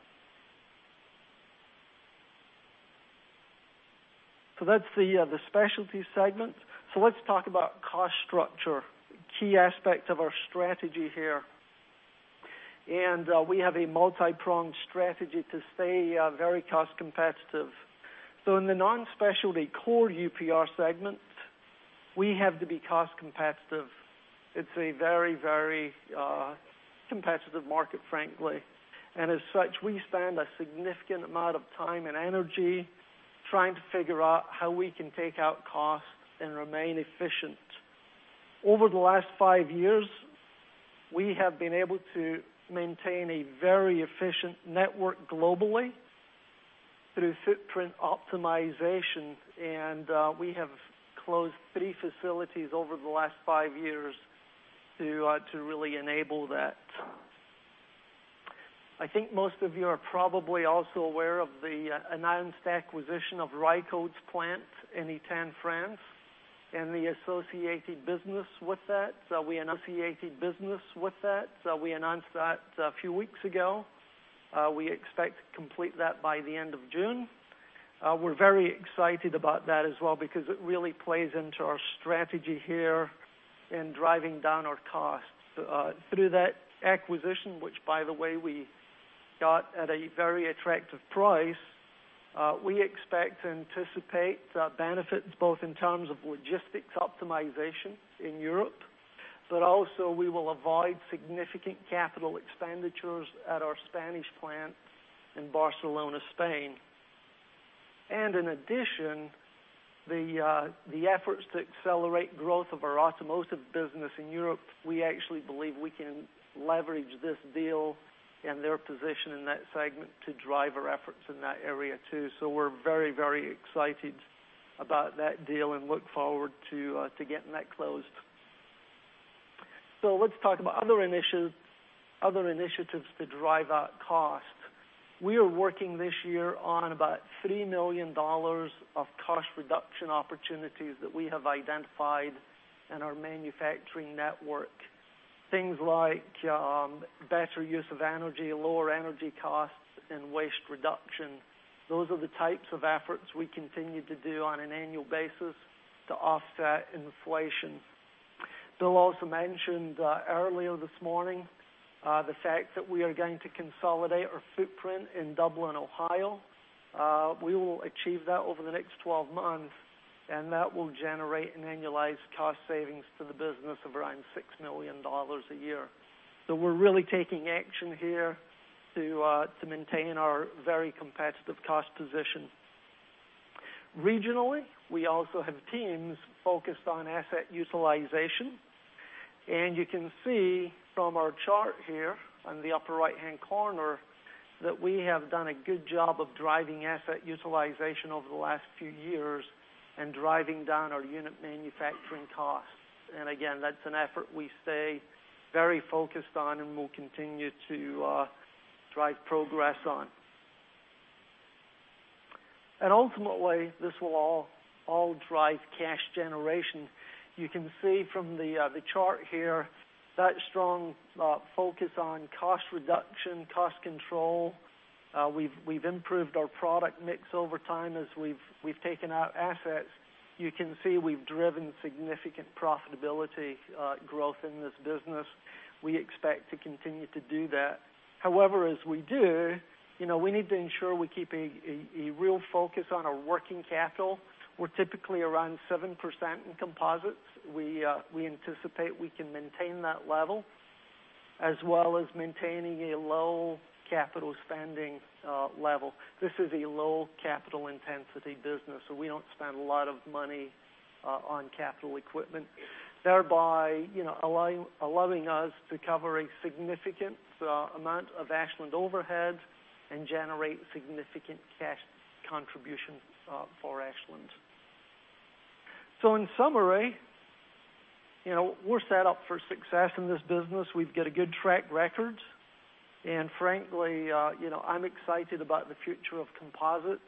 That's the specialty segment. Let's talk about cost structure, a key aspect of our strategy here. We have a multi-pronged strategy to stay very cost competitive. In the non-specialty core UPR segment, we have to be cost competitive. It's a very competitive market, frankly. As such, we spend a significant amount of time and energy trying to figure out how we can take out costs and remain efficient. Over the last five years, we have been able to maintain a very efficient network globally through footprint optimization, and we have closed three facilities over the last five years to really enable that. I think most of you are probably also aware of the announced acquisition of Reichhold's plant in Étain, France, and the associated business with that. We announced that a few weeks ago. We expect to complete that by the end of June. We're very excited about that as well because it really plays into our strategy here in driving down our costs. Through that acquisition, which by the way, we got at a very attractive price, we expect and anticipate benefits both in terms of logistics optimization in Europe. Also we will avoid significant capital expenditures at our Spanish plant in Barcelona, Spain. In addition, the efforts to accelerate growth of our automotive business in Europe, we actually believe we can leverage this deal and their position in that segment to drive our efforts in that area too. We're very excited about that deal and look forward to getting that closed. Let's talk about other initiatives to drive out cost. We are working this year on about $3 million of cost reduction opportunities that we have identified in our manufacturing network. Things like better use of energy, lower energy costs, and waste reduction. Those are the types of efforts we continue to do on an annual basis to offset inflation. Bill also mentioned earlier this morning, the fact that we are going to consolidate our footprint in Dublin, Ohio. We will achieve that over the next 12 months, and that will generate an annualized cost savings to the business of around $6 million a year. We're really taking action here to maintain our very competitive cost position. Regionally, we also have teams focused on asset utilization. You can see from our chart here on the upper right-hand corner, that we have done a good job of driving asset utilization over the last few years and driving down our unit manufacturing costs. Again, that's an effort we stay very focused on and will continue to drive progress on. Ultimately, this will all drive cash generation. You can see from the chart here, that strong focus on cost reduction, cost control. We've improved our product mix over time as we've taken out assets. You can see we've driven significant profitability growth in this business. We expect to continue to do that. However, as we do, we need to ensure we keep a real focus on our working capital. We're typically around 7% in composites. We anticipate we can maintain that level, as well as maintaining a low capital spending level. This is a low capital intensity business, so we don't spend a lot of money on capital equipment. Thereby, allowing us to cover a significant amount of Ashland overhead and generate significant cash contributions for Ashland. In summary, we're set up for success in this business. We've got a good track record. Frankly, I'm excited about the future of composites,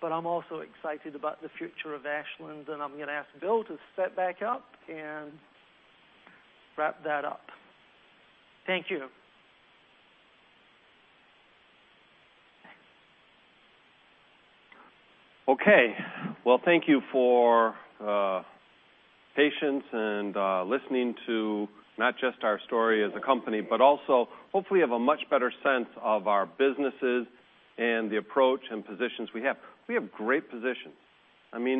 but I'm also excited about the future of Ashland. I'm going to ask Bill to step back up and wrap that up. Thank you. Thank you for patience and listening to not just our story as a company, but also hopefully you have a much better sense of our businesses and the approach and positions we have. We have great positions. We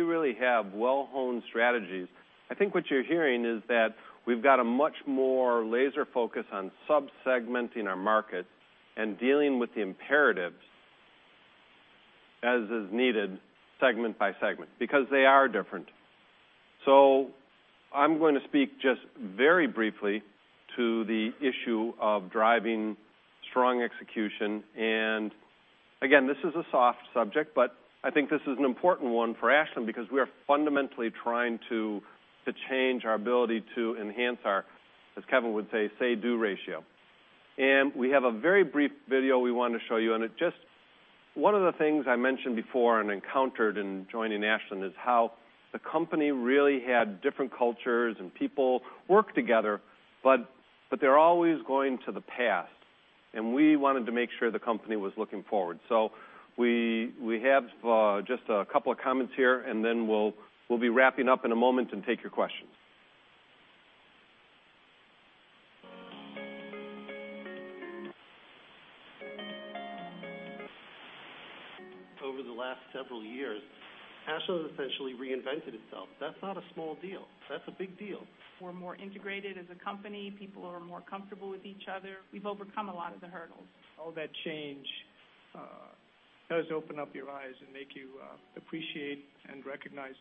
really have well-honed strategies. I think what you're hearing is that we've got a much more laser focus on sub-segmenting our market and dealing with the imperatives as is needed segment by segment. Because they are different. I'm going to speak just very briefly to the issue of driving strong execution. Again, this is a soft subject, but I think this is an important one for Ashland because we are fundamentally trying to change our ability to enhance our, as Kevin would say-do ratio. We have a very brief video we want to show you. One of the things I mentioned before and encountered in joining Ashland is how the company really had different cultures and people work together, but they're always going to the past. We wanted to make sure the company was looking forward. We have just a couple of comments here, then we'll be wrapping up in a moment and take your questions. Over the last several years, Ashland has essentially reinvented itself. That's not a small deal. That's a big deal. We're more integrated as a company. People are more comfortable with each other. We've overcome a lot of the hurdles. All that change does open up your eyes and make you appreciate and recognize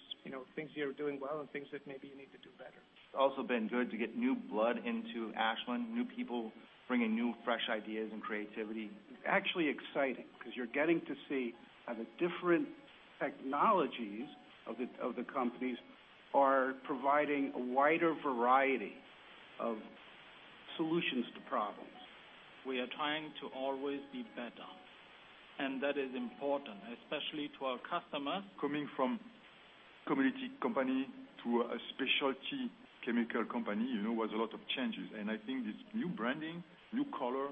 things you're doing well and things that maybe you need to do better. It's also been good to get new blood into Ashland, new people bringing new, fresh ideas and creativity. Actually exciting, because you're getting to see how the different technologies of the companies are providing a wider variety of solutions to problems. We are trying to always be better. That is important, especially to our customers. Coming from commodity company to a specialty chemical company was a lot of changes. I think this new branding, new color,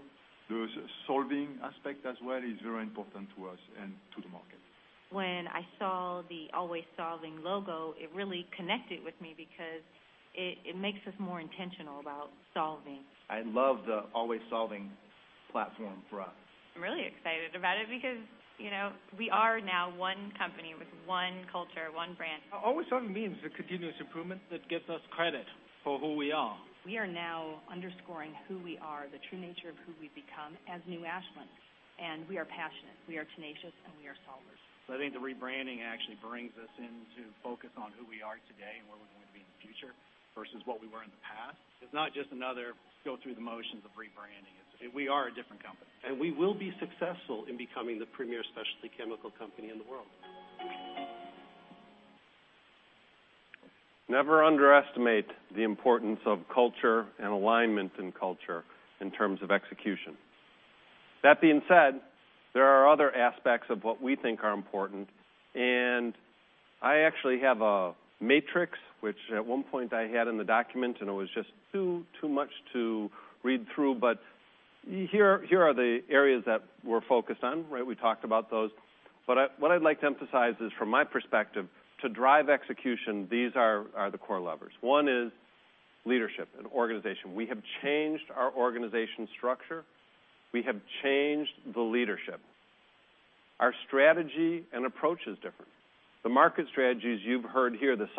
the Always Solving aspect as well is very important to us and to the market. When I saw the Always Solving logo, it really connected with me because it makes us more intentional about solving. I love the Always Solving platform for us. I'm really excited about it because we are now one company with one culture, one brand. What I means the continuous improvement that gives us credit for who we are. We are now underscoring who we are, the true nature of who we've become as New Ashland. We are passionate, we are tenacious, and we are solvers. I think the rebranding actually brings us into focus on who we are today and where we're going to be in the future versus what we were in the past. It's not just another go through the motions of rebranding. We are a different company. We will be successful in becoming the premier specialty chemical company in the world. Never underestimate the importance of culture and alignment in culture in terms of execution. That being said, there are other aspects of what we think are important. I actually have a matrix, which at one point I had in the document, and it was just too much to read through. Here are the areas that we're focused on. We talked about those. What I'd like to emphasize is, from my perspective, to drive execution, these are the core levers. One is leadership and organization. We have changed our organization structure. We have changed the leadership. Our strategy and approach is different. The market strategies you've heard here, the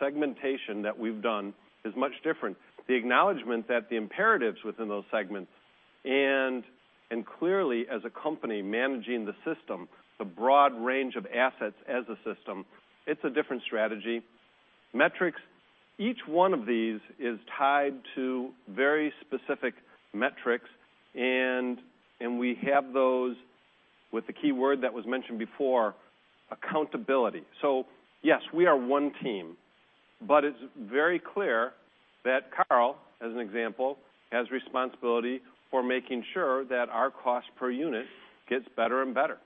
segmentation that we've done is much different. The acknowledgment that the imperatives within those segments and clearly as a company managing the system, the broad range of assets as a system, it's a different strategy. Metrics. Each one of these is tied to very specific metrics, and we have those with the keyword that was mentioned before, accountability. Yes, we are one team. It's very clear that Carl, as an example, has responsibility for making sure that our cost per unit gets better and better.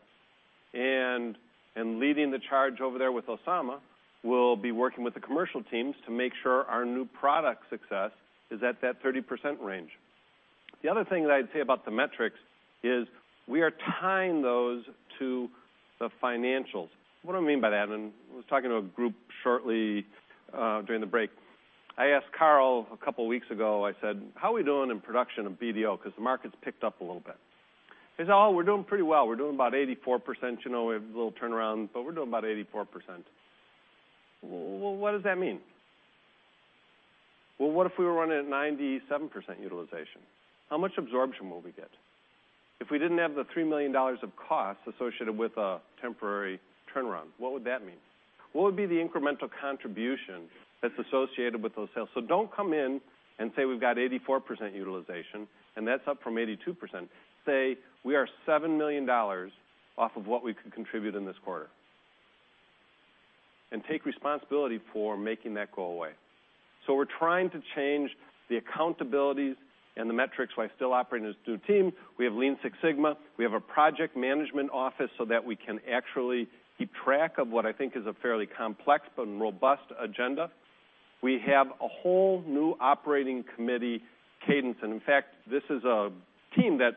Leading the charge over there with Oussama will be working with the commercial teams to make sure our new product success is at that 30% range. The other thing that I'd say about the metrics is we are tying those to the financials. What do I mean by that? I was talking to a group shortly during the break. I asked Carl a couple of weeks ago, I said, "How are we doing in production of BDO?" Because the market's picked up a little bit. He said, "Oh, we're doing pretty well. We're doing about 84%. We have a little turnaround, but we're doing about 84%." What does that mean? What if we were running at 97% utilization? How much absorption will we get? If we didn't have the $3 million of costs associated with a temporary turnaround, what would that mean? What would be the incremental contribution that's associated with those sales? Don't come in and say we've got 84% utilization, and that's up from 82%. Say we are $7 million off of what we could contribute in this quarter. Take responsibility for making that go away. We're trying to change the accountabilities and the metrics while still operating as a two team. We have Lean Six Sigma. We have a project management office so that we can actually keep track of what I think is a fairly complex but robust agenda. We have a whole new operating committee cadence. In fact, this is a team that,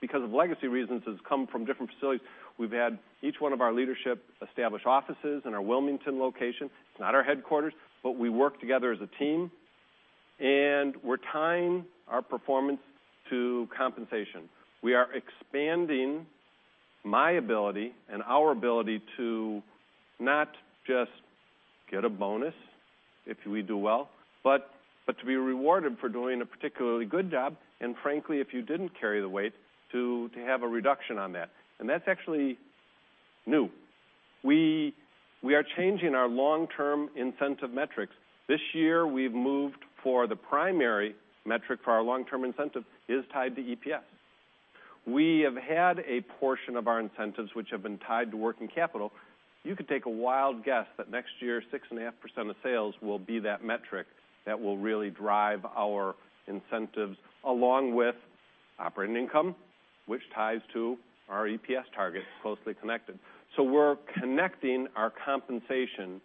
because of legacy reasons, has come from different facilities. We've had each one of our leadership establish offices in our Wilmington location. It's not our headquarters, but we work together as a team, and we're tying our performance to compensation. We are expanding my ability and our ability to not just get a bonus if we do well, but to be rewarded for doing a particularly good job, and frankly, if you didn't carry the weight, to have a reduction on that. That's actually new. We are changing our long-term incentive metrics. This year, we've moved for the primary metric for our long-term incentive is tied to EPS. We have had a portion of our incentives which have been tied to working capital. You could take a wild guess that next year, 6.5% of sales will be that metric that will really drive our incentives along with operating income, which ties to our EPS targets closely connected. We're connecting our compensation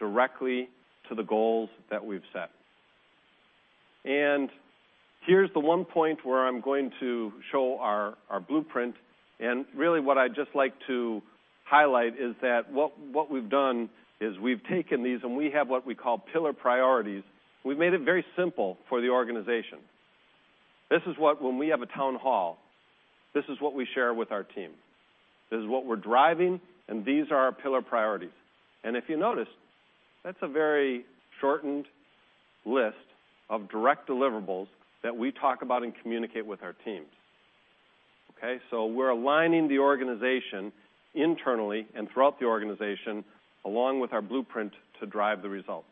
directly to the goals that we've set. Here's the one point where I'm going to show our blueprint. Really what I'd just like to highlight is that what we've done is we've taken these and we have what we call pillar priorities. We've made it very simple for the organization. When we have a town hall, this is what we share with our team. This is what we're driving, and these are our pillar priorities. If you notice, that's a very shortened list of direct deliverables that we talk about and communicate with our teams. We're aligning the organization internally and throughout the organization, along with our blueprint to drive the results.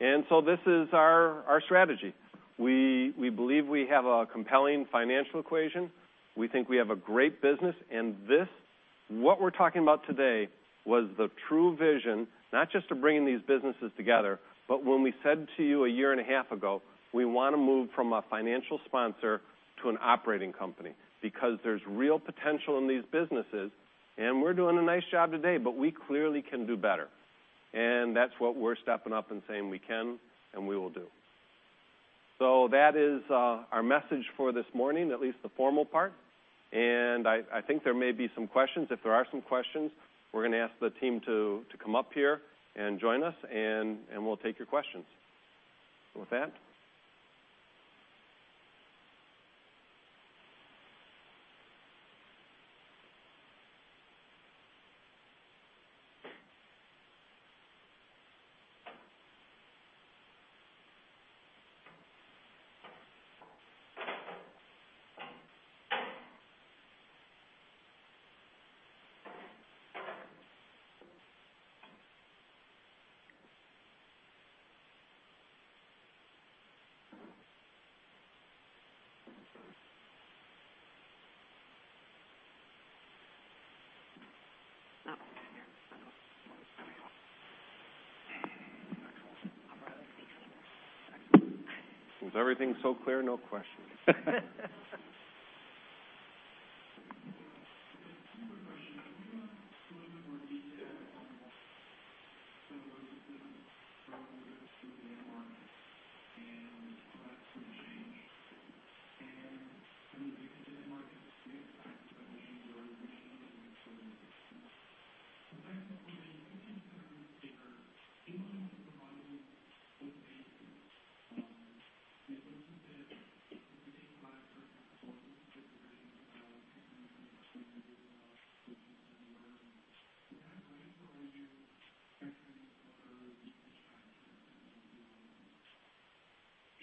This is our strategy. We believe we have a compelling financial equation. We think we have a great business. This, what we're talking about today was the true vision, not just to bring these businesses together, but when we said to you a year and a half ago, we want to move from a financial sponsor to an operating company because there's real potential in these businesses, and we're doing a nice job today, but we clearly can do better. That's what we're stepping up and saying we can and we will do. That is our message for this morning, at least the formal part. I think there may be some questions. If there are some questions, we're going to ask the team to come up here and join us, and we'll take your questions. With that. Was everything so clear? No questions.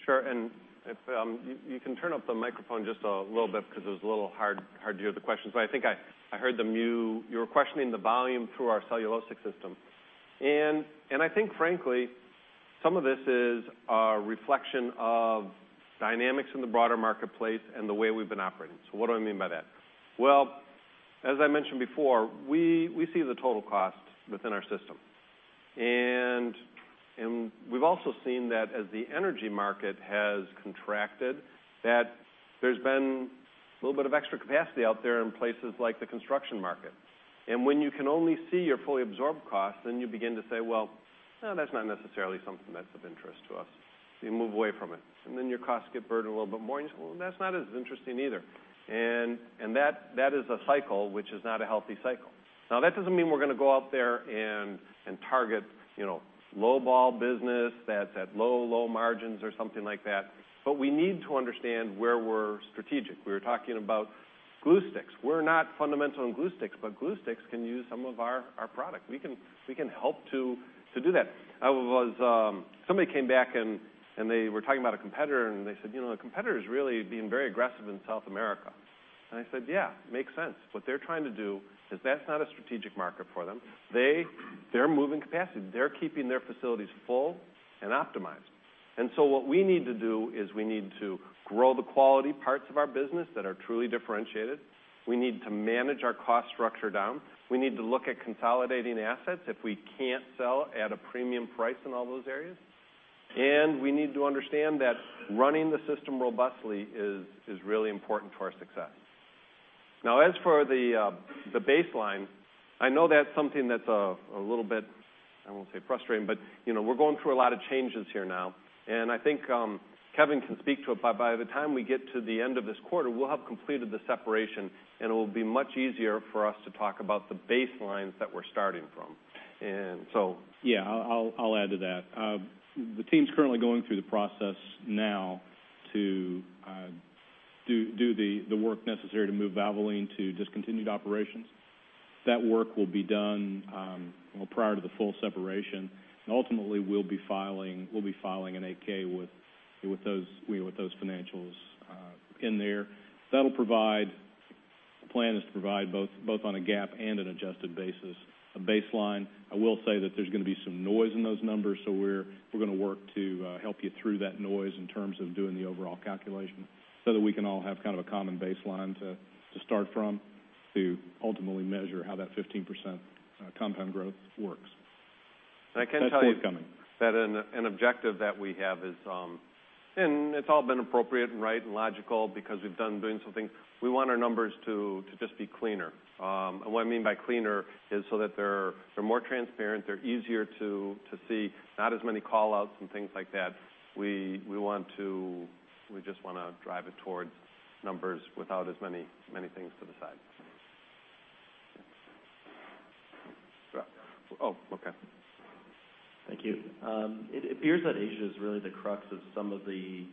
I have two quick questions. Can we get a little bit more detail on through the end market and what's been changed? When you get to the end market, the impact that machine learning is having on your services. The second question, you guys have even though you have the volume of Valvoline, it looks a bit for example, different than the standard solutions that you have. Can you explain to me what are the key drivers in that volume? Sure. You can turn up the microphone just a little bit because it was a little hard to hear the question. I think I heard them. You were questioning the volume through our cellulosic system. I think frankly, some of this is a reflection of dynamics in the broader marketplace and the way we've been operating. What do I mean by that? Well, as I mentioned before, we see the total cost within our system. We've also seen that as the energy market has contracted, that there's been a little bit of extra capacity out there in places like the construction market. When you can only see your fully absorbed cost, then you begin to say, "Well, no, that's not necessarily something that's of interest to us." You move away from it. Your costs get burdened a little bit more, and you say, "Well, that's not as interesting either." That is a cycle, which is not a healthy cycle. Now, that doesn't mean we're going to go out there and target low ball business that's at low margins or something like that. We need to understand where we're strategic. We were talking about glue sticks. We're not fundamental in glue sticks, but glue sticks can use some of our product. We can help to do that. Somebody came back, and they were talking about a competitor, and they said, "The competitor's really being very aggressive in South America." I said, "Yeah, makes sense." What they're trying to do is, that's not a strategic market for them. They're moving capacity. They're keeping their facilities full and optimized. What we need to do is we need to grow the quality parts of our business that are truly differentiated. We need to manage our cost structure down. We need to look at consolidating assets if we can't sell at a premium price in all those areas. We need to understand that running the system robustly is really important for our success. Now, as for the baseline, I know that's something that's a little bit, I won't say frustrating, but we're going through a lot of changes here now, and I think Kevin can speak to it. By the time we get to the end of this quarter, we'll have completed the separation, and it will be much easier for us to talk about the baselines that we're starting from. Yeah, I'll add to that. The team's currently going through the process now to do the work necessary to move Valvoline to discontinued operations. That work will be done prior to the full separation. Ultimately, we'll be filing an 8-K with those financials in there. The plan is to provide, both on a GAAP and an adjusted basis, a baseline. I will say that there's going to be some noise in those numbers, so we're going to work to help you through that noise in terms of doing the overall calculation so that we can all have kind of a common baseline to start from, to ultimately measure how that 15% compound growth works. That's forthcoming. I can tell you that an objective that we have is, it's all been appropriate and right and logical because we've done doing some things. We want our numbers to just be cleaner. What I mean by cleaner is so that they're more transparent, they're easier to see, not as many call-outs and things like that. We just want to drive it towards numbers without as many things to the side. Oh, okay. Thank you. It appears that Asia is really the crux of some of the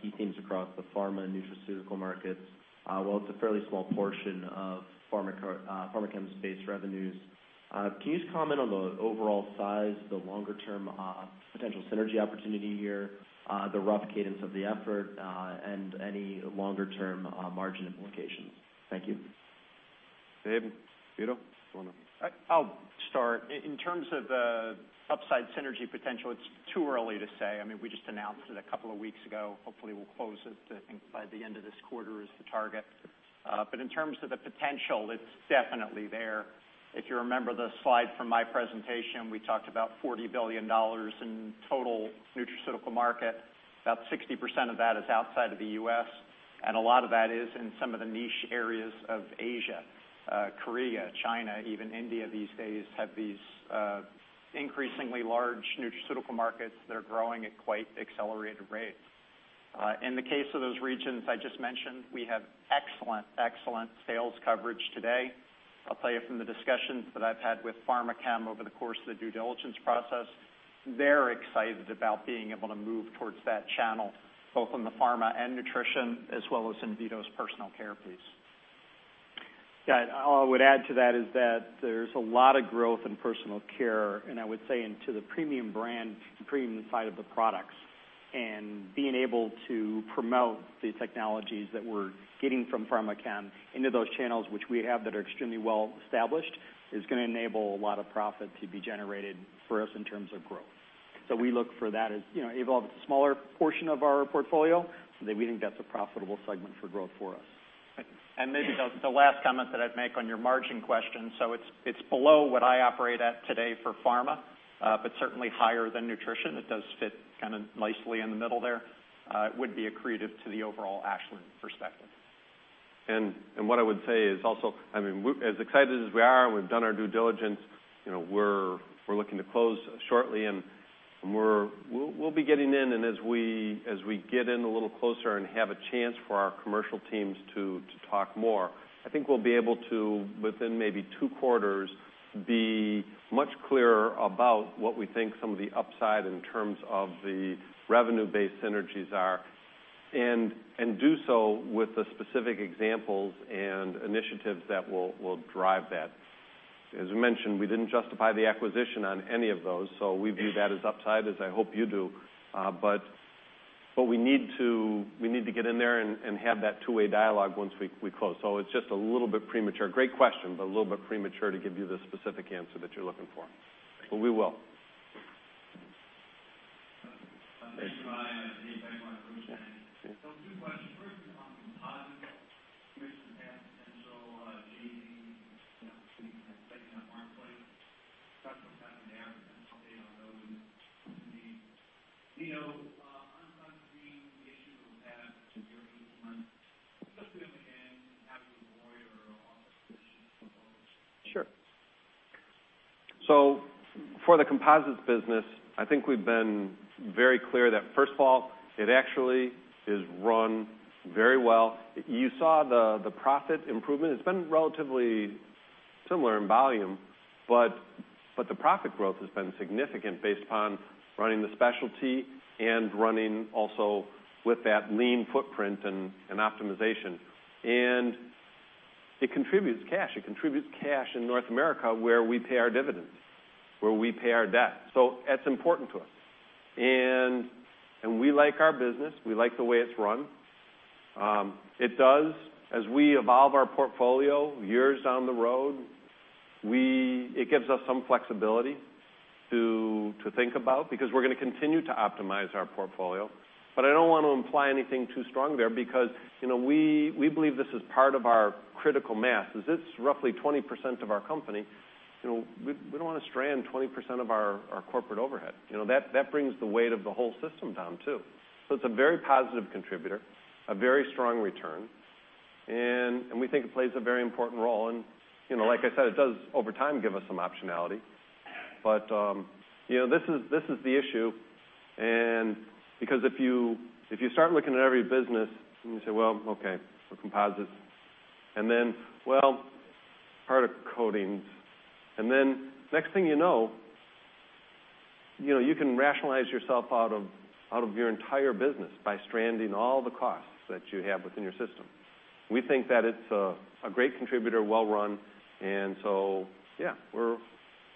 key themes across the pharma nutraceutical markets. While it's a fairly small portion of pharmaceutical space revenues, can you just comment on the overall size, the longer-term potential synergy opportunity here, the rough cadence of the effort, and any longer-term margin implications? Thank you. Dave, Vito, want to- I'll start. In terms of the upside synergy potential, it's too early to say. We just announced it a couple of weeks ago. Hopefully, we'll close it, I think, by the end of this quarter is the target. In terms of the potential, it's definitely there. If you remember the slide from my presentation, we talked about $40 billion in total nutraceutical market. About 60% of that is outside of the U.S., and a lot of that is in some of the niche areas of Asia. Korea, China, even India these days have these increasingly large nutraceutical markets that are growing at quite accelerated rates. In the case of those regions I just mentioned, we have excellent sales coverage today. I'll tell you from the discussions that I've had with Pharmachem over the course of the due diligence process, they're excited about being able to move towards that channel, both on the Pharma & Nutrition, as well as in Vito's personal care piece. Yeah. All I would add to that is that there's a lot of growth in personal care, and I would say into the premium brand and premium side of the products. Being able to promote the technologies that we're getting from Pharmachem into those channels, which we have that are extremely well-established, is going to enable a lot of profit to be generated for us in terms of growth. We look for that as, even though it's a smaller portion of our portfolio, we think that's a profitable segment for growth for us. Maybe the last comment that I'd make on your margin question, so it's below what I operate at today for pharma, but certainly higher than nutrition. It does fit kind of nicely in the middle there. It would be accretive to the overall Ashland perspective. What I would say is also, as excited as we are, and we've done our due diligence, we're looking to close shortly and we'll be getting in. As we get in a little closer and have a chance for our commercial teams to talk more, I think we'll be able to, within maybe two quarters, be much clearer about what we think some of the upside in terms of the revenue-based synergies are, and do so with the specific examples and initiatives that will drive that. As we mentioned, we didn't justify the acquisition on any of those, so we view that as upside, as I hope you do. We need to get in there and have that two-way dialogue once we close. It's just a little bit premature. Great question, but a little bit premature to give you the specific answer that you're looking for. Thank you. We will. Thank you. Thank you. Two questions. First is on Composites. You mentioned it has potential taking that marketplace. Vito, on sunscreen, the issue that was had earlier this month. Just again, how do you avoid or offset? Sure. For the Composites business, I think we've been very clear that first of all, it actually is run very well. You saw the profit improvement. It's been relatively similar in volume, but the profit growth has been significant based upon running the specialty and running also with that lean footprint and optimization. It contributes cash. It contributes cash in North America where we pay our dividends, where we pay our debt. That's important to us. We like our business. We like the way it's run. It does, as we evolve our portfolio years down the road, it gives us some flexibility to think about, because we're going to continue to optimize our portfolio. I don't want to imply anything too strong there, because we believe this is part of our critical mass, as it's roughly 20% of our company. We don't want to strand 20% of our corporate overhead. That brings the weight of the whole system down, too. It's a very positive contributor, a very strong return, and we think it plays a very important role. Like I said, it does over time give us some optionality. This is the issue, and because if you start looking at every business and you say, "Well, okay, Composites." Then, "Well, particle coatings." Then next thing you know, you can rationalize yourself out of your entire business by stranding all the costs that you have within your system. We think that it's a great contributor, well run, and so yeah,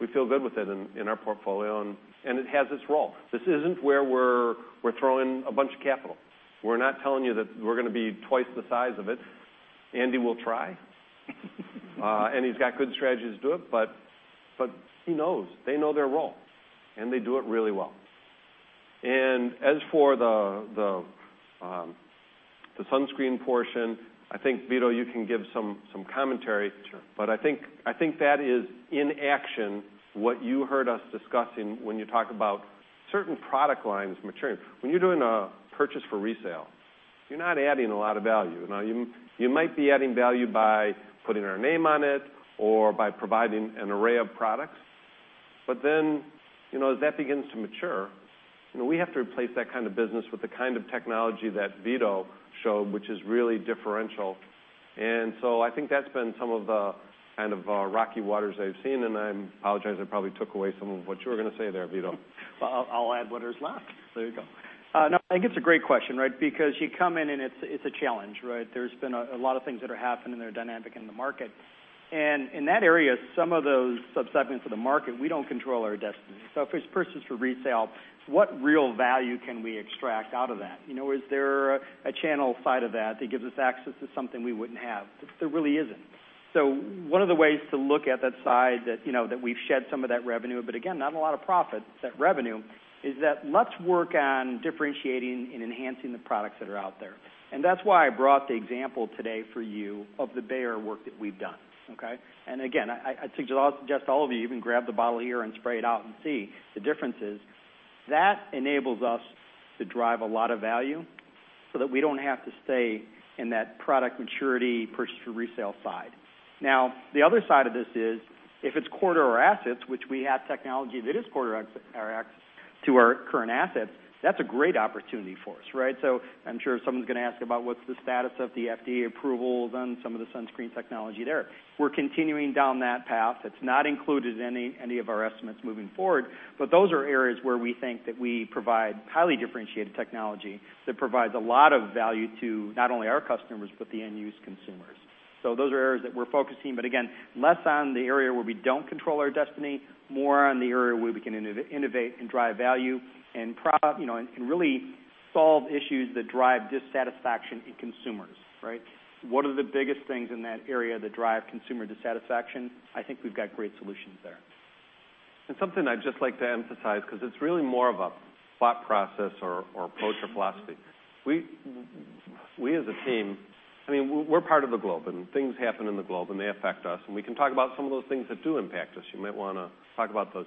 we feel good with it in our portfolio, and it has its role. This isn't where we're throwing a bunch of capital. We're not telling you that we're going to be twice the size of it. Andy will try. He's got good strategies to do it, but he knows. They know their role, and they do it really well. As for the sunscreen portion, I think, Vito, you can give some commentary. Sure. I think that is in action what you heard us discussing when you talk about certain product lines maturing. When you're doing a purchase for resale, you're not adding a lot of value. Now, you might be adding value by putting our name on it or by providing an array of products. Then, as that begins to mature, we have to replace that kind of business with the kind of technology that Vito showed, which is really differential. So I think that's been some of the kind of rocky waters I've seen, and I apologize, I probably took away some of what you were going to say there, Vito. I'll add what is left. There you go. I think it's a great question, right? You come in, and it's a challenge, right? There's been a lot of things that are happening that are dynamic in the market. In that area, some of those subsegments of the market, we don't control our destiny. If it's purchase for resale, what real value can we extract out of that? Is there a channel side of that gives us access to something we wouldn't have? There really isn't. One of the ways to look at that side, that we've shed some of that revenue, but again, not a lot of profit, it's that revenue, is that let's work on differentiating and enhancing the products that are out there. That's why I brought the example today for you of the Bayer work that we've done, okay? Again, I'd suggest all of you even grab the bottle here and spray it out and see the differences. That enables us to drive a lot of value so that we don't have to stay in that product maturity purchase for resale side. Now, the other side of this is, if it's core assets, which we have technology that is core assets To our current assets, that's a great opportunity for us, right? I'm sure someone's going to ask about what's the status of the FDA approvals on some of the sunscreen technology there. We're continuing down that path. It's not included in any of our estimates moving forward, those are areas where we think that we provide highly differentiated technology that provides a lot of value to not only our customers, but the end-use consumers. Those are areas that we're focusing, again, less on the area where we don't control our destiny, more on the area where we can innovate and drive value and really solve issues that drive dissatisfaction in consumers, right? What are the biggest things in that area that drive consumer dissatisfaction? I think we've got great solutions there. Something I'd just like to emphasize, because it's really more of a thought process or approach or philosophy. We as a team, we're part of the globe and things happen in the globe and they affect us, and we can talk about some of those things that do impact us. You might want to talk about those.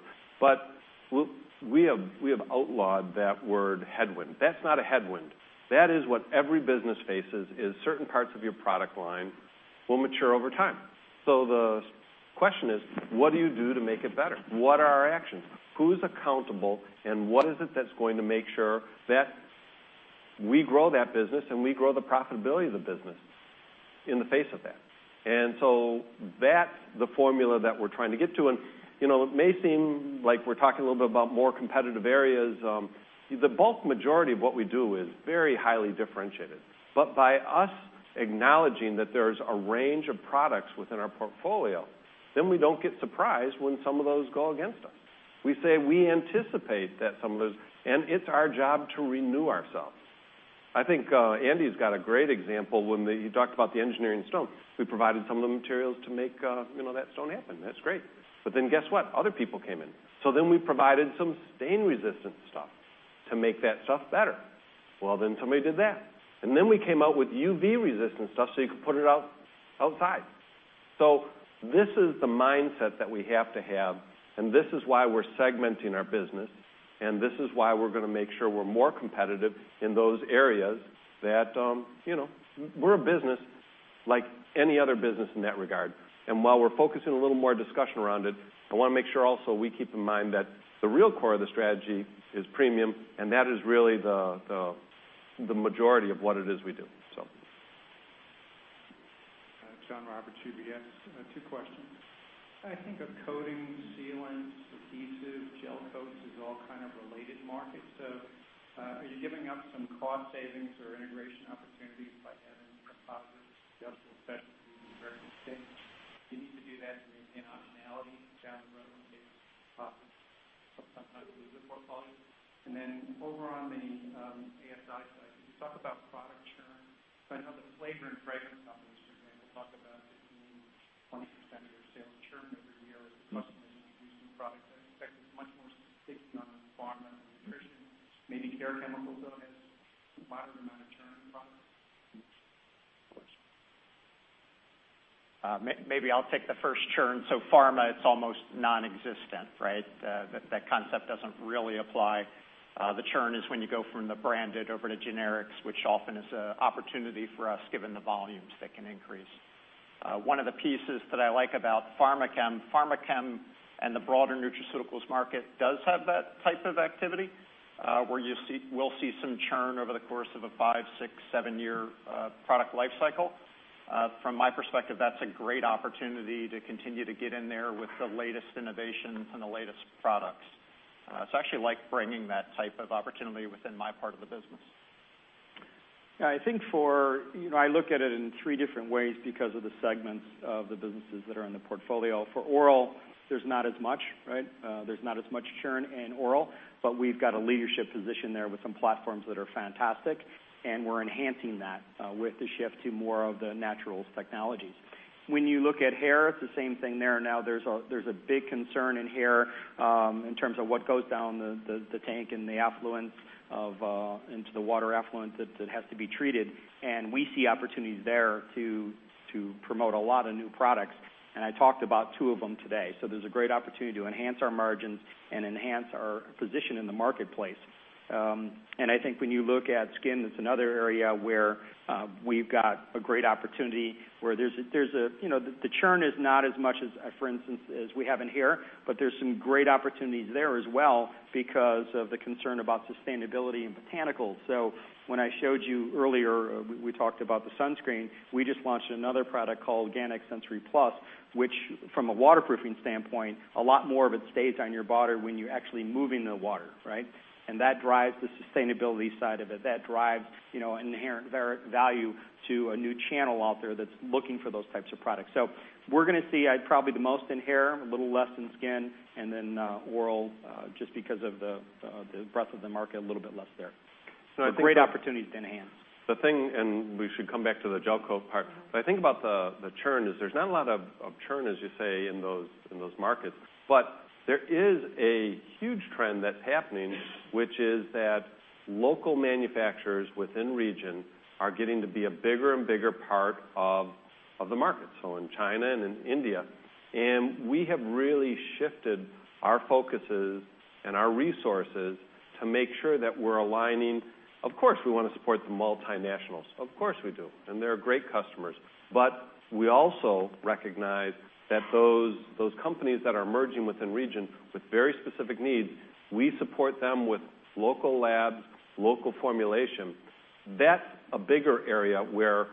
We have outlawed that word headwind. That's not a headwind. That is what every business faces, is certain parts of your product line will mature over time. The question is, what do you do to make it better? What are our actions? Who's accountable, what is it that's going to make sure that we grow that business and we grow the profitability of the business in the face of that? That's the formula that we're trying to get to. It may seem like we're talking a little bit about more competitive areas. The bulk majority of what we do is very highly differentiated. By us acknowledging that there's a range of products within our portfolio, we don't get surprised when some of those go against us. We say we anticipate that some of those, and it's our job to renew ourselves. I think Andy's got a great example when he talked about the engineering stone. We provided some of the materials to make that stone happen. That's great. Guess what? Other people came in. We provided some stain-resistant stuff to make that stuff better. Somebody did that. We came out with UV-resistant stuff so you could put it outside. This is the mindset that we have to have, and this is why we're segmenting our business, and this is why we're going to make sure we're more competitive in those areas that. We're a business like any other business in that regard. While we're focusing a little more discussion around it, I want to make sure also we keep in mind that the real core of the strategy is premium, and that is really the majority of what it is we do. John Roberts, UBS. Two questions. I think of coatings, sealants, adhesives, gelcoats as all kind of related markets. Are you giving up some cost savings or integration opportunities by having a composite adjustable specialty in various things? Do you need to do that to maintain optionality down the road in case you decide to leave the portfolio? Over on the ASI side, could you talk about product churn? I know the flavor and fragrance companies, for example, talk about 15%, 20% of their sales churn every year as the customer is introducing products. I expect it's much more sticky on Pharma & Nutrition. Maybe care chemicals, though, has a moderate amount of churn in products. Maybe I'll take the first churn. Pharma, it's almost nonexistent, right? That concept doesn't really apply. The churn is when you go from the branded over to generics, which often is an opportunity for us given the volumes that can increase. One of the pieces that I like about Pharmachem and the broader nutraceuticals market does have that type of activity, where you will see some churn over the course of a five, six, seven-year product life cycle. From my perspective, that's a great opportunity to continue to get in there with the latest innovations and the latest products. I actually like bringing that type of opportunity within my part of the business. I look at it in three different ways because of the segments of the businesses that are in the portfolio. For oral, there's not as much, right? There's not as much churn in oral, but we've got a leadership position there with some platforms that are fantastic, and we're enhancing that with the shift to more of the naturals technologies. When you look at hair, it's the same thing there. Now there's a big concern in hair in terms of what goes down the tank and into the water effluent that has to be treated. We see opportunities there to promote a lot of new products, I talked about two of them today. There's a great opportunity to enhance our margins and enhance our position in the marketplace. I think when you look at skin, that's another area where we've got a great opportunity where the churn is not as much as, for instance, as we have in hair, but there's some great opportunities there as well because of the concern about sustainability and botanicals. When I showed you earlier, we talked about the sunscreen, we just launched another product called Ganex Sensory Plus, which from a waterproofing standpoint, a lot more of it stays on your body when you're actually moving in the water, right? That drives the sustainability side of it. That drives inherent value to a new channel out there that's looking for those types of products. We're going to see probably the most in hair, a little less in skin, and then oral, just because of the breadth of the market, a little bit less there. Great opportunities to enhance. The thing, we should come back to the gelcoat part, I think about the churn is there's not a lot of churn, as you say, in those markets, but there is a huge trend that's happening, which is that local manufacturers within region are getting to be a bigger and bigger part of the market. In China and in India. We have really shifted our focuses and our resources to make sure that we're aligning. Of course, we want to support the multinationals. Of course, we do. They're great customers. We also recognize that those companies that are emerging within region with very specific needs, we support them with local labs, local formulation That's a bigger area where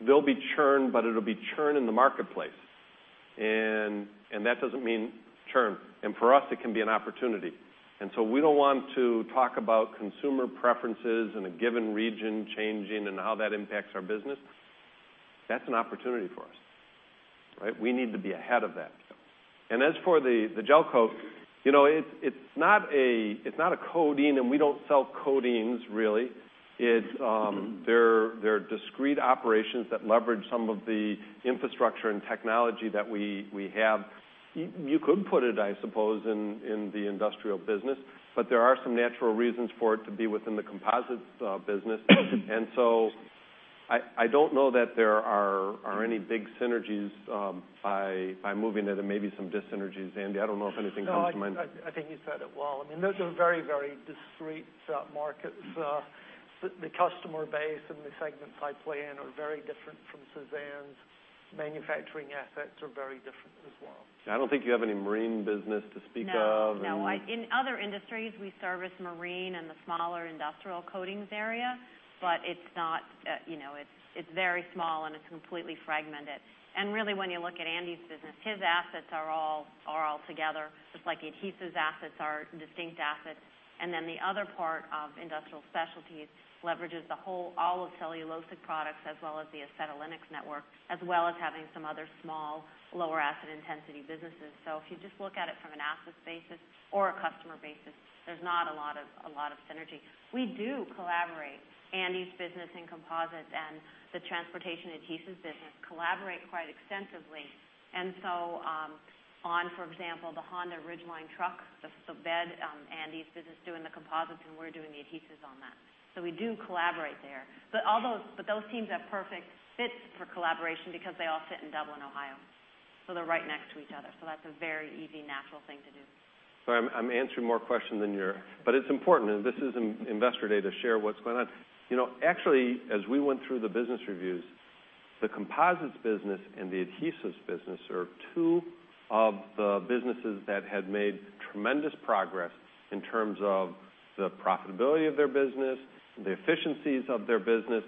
there'll be churn, but it'll be churn in the marketplace. That doesn't mean churn. For us, it can be an opportunity. We don't want to talk about consumer preferences in a given region changing and how that impacts our business. That's an opportunity for us. We need to be ahead of that. As for the gelcoat, it's not a coating, and we don't sell coatings really. They're discrete operations that leverage some of the infrastructure and technology that we have. You could put it, I suppose, in the industrial business, but there are some natural reasons for it to be within the composites business. I don't know that there are any big synergies by moving it and maybe some dis-synergies. Andy, I don't know if anything comes to mind. No, I think you said it well. Those are very, very discrete markets. The customer base and the segments I play in are very different from Suzanne's. Manufacturing assets are very different as well. I don't think you have any marine business to speak of. No. In other industries, we service marine and the smaller industrial coatings area, but it's very small, and it's completely fragmented. Really, when you look at Andy's business, his assets are all together, just like the adhesives assets are distinct assets. The other part of Industrial Specialties leverages the whole, all of cellulosic products as well as the acetylenics network, as well as having some other small, lower asset intensity businesses. If you just look at it from an assets basis or a customer basis, there's not a lot of synergy. We do collaborate. Andy's business in composites and the transportation adhesives business collaborate quite extensively. On, for example, the Honda Ridgeline truck, the bed, Andy's business is doing the composites, and we're doing the adhesives on that. We do collaborate there. Those teams are perfect fits for collaboration because they all sit in Dublin, Ohio. They're right next to each other. That's a very easy, natural thing to do. Sorry, I'm answering more questions than you're. It's important, and this is Investor Day to share what's going on. Actually, as we went through the business reviews, the composites business and the adhesives business are two of the businesses that had made tremendous progress in terms of the profitability of their business, the efficiencies of their business.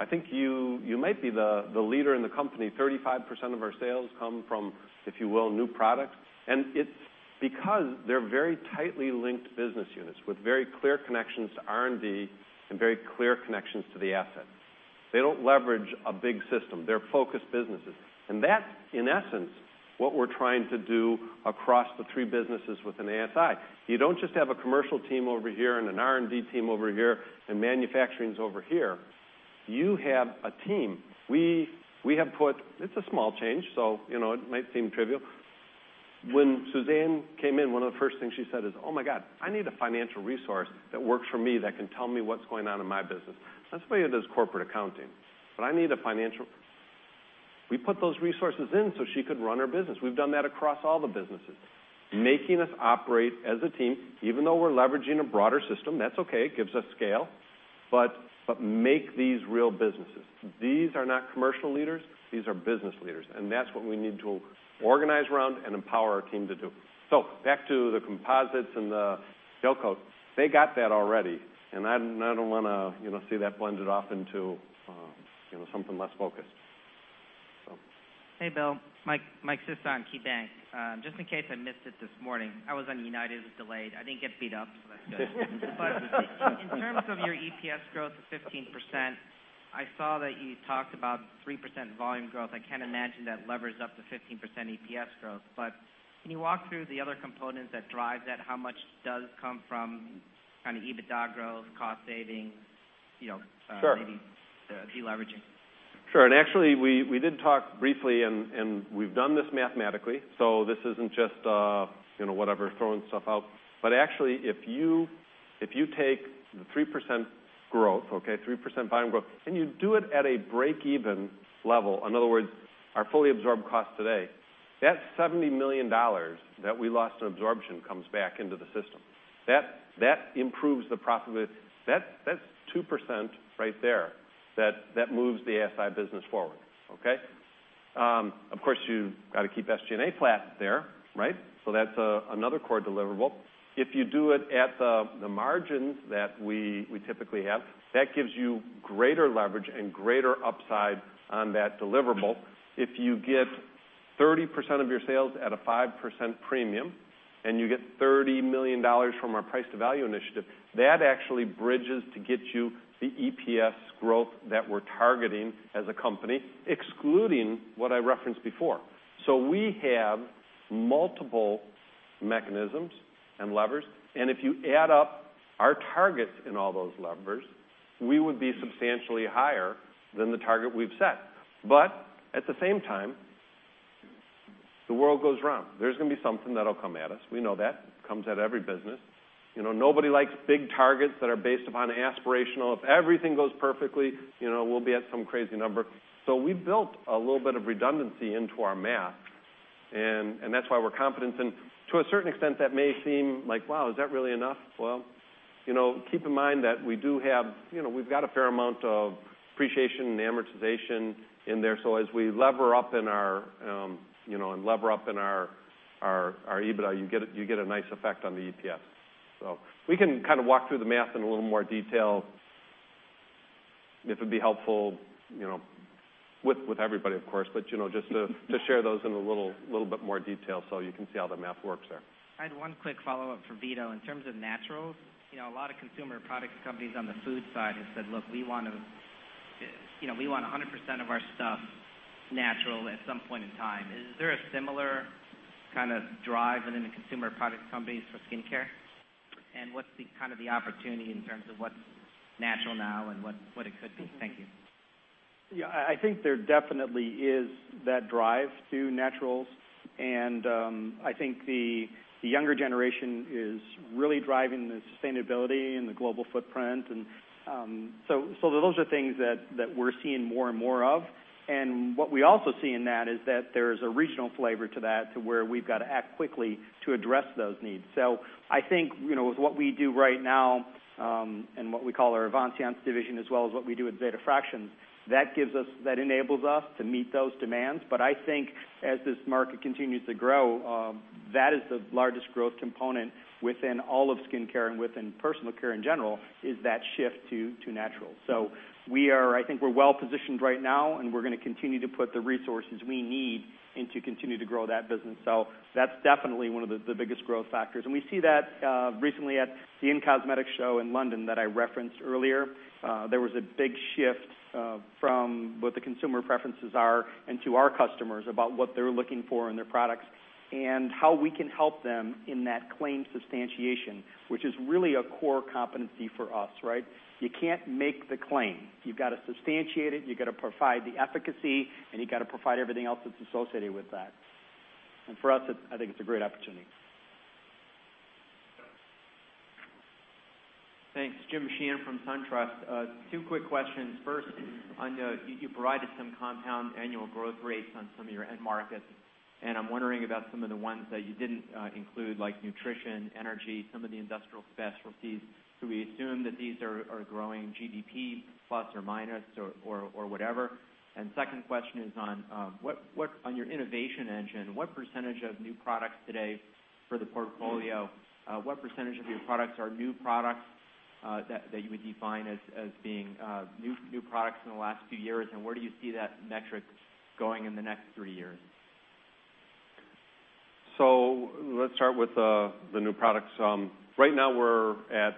I think you might be the leader in the company. 35% of our sales come from, if you will, new products. It's because they're very tightly linked business units with very clear connections to R&D and very clear connections to the assets. They don't leverage a big system. They're focused businesses. That, in essence, what we're trying to do across the three businesses within ASI. You don't just have a commercial team over here and an R&D team over here and manufacturing's over here. You have a team. It's a small change, so it might seem trivial. When Suzanne came in, one of the first things she said is, "Oh my God, I need a financial resource that works for me that can tell me what's going on in my business." That's the way it is corporate accounting. We put those resources in so she could run her business. We've done that across all the businesses, making us operate as a team, even though we're leveraging a broader system. That's okay. It gives us scale. Make these real businesses. These are not commercial leaders. These are business leaders. That's what we need to organize around and empower our team to do. Back to the composites and the gelcoat. They got that already, and I don't want to see that blended off into something less focused. Hey, Bill. Mike Sison, KeyBanc. Just in case I missed it this morning, I was on United. It was delayed. I didn't get beat up, that's good. In terms of your EPS growth of 15%, I saw that you talked about 3% volume growth. I can't imagine that levers up to 15% EPS growth. Can you walk through the other components that drive that? How much does come from EBITDA growth, cost saving- Sure maybe deleveraging? Sure. Actually, we did talk briefly, and we've done this mathematically, this isn't just whatever, throwing stuff out. Actually, if you take the 3% growth, okay, 3% volume growth, and you do it at a break-even level, in other words, our fully absorbed cost today, that $70 million that we lost in absorption comes back into the system. That improves the profitability. That's 2% right there that moves the ASI business forward. Okay? Of course, you've got to keep SG&A flat there, right? That's another core deliverable. If you do it at the margins that we typically have, that gives you greater leverage and greater upside on that deliverable. If you get 30% of your sales at a 5% premium and you get $30 million from our price to value initiative, that actually bridges to get you the EPS growth that we're targeting as a company, excluding what I referenced before. We have multiple mechanisms and levers, and if you add up our targets in all those levers, we would be substantially higher than the target we've set. At the same time, the world goes round. There's going to be something that'll come at us. We know that. Comes at every business. Nobody likes big targets that are based upon aspirational. If everything goes perfectly, we'll be at some crazy number. We built a little bit of redundancy into our math, and that's why we're confident. To a certain extent, that may seem like, wow, is that really enough? Well, keep in mind that we've got a fair amount of appreciation and amortization in there. As we lever up in our EBITDA, you get a nice effect on the EPS. We can walk through the math in a little more detail, if it'd be helpful, with everybody, of course, but just to share those in a little bit more detail so you can see how the math works there. I had one quick follow-up for Vito. In terms of naturals, a lot of consumer products companies on the food side have said, "Look, we want 100% of our stuff natural at some point in time." Is there a similar kind of drive within the consumer product companies for skincare? What's the opportunity in terms of what's natural now and what it could be? Thank you. I think there definitely is that drive to naturals, I think the younger generation is really driving the sustainability and the global footprint. Those are things that we're seeing more and more of. What we also see in that is that there's a regional flavor to that, to where we've got to act quickly to address those needs. I think, with what we do right now, what we call our Avantiance division, as well as what we do with Zeta Fraction, that enables us to meet those demands. I think as this market continues to grow, that is the largest growth component within all of skincare and within personal care in general, is that shift to natural. I think we're well-positioned right now, we're going to continue to put the resources we need in to continue to grow that business. That's definitely one of the biggest growth factors. We see that recently at the in-cosmetics show in London that I referenced earlier. There was a big shift from what the consumer preferences are to our customers about what they're looking for in their products and how we can help them in that claim substantiation, which is really a core competency for us, right? You can't make the claim. You've got to substantiate it, you've got to provide the efficacy, you got to provide everything else that's associated with that. For us, I think it's a great opportunity. Thanks. James Sheehan from SunTrust. Two quick questions. First, you provided some compound annual growth rates on some of your end markets, I'm wondering about some of the ones that you didn't include, like nutrition, energy, some of the Industrial Specialties. Do we assume that these are growing GDP plus or minus or whatever? Second question is on your innovation engine. What percentage of new products today for the portfolio, what percentage of your products are new products, that you would define as being new products in the last two years? Where do you see that metric going in the next three years? Let's start with the new products. Right now, we're at,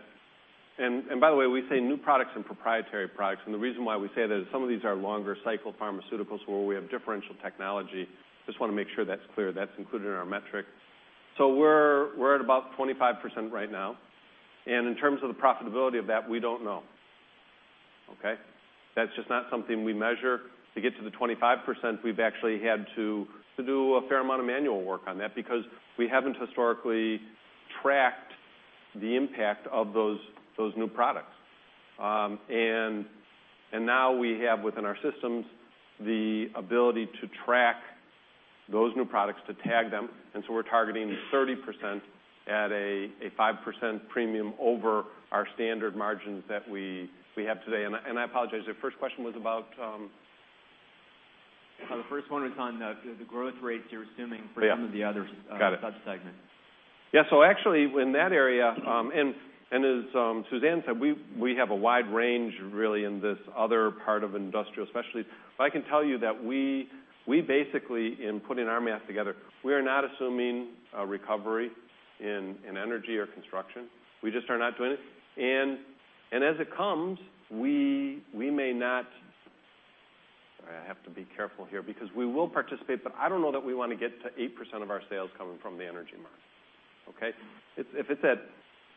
and by the way, we say new products and proprietary products, and the reason why we say that is some of these are longer cycle pharmaceuticals where we have differential technology. Just want to make sure that's clear. That's included in our metric. We're at about 25% right now. In terms of the profitability of that, we don't know. Okay? That's just not something we measure. To get to the 25%, we've actually had to do a fair amount of manual work on that because we haven't historically tracked the impact of those new products. Now we have within our systems the ability to track those new products, to tag them, and so we're targeting 30% at a 5% premium over our standard margins that we have today. I apologize, your first question was about? The first one was on the growth rates you're assuming for some of the other- Got it sub-segments. Actually, in that area, and as Suzanne said, we have a wide range, really, in this other part of Industrial Specialties. I can tell you that we basically, in putting our math together, we are not assuming a recovery in energy or construction. We just are not doing it. As it comes, we may not, I have to be careful here because we will participate, but I don't know that we want to get to 8% of our sales coming from the energy market. Okay? If it's at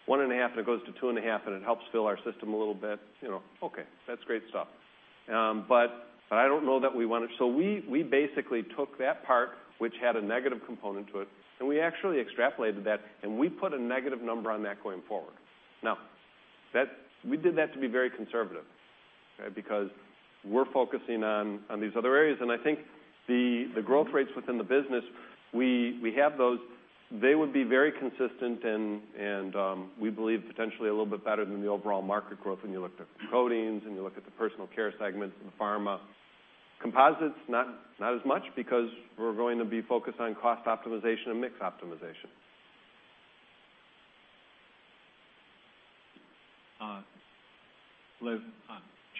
one and a half and it goes to two and a half and it helps fill our system a little bit, okay, that's great stuff. I don't know that we want to. We basically took that part, which had a negative component to it, and we actually extrapolated that, and we put a negative number on that going forward. We did that to be very conservative. We're focusing on these other areas, and I think the growth rates within the business, we have those. They would be very consistent and, we believe, potentially a little bit better than the overall market growth when you look at the coatings and you look at the personal care segments and the pharma. Composites, not as much because we're going to be focused on cost optimization and mix optimization. Liv,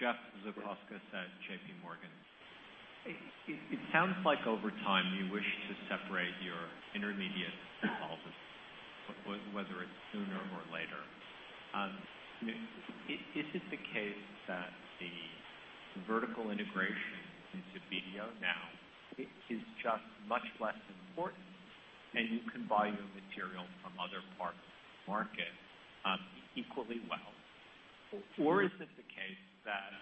Jeffrey Zekauskas at JPMorgan. It sounds like over time, you wish to separate your intermediate whether it's sooner or later. Is it the case that the vertical integration into BDO now is just much less important and you can buy your material from other parts of the market equally well? Or is it the case that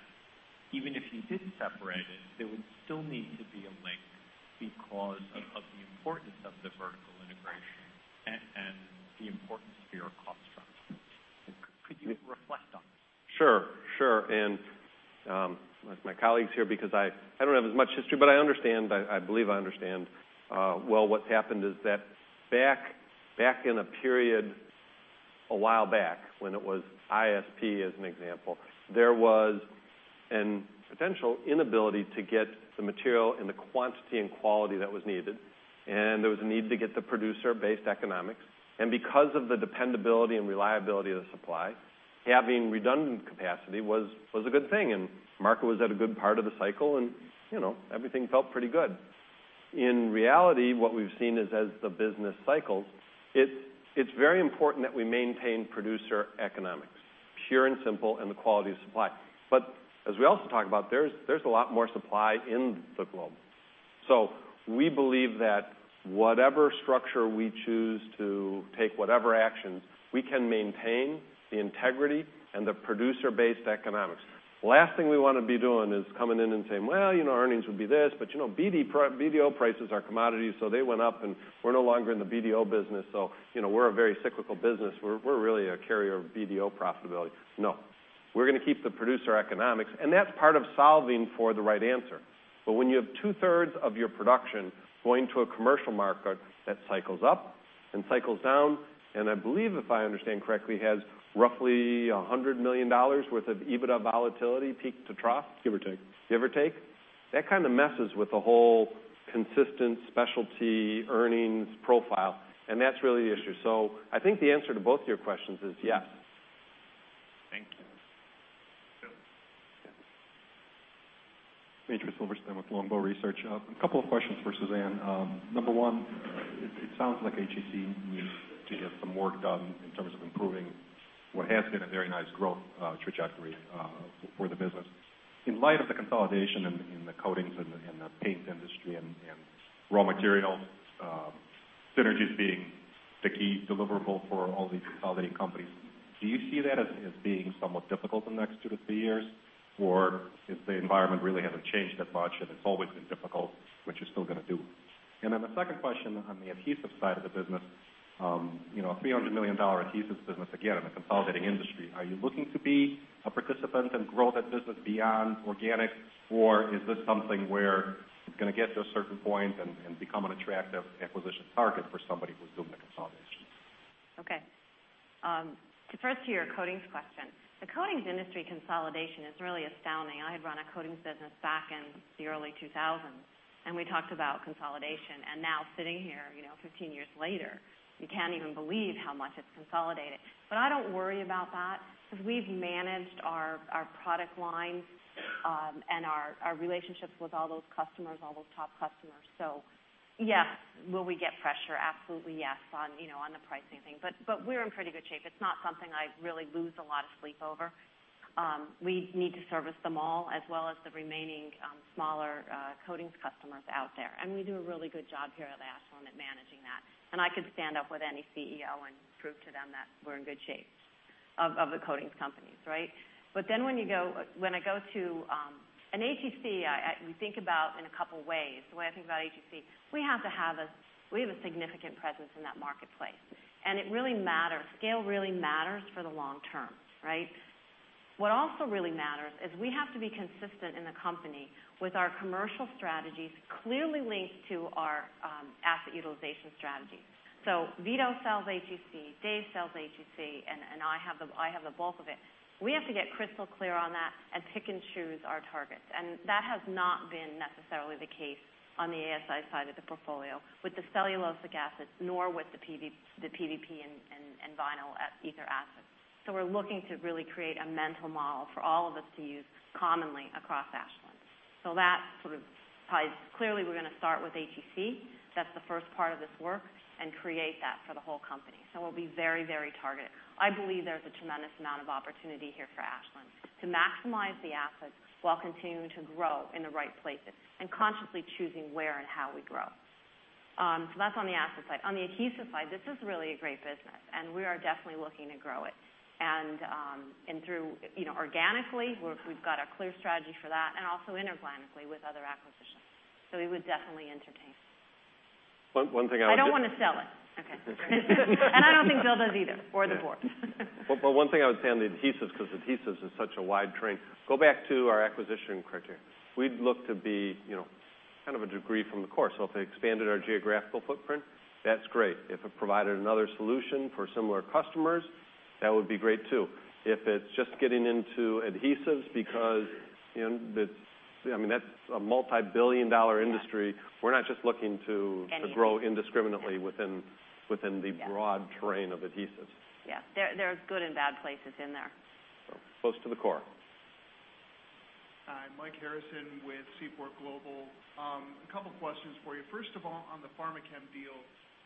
even if you did separate it, there would still need to be a link because of the importance of the vertical integration and the importance for your cost structure? Could you reflect on that? Sure. I'll ask my colleagues here because I don't have as much history, but I believe I understand well what's happened is that back in a period a while back, when it was ISP, as an example, there was a potential inability to get the material in the quantity and quality that was needed, and there was a need to get the producer-based economics. Because of the dependability and reliability of the supply, having redundant capacity was a good thing. The market was at a good part of the cycle, and everything felt pretty good. In reality, what we've seen is as the business cycles, it's very important that we maintain producer economics, pure and simple, and the quality of supply. As we also talk about, there's a lot more supply in the globe. We believe that whatever structure we choose to take, whatever actions, we can maintain the integrity and the producer-based economics. Last thing we want to be doing is coming in and saying, "Well, earnings would be this, but BDO prices are commodities, so they went up, and we're no longer in the BDO business." We're a very cyclical business. We're really a carrier of BDO profitability. No, we're going to keep the producer economics, and that's part of solving for the right answer. When you have two-thirds of your production going to a commercial market that cycles up and cycles down, and I believe, if I understand correctly, has roughly $100 million worth of EBITDA volatility, peak to trough. Give or take. Give or take. That kind of messes with the whole consistent specialty earnings profile, and that's really the issue. I think the answer to both your questions is yes. Thank you. Phil. Andrew Silverman with Longbow Research. A couple of questions for Suzanne. Number 1, it sounds like ATC needs to get some work done in terms of improving what has been a very nice growth trajectory for the business. In light of the consolidation in the coatings and the paint industry and raw material synergies being the key deliverable for all these consolidating companies, do you see that as being somewhat difficult in the next two to three years? Or the environment really hasn't changed that much, and it's always been difficult, which you're still going to do? Then the second question on the adhesive side of the business. A $300 million adhesives business, again, in a consolidating industry. Are you looking to be a participant and grow that business beyond organic, or is this something where it's going to get to a certain point and become an attractive acquisition target for somebody who's doing the consolidations? Okay. First to your coatings question. The coatings industry consolidation is really astounding. I had run a coatings business back in the early 2000s, we talked about consolidation. Now sitting here 15 years later, you can't even believe how much it's consolidated. I don't worry about that because we've managed our product lines and our relationships with all those customers, all those top customers. Yes. Will we get pressure? Absolutely yes on the pricing thing. We're in pretty good shape. It's not something I really lose a lot of sleep over. We need to service them all, as well as the remaining smaller coatings customers out there. We do a really good job here at Ashland at managing that. I could stand up with any CEO and prove to them that we're in good shape of the coatings companies, right? When I go to an ATC, we think about in a couple ways. The way I think about ATC, we have a significant presence in that marketplace, it really matters. Scale really matters for the long term, right? What also really matters is we have to be consistent in the company with our commercial strategies clearly linked to our asset utilization strategy. Vito sells ATC, Dave sells ATC, I have the bulk of it. We have to get crystal clear on that and pick and choose our targets. That has not been necessarily the case on the ASI side of the portfolio with the cellulosic assets, nor with the PVP and vinyl pyrrolidones assets. We're looking to really create a mental model for all of us to use commonly across Ashland. That sort of ties. Clearly, we're going to start with ATC, that's the first part of this work, create that for the whole company. We'll be very targeted. I believe there's a tremendous amount of opportunity here for Ashland to maximize the assets while continuing to grow in the right places and consciously choosing where and how we grow. That's on the asset side. On the adhesive side, this is really a great business, we are definitely looking to grow it. Organically, we've got a clear strategy for that, also inorganically with other acquisitions. We would definitely entertain. One thing I would. I don't want to sell it. Okay. I don't think Bill does either, or the board. One thing I would say on the adhesives, because adhesives is such a wide terrain, go back to our acquisition criteria. We'd look to be kind of a degree from the course. If it expanded our geographical footprint, that's great. If it provided another solution for similar customers, that would be great, too. If it's just getting into adhesives because that's a $multibillion industry. Yeah we're not just looking to. Any grow indiscriminately within- Yeah the broad terrain of adhesives. Yeah. There are good and bad places in there. Close to the core. Hi, Mike Harrison with Seaport Global. A couple questions for you. First of all, on the Pharmachem deal,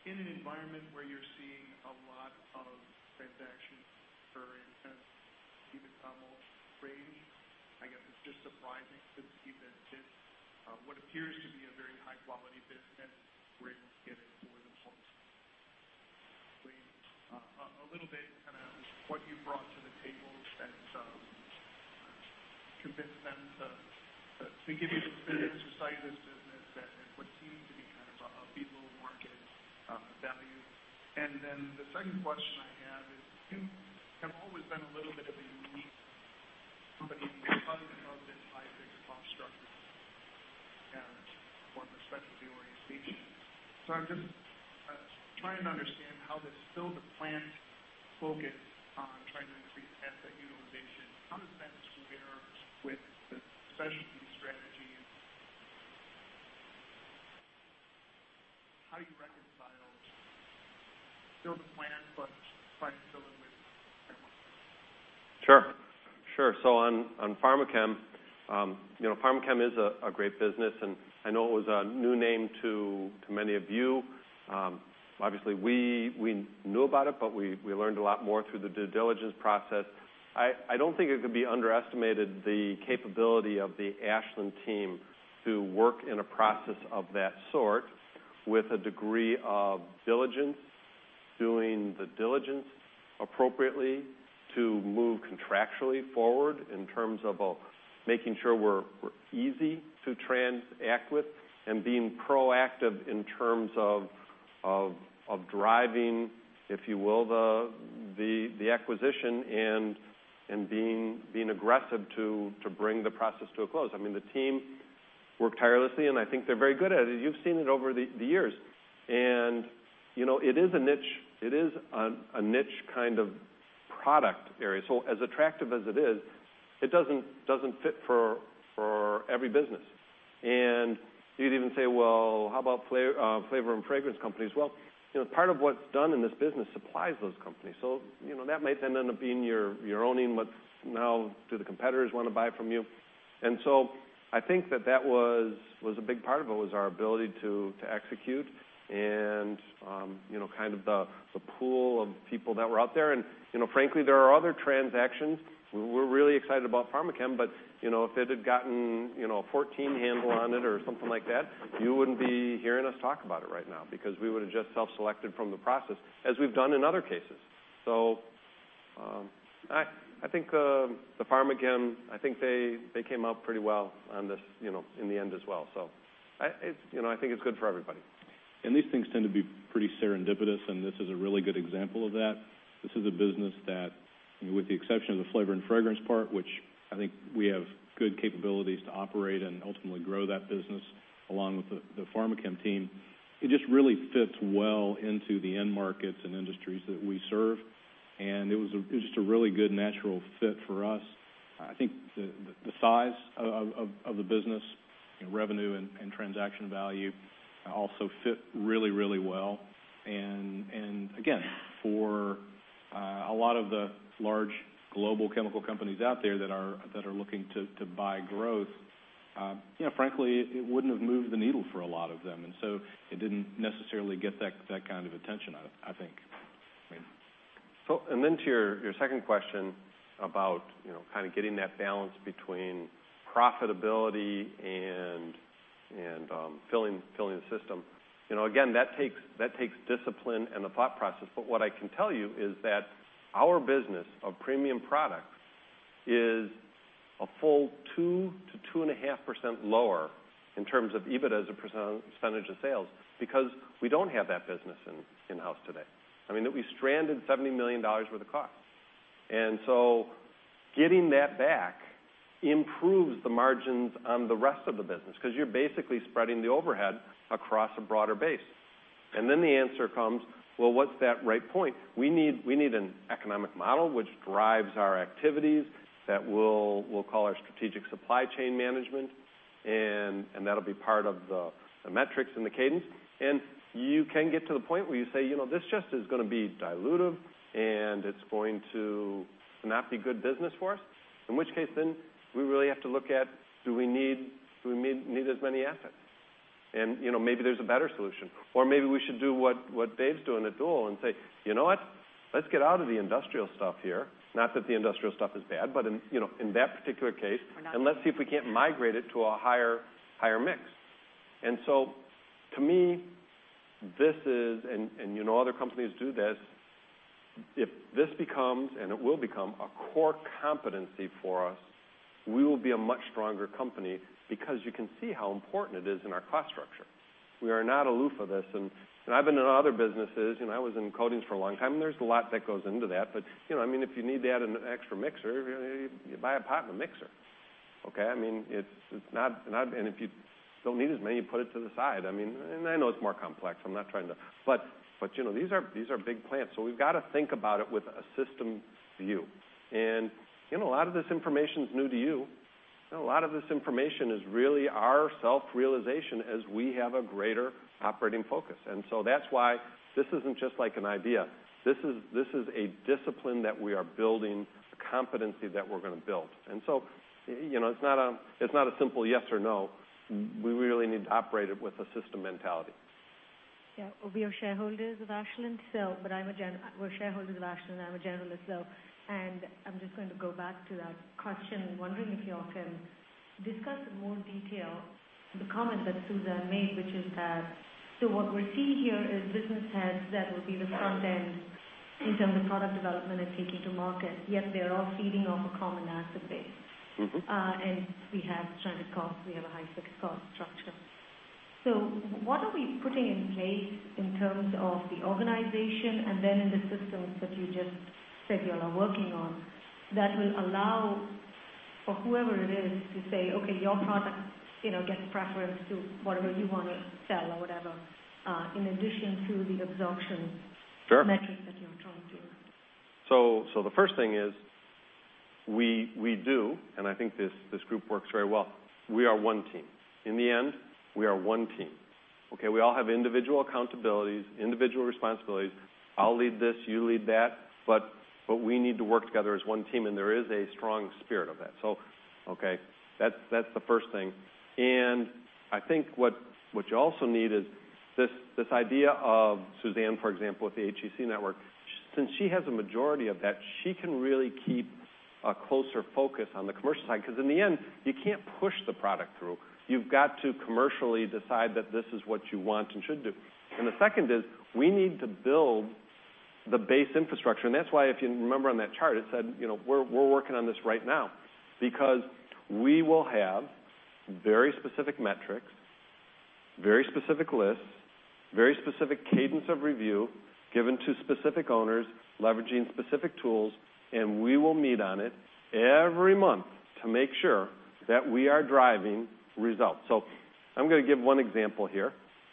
in an environment where you're seeing a lot of transactions occur in kind of even almost crazy, I guess it's just surprising to see that what appears to be a very high-quality business bring a little bit kind of what you brought to the table that convinced them to give you the business, to sell you this business that it would seem to be kind of below market value. The second question I have is, Chem always been a little bit of a unique company because of its high fixed cost structure. More of a specialty orientation. I'm just trying to understand how this build-to-plan focus on trying to increase asset utilization, how does that square with the specialty strategy? How do you reconcile build-to-plan but trying to fill in with? Sure. On Pharmachem is a great business, and I know it was a new name to many of you. Obviously, we knew about it, but we learned a lot more through the due diligence process. I don't think it could be underestimated the capability of the Ashland team to work in a process of that sort with a degree of diligence, doing the diligence appropriately to move contractually forward in terms of making sure we're easy to transact with. Being proactive in terms of driving, if you will, the acquisition, and being aggressive to bring the process to a close. I mean, the team worked tirelessly, and I think they're very good at it. You've seen it over the years. It is a niche kind of product area, so as attractive as it is, it doesn't fit for every business. You'd even say, well, how about flavor and fragrance companies? Well, part of what's done in this business supplies those companies. That may then end up being you're owning what now do the competitors want to buy from you. I think that that was a big part of it, was our ability to execute and kind of the pool of people that were out there. Frankly, there are other transactions. We're really excited about Pharmachem, but if it had gotten a 14 handle on it or something like that, you wouldn't be hearing us talk about it right now. Because we would have just self-selected from the process, as we've done in other cases. I think the Pharmachem, I think they came out pretty well in the end as well. I think it's good for everybody. These things tend to be pretty serendipitous, and this is a really good example of that. This is a business that, with the exception of the flavor and fragrance part, which I think we have good capabilities to operate and ultimately grow that business, along with the Pharmachem team. It just really fits well into the end markets and industries that we serve, and it was just a really good natural fit for us. I think the size of the business, revenue and transaction value also fit really well. Again, for a lot of the large global chemical companies out there that are looking to buy growth, frankly, it wouldn't have moved the needle for a lot of them, so it didn't necessarily get that kind of attention, I think. Then to your second question about kind of getting that balance between profitability and filling the system. Again, that takes discipline and a thought process. What I can tell you is that our business of premium products is a full 2% to 2.5% lower in terms of EBIT as a percentage of sales because we don't have that business in-house today. I mean, we stranded $70 million worth of cost. Getting that back improves the margins on the rest of the business because you're basically spreading the overhead across a broader base. Then the answer comes, well, what's that right point? We need an economic model which drives our activities that we'll call our strategic supply chain management, and that'll be part of the metrics and the cadence. You can get to the point where you say, this just is going to be dilutive, and it's going to not be good business for us. In which case, then, we really have to look at do we need as many assets? Maybe there's a better solution, or maybe we should do what Dave's doing at Doel I've been in other businesses. I was in coatings for a long time. There's a lot that goes into that. If you need to add an extra mixer, you buy a partner mixer. Okay. If you don't need as many, you put it to the side. I know it's more complex. These are big plants, so we've got to think about it with a systems view. A lot of this information is new to you. A lot of this information is really our self-realization as we have a greater operating focus. That's why this isn't just like an idea. This is a discipline that we are building, a competency that we're going to build. It's not a simple yes or no. We really need to operate it with a system mentality. Yeah. We are shareholders of Ashland itself, but I'm a generalist, though. I'm just going to go back to that question, wondering if you all can discuss in more detail the comment that Suzanne made, which is that, what we're seeing here is business heads that will be the front end in terms of product development and taking to market, yet they're all feeding off a common asset base. We have transit costs, we have a high fixed cost structure. What are we putting in place in terms of the organization and then in the systems that you just said you all are working on that will allow for whoever it is to say, "Okay, your product gets preference to whatever you want to sell or whatever," in addition to the absorption- Sure metrics that you're trying to. The first thing is we do, I think this group works very well. We are one team. In the end, we are one team. Okay. We all have individual accountabilities, individual responsibilities. I'll lead this, you lead that, we need to work together as one team, there is a strong spirit of that. Okay, that's the first thing. I think what you also need is this idea of Suzanne, for example, with the HEC network. Since she has a majority of that, she can really keep a closer focus on the commercial side. In the end, you can't push the product through. You've got to commercially decide that this is what you want and should do. The second is, we need to build the base infrastructure. That's why, if you remember on that chart, it said we're working on this right now because we will have very specific metrics, very specific lists, very specific cadence of review given to specific owners, leveraging specific tools, and we will meet on it every month to make sure that we are driving results. I'm going to give one example here.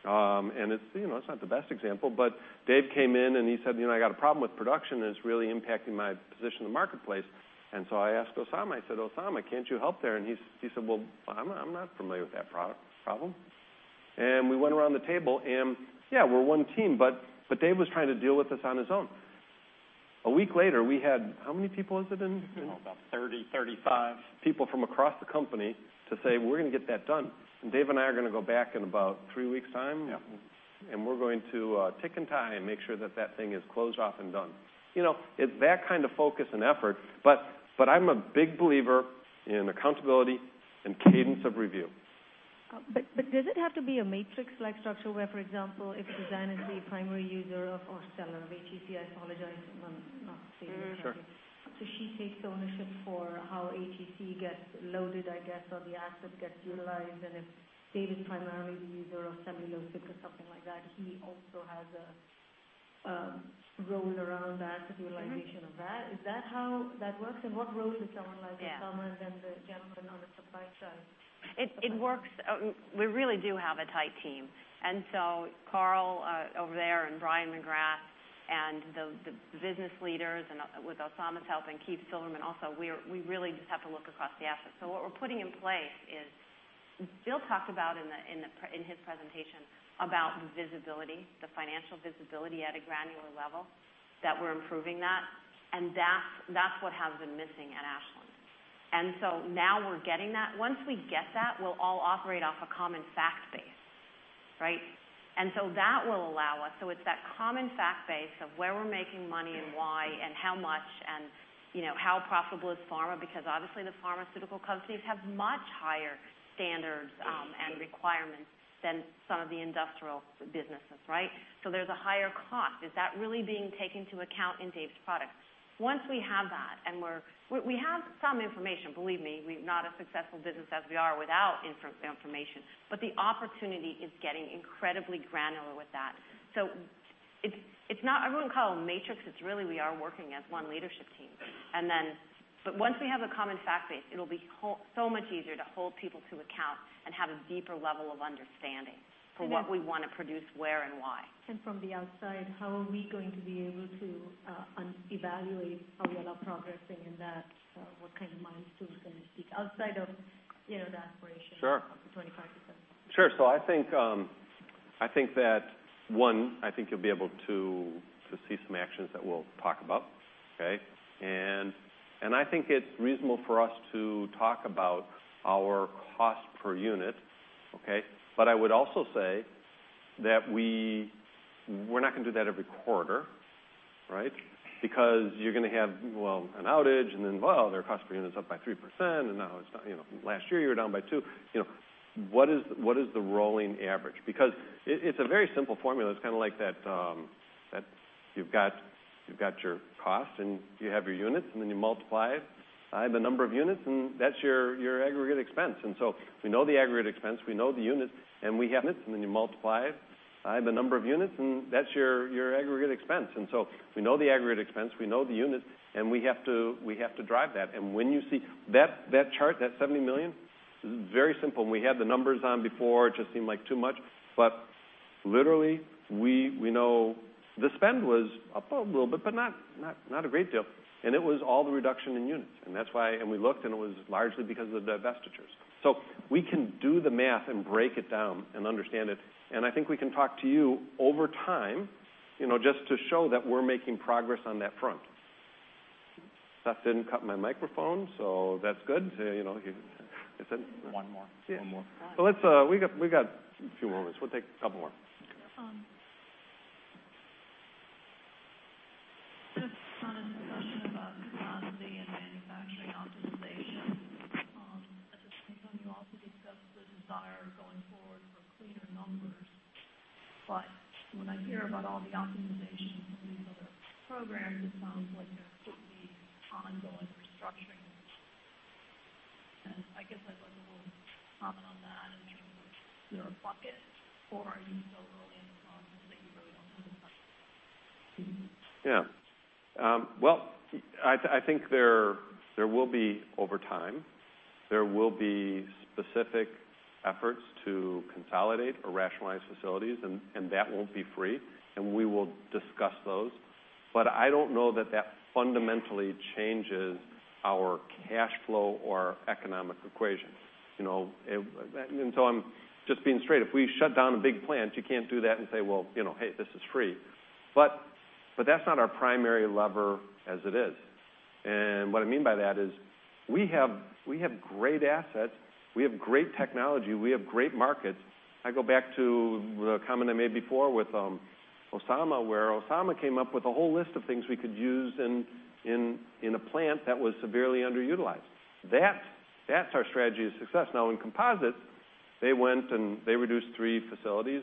It's not the best example, but Dave came in, and he said, "I got a problem with production, and it's really impacting my position in the marketplace." I asked Oussama. I said, "Oussama, can't you help there?" He said, "Well, I'm not familiar with that problem." We went around the table and, yeah, we're one team, but Dave was trying to deal with this on his own. A week later, we had How many people was it, Dave? About 30, 35. People from across the company to say, "We're going to get that done." Dave and I are going to go back in about three weeks' time. Yeah. We're going to tick and tie and make sure that thing is closed off and done. It's that kind of focus and effort, but I'm a big believer in accountability and cadence of review. Does it have to be a matrix-like structure where, for example, if Suzanne is the primary user or seller of HEC, I apologize, I'm not saying it correctly. Sure. She takes ownership for how HEC gets loaded, I guess, or the asset gets utilized. If Dave is primarily the user of cellulosic or something like that, he also has a role around the asset utilization of that. Is that how that works? What role does someone like Oussama- Yeah The gentleman on the supply side? It works. We really do have a tight team. Carl, over there, Brian McGrath and the business leaders, with Oussama's help, Keith Silverman also, we really just have to look across the assets. What we're putting in place is, Bill talked about in his presentation about visibility, the financial visibility at a granular level, that we're improving that, and that's what has been missing at Ashland. Now we're getting that. Once we get that, we'll all operate off a common fact base. Right? That will allow us. It's that common fact base of where we're making money and why and how much, and how profitable is pharma, because obviously the pharmaceutical companies have much higher standards- Yes Requirements than some of the industrial businesses, right? There's a higher cost. Is that really being taken into account in Dave's product? Once we have that and We have some information, believe me. We're not a successful business as we are without information, but the opportunity is getting incredibly granular with that. I wouldn't call it a matrix. It's really we are working as one leadership team. Once we have a common fact base, it'll be so much easier to hold people to account and have a deeper level of understanding for what we want to produce where and why. From the outside, how are we going to be able to evaluate how well we're progressing in that? What kind of milestones can you speak, outside of the aspiration- Sure of 25%? Sure. I think that, one, I think you'll be able to see some actions that we'll talk about. Okay? I think it's reasonable for us to talk about our cost per unit. Okay. I would also say that we're not going to do that every quarter, right? Because you're going to have an outage and then, well, their cost per unit is up by 3%, and now last year you were down by two. What is the rolling average? Because it's a very simple formula. It's kind of like that you've got your cost, and you have your units, and then you multiply it by the number of units, and that's your aggregate expense. We know the aggregate expense. We know the units. We have this, and then you multiply it by the number of units, and that's your aggregate expense. We know the aggregate expense. We know the units. We have to drive that. When you see that chart, that $70 million, very simple, and we had the numbers on before. It just seemed like too much. Literally, we know the spend was up a little bit, but not a great deal. It was all the reduction in units. That's why. We looked, and it was largely because of the divestitures. We can do the math and break it down and understand it. I think we can talk to you over time just to show that we're making progress on that front. Seth didn't cut my microphone, so that's good. One more. Yeah. One more. We got a few more minutes. We'll take a couple more. Okay. Just on a discussion about capacity and manufacturing optimization. At the same time, you also discussed the desire going forward for cleaner numbers. When I hear about all the optimization and these other programs, it sounds like there could be ongoing restructuring. I guess I'd like a little comment on that in terms of your bucket, or are you still early enough along that you really don't have a bucket? Yeah. Well, I think there will be over time. There will be specific efforts to consolidate or rationalize facilities, and that won't be free, and we will discuss those. I don't know that that fundamentally changes our cash flow or economic equation. I'm just being straight. If we shut down a big plant, you can't do that and say, "Well, hey, this is free." That's not our primary lever as it is. What I mean by that is, we have great assets. We have great technology. We have great markets. I go back to the comment I made before with Oussama, where Oussama came up with a whole list of things we could use in a plant that was severely underutilized. That's our strategy of success. Now, in Composites, they went and they reduced three facilities,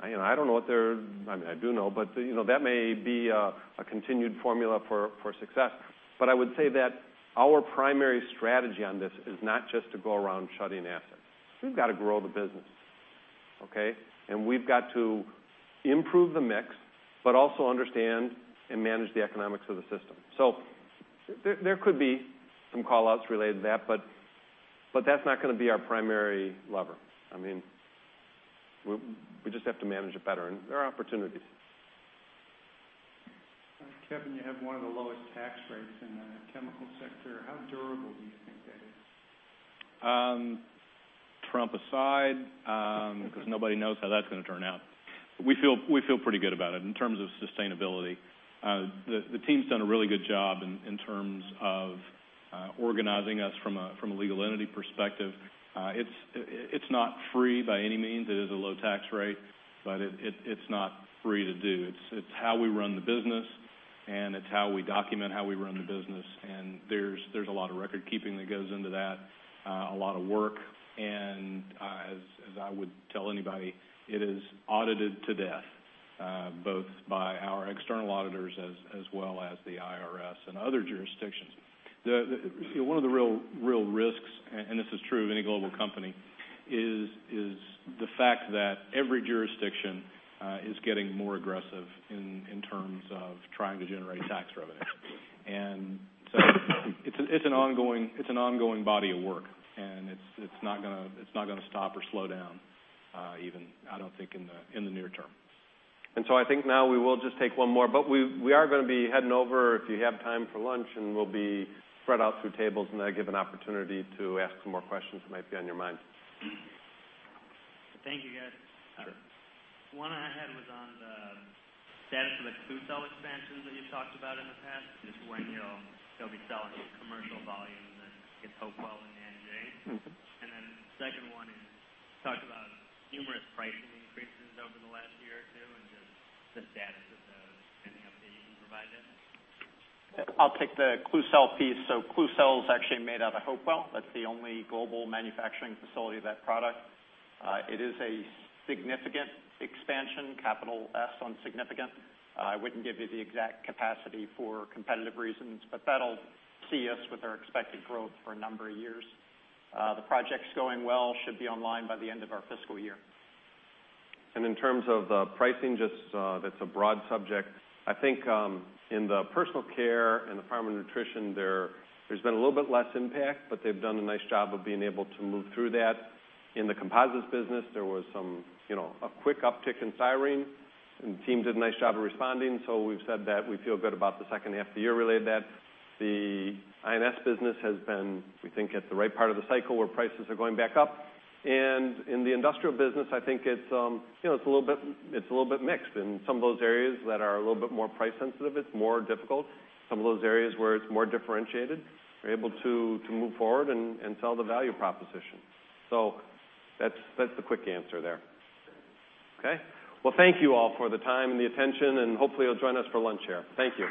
I do know, but that may be a continued formula for success. I would say that our primary strategy on this is not just to go around shutting assets. We've got to grow the business. Okay? We've got to improve the mix, but also understand and manage the economics of the system. There could be some call-outs related to that, but that's not going to be our primary lever. We just have to manage it better, and there are opportunities. Kevin, you have one of the lowest tax rates in the chemical sector. How durable do you think that is? Trump aside, because nobody knows how that's going to turn out. We feel pretty good about it in terms of sustainability. The team's done a really good job in terms of organizing us from a legal entity perspective. It's not free by any means. It is a low tax rate, but it's not free to do. It's how we run the business, and it's how we document how we run the business. There's a lot of record keeping that goes into that, a lot of work. As I would tell anybody, it is audited to death, both by our external auditors as well as the IRS and other jurisdictions. One of the real risks, and this is true of any global company, is the fact that every jurisdiction is getting more aggressive in terms of trying to generate tax revenue. It's an ongoing body of work, and it's not going to stop or slow down even, I don't think, in the near term. I think now we will just take one more. We are going to be heading over, if you have time for lunch, and we'll be spread out through tables and that'll give an opportunity to ask some more questions that might be on your mind. Thank you, guys. Sure. One I had was on the status of the Klucel expansion that you've talked about in the past. Just when you'll be selling commercial volumes at Hopewell and Anji. The second one is, you talked about numerous pricing increases over the last year or two and just the status of those. Any update you can provide there? I'll take the Klucel piece. Klucel is actually made out of Hopewell. That's the only global manufacturing facility of that product. It is a significant expansion, capital S on significant. I wouldn't give you the exact capacity for competitive reasons, but that'll see us with our expected growth for a number of years. The project's going well, should be online by the end of our fiscal year. In terms of pricing, that's a broad subject. I think in the personal care and the Pharma & Nutrition, there's been a little bit less impact, but they've done a nice job of being able to move through that. In the Composites business, there was a quick uptick in styrene, and the team did a nice job of responding. We've said that we feel good about the second half of the year related to that. The INS business has been, we think, at the right part of the cycle where prices are going back up. In the industrial business, I think it's a little bit mixed. In some of those areas that are a little bit more price sensitive, it's more difficult. Some of those areas where it's more differentiated, we're able to move forward and sell the value proposition. That's the quick answer there. Okay. Well, thank you all for the time and the attention, and hopefully you'll join us for lunch here. Thank you.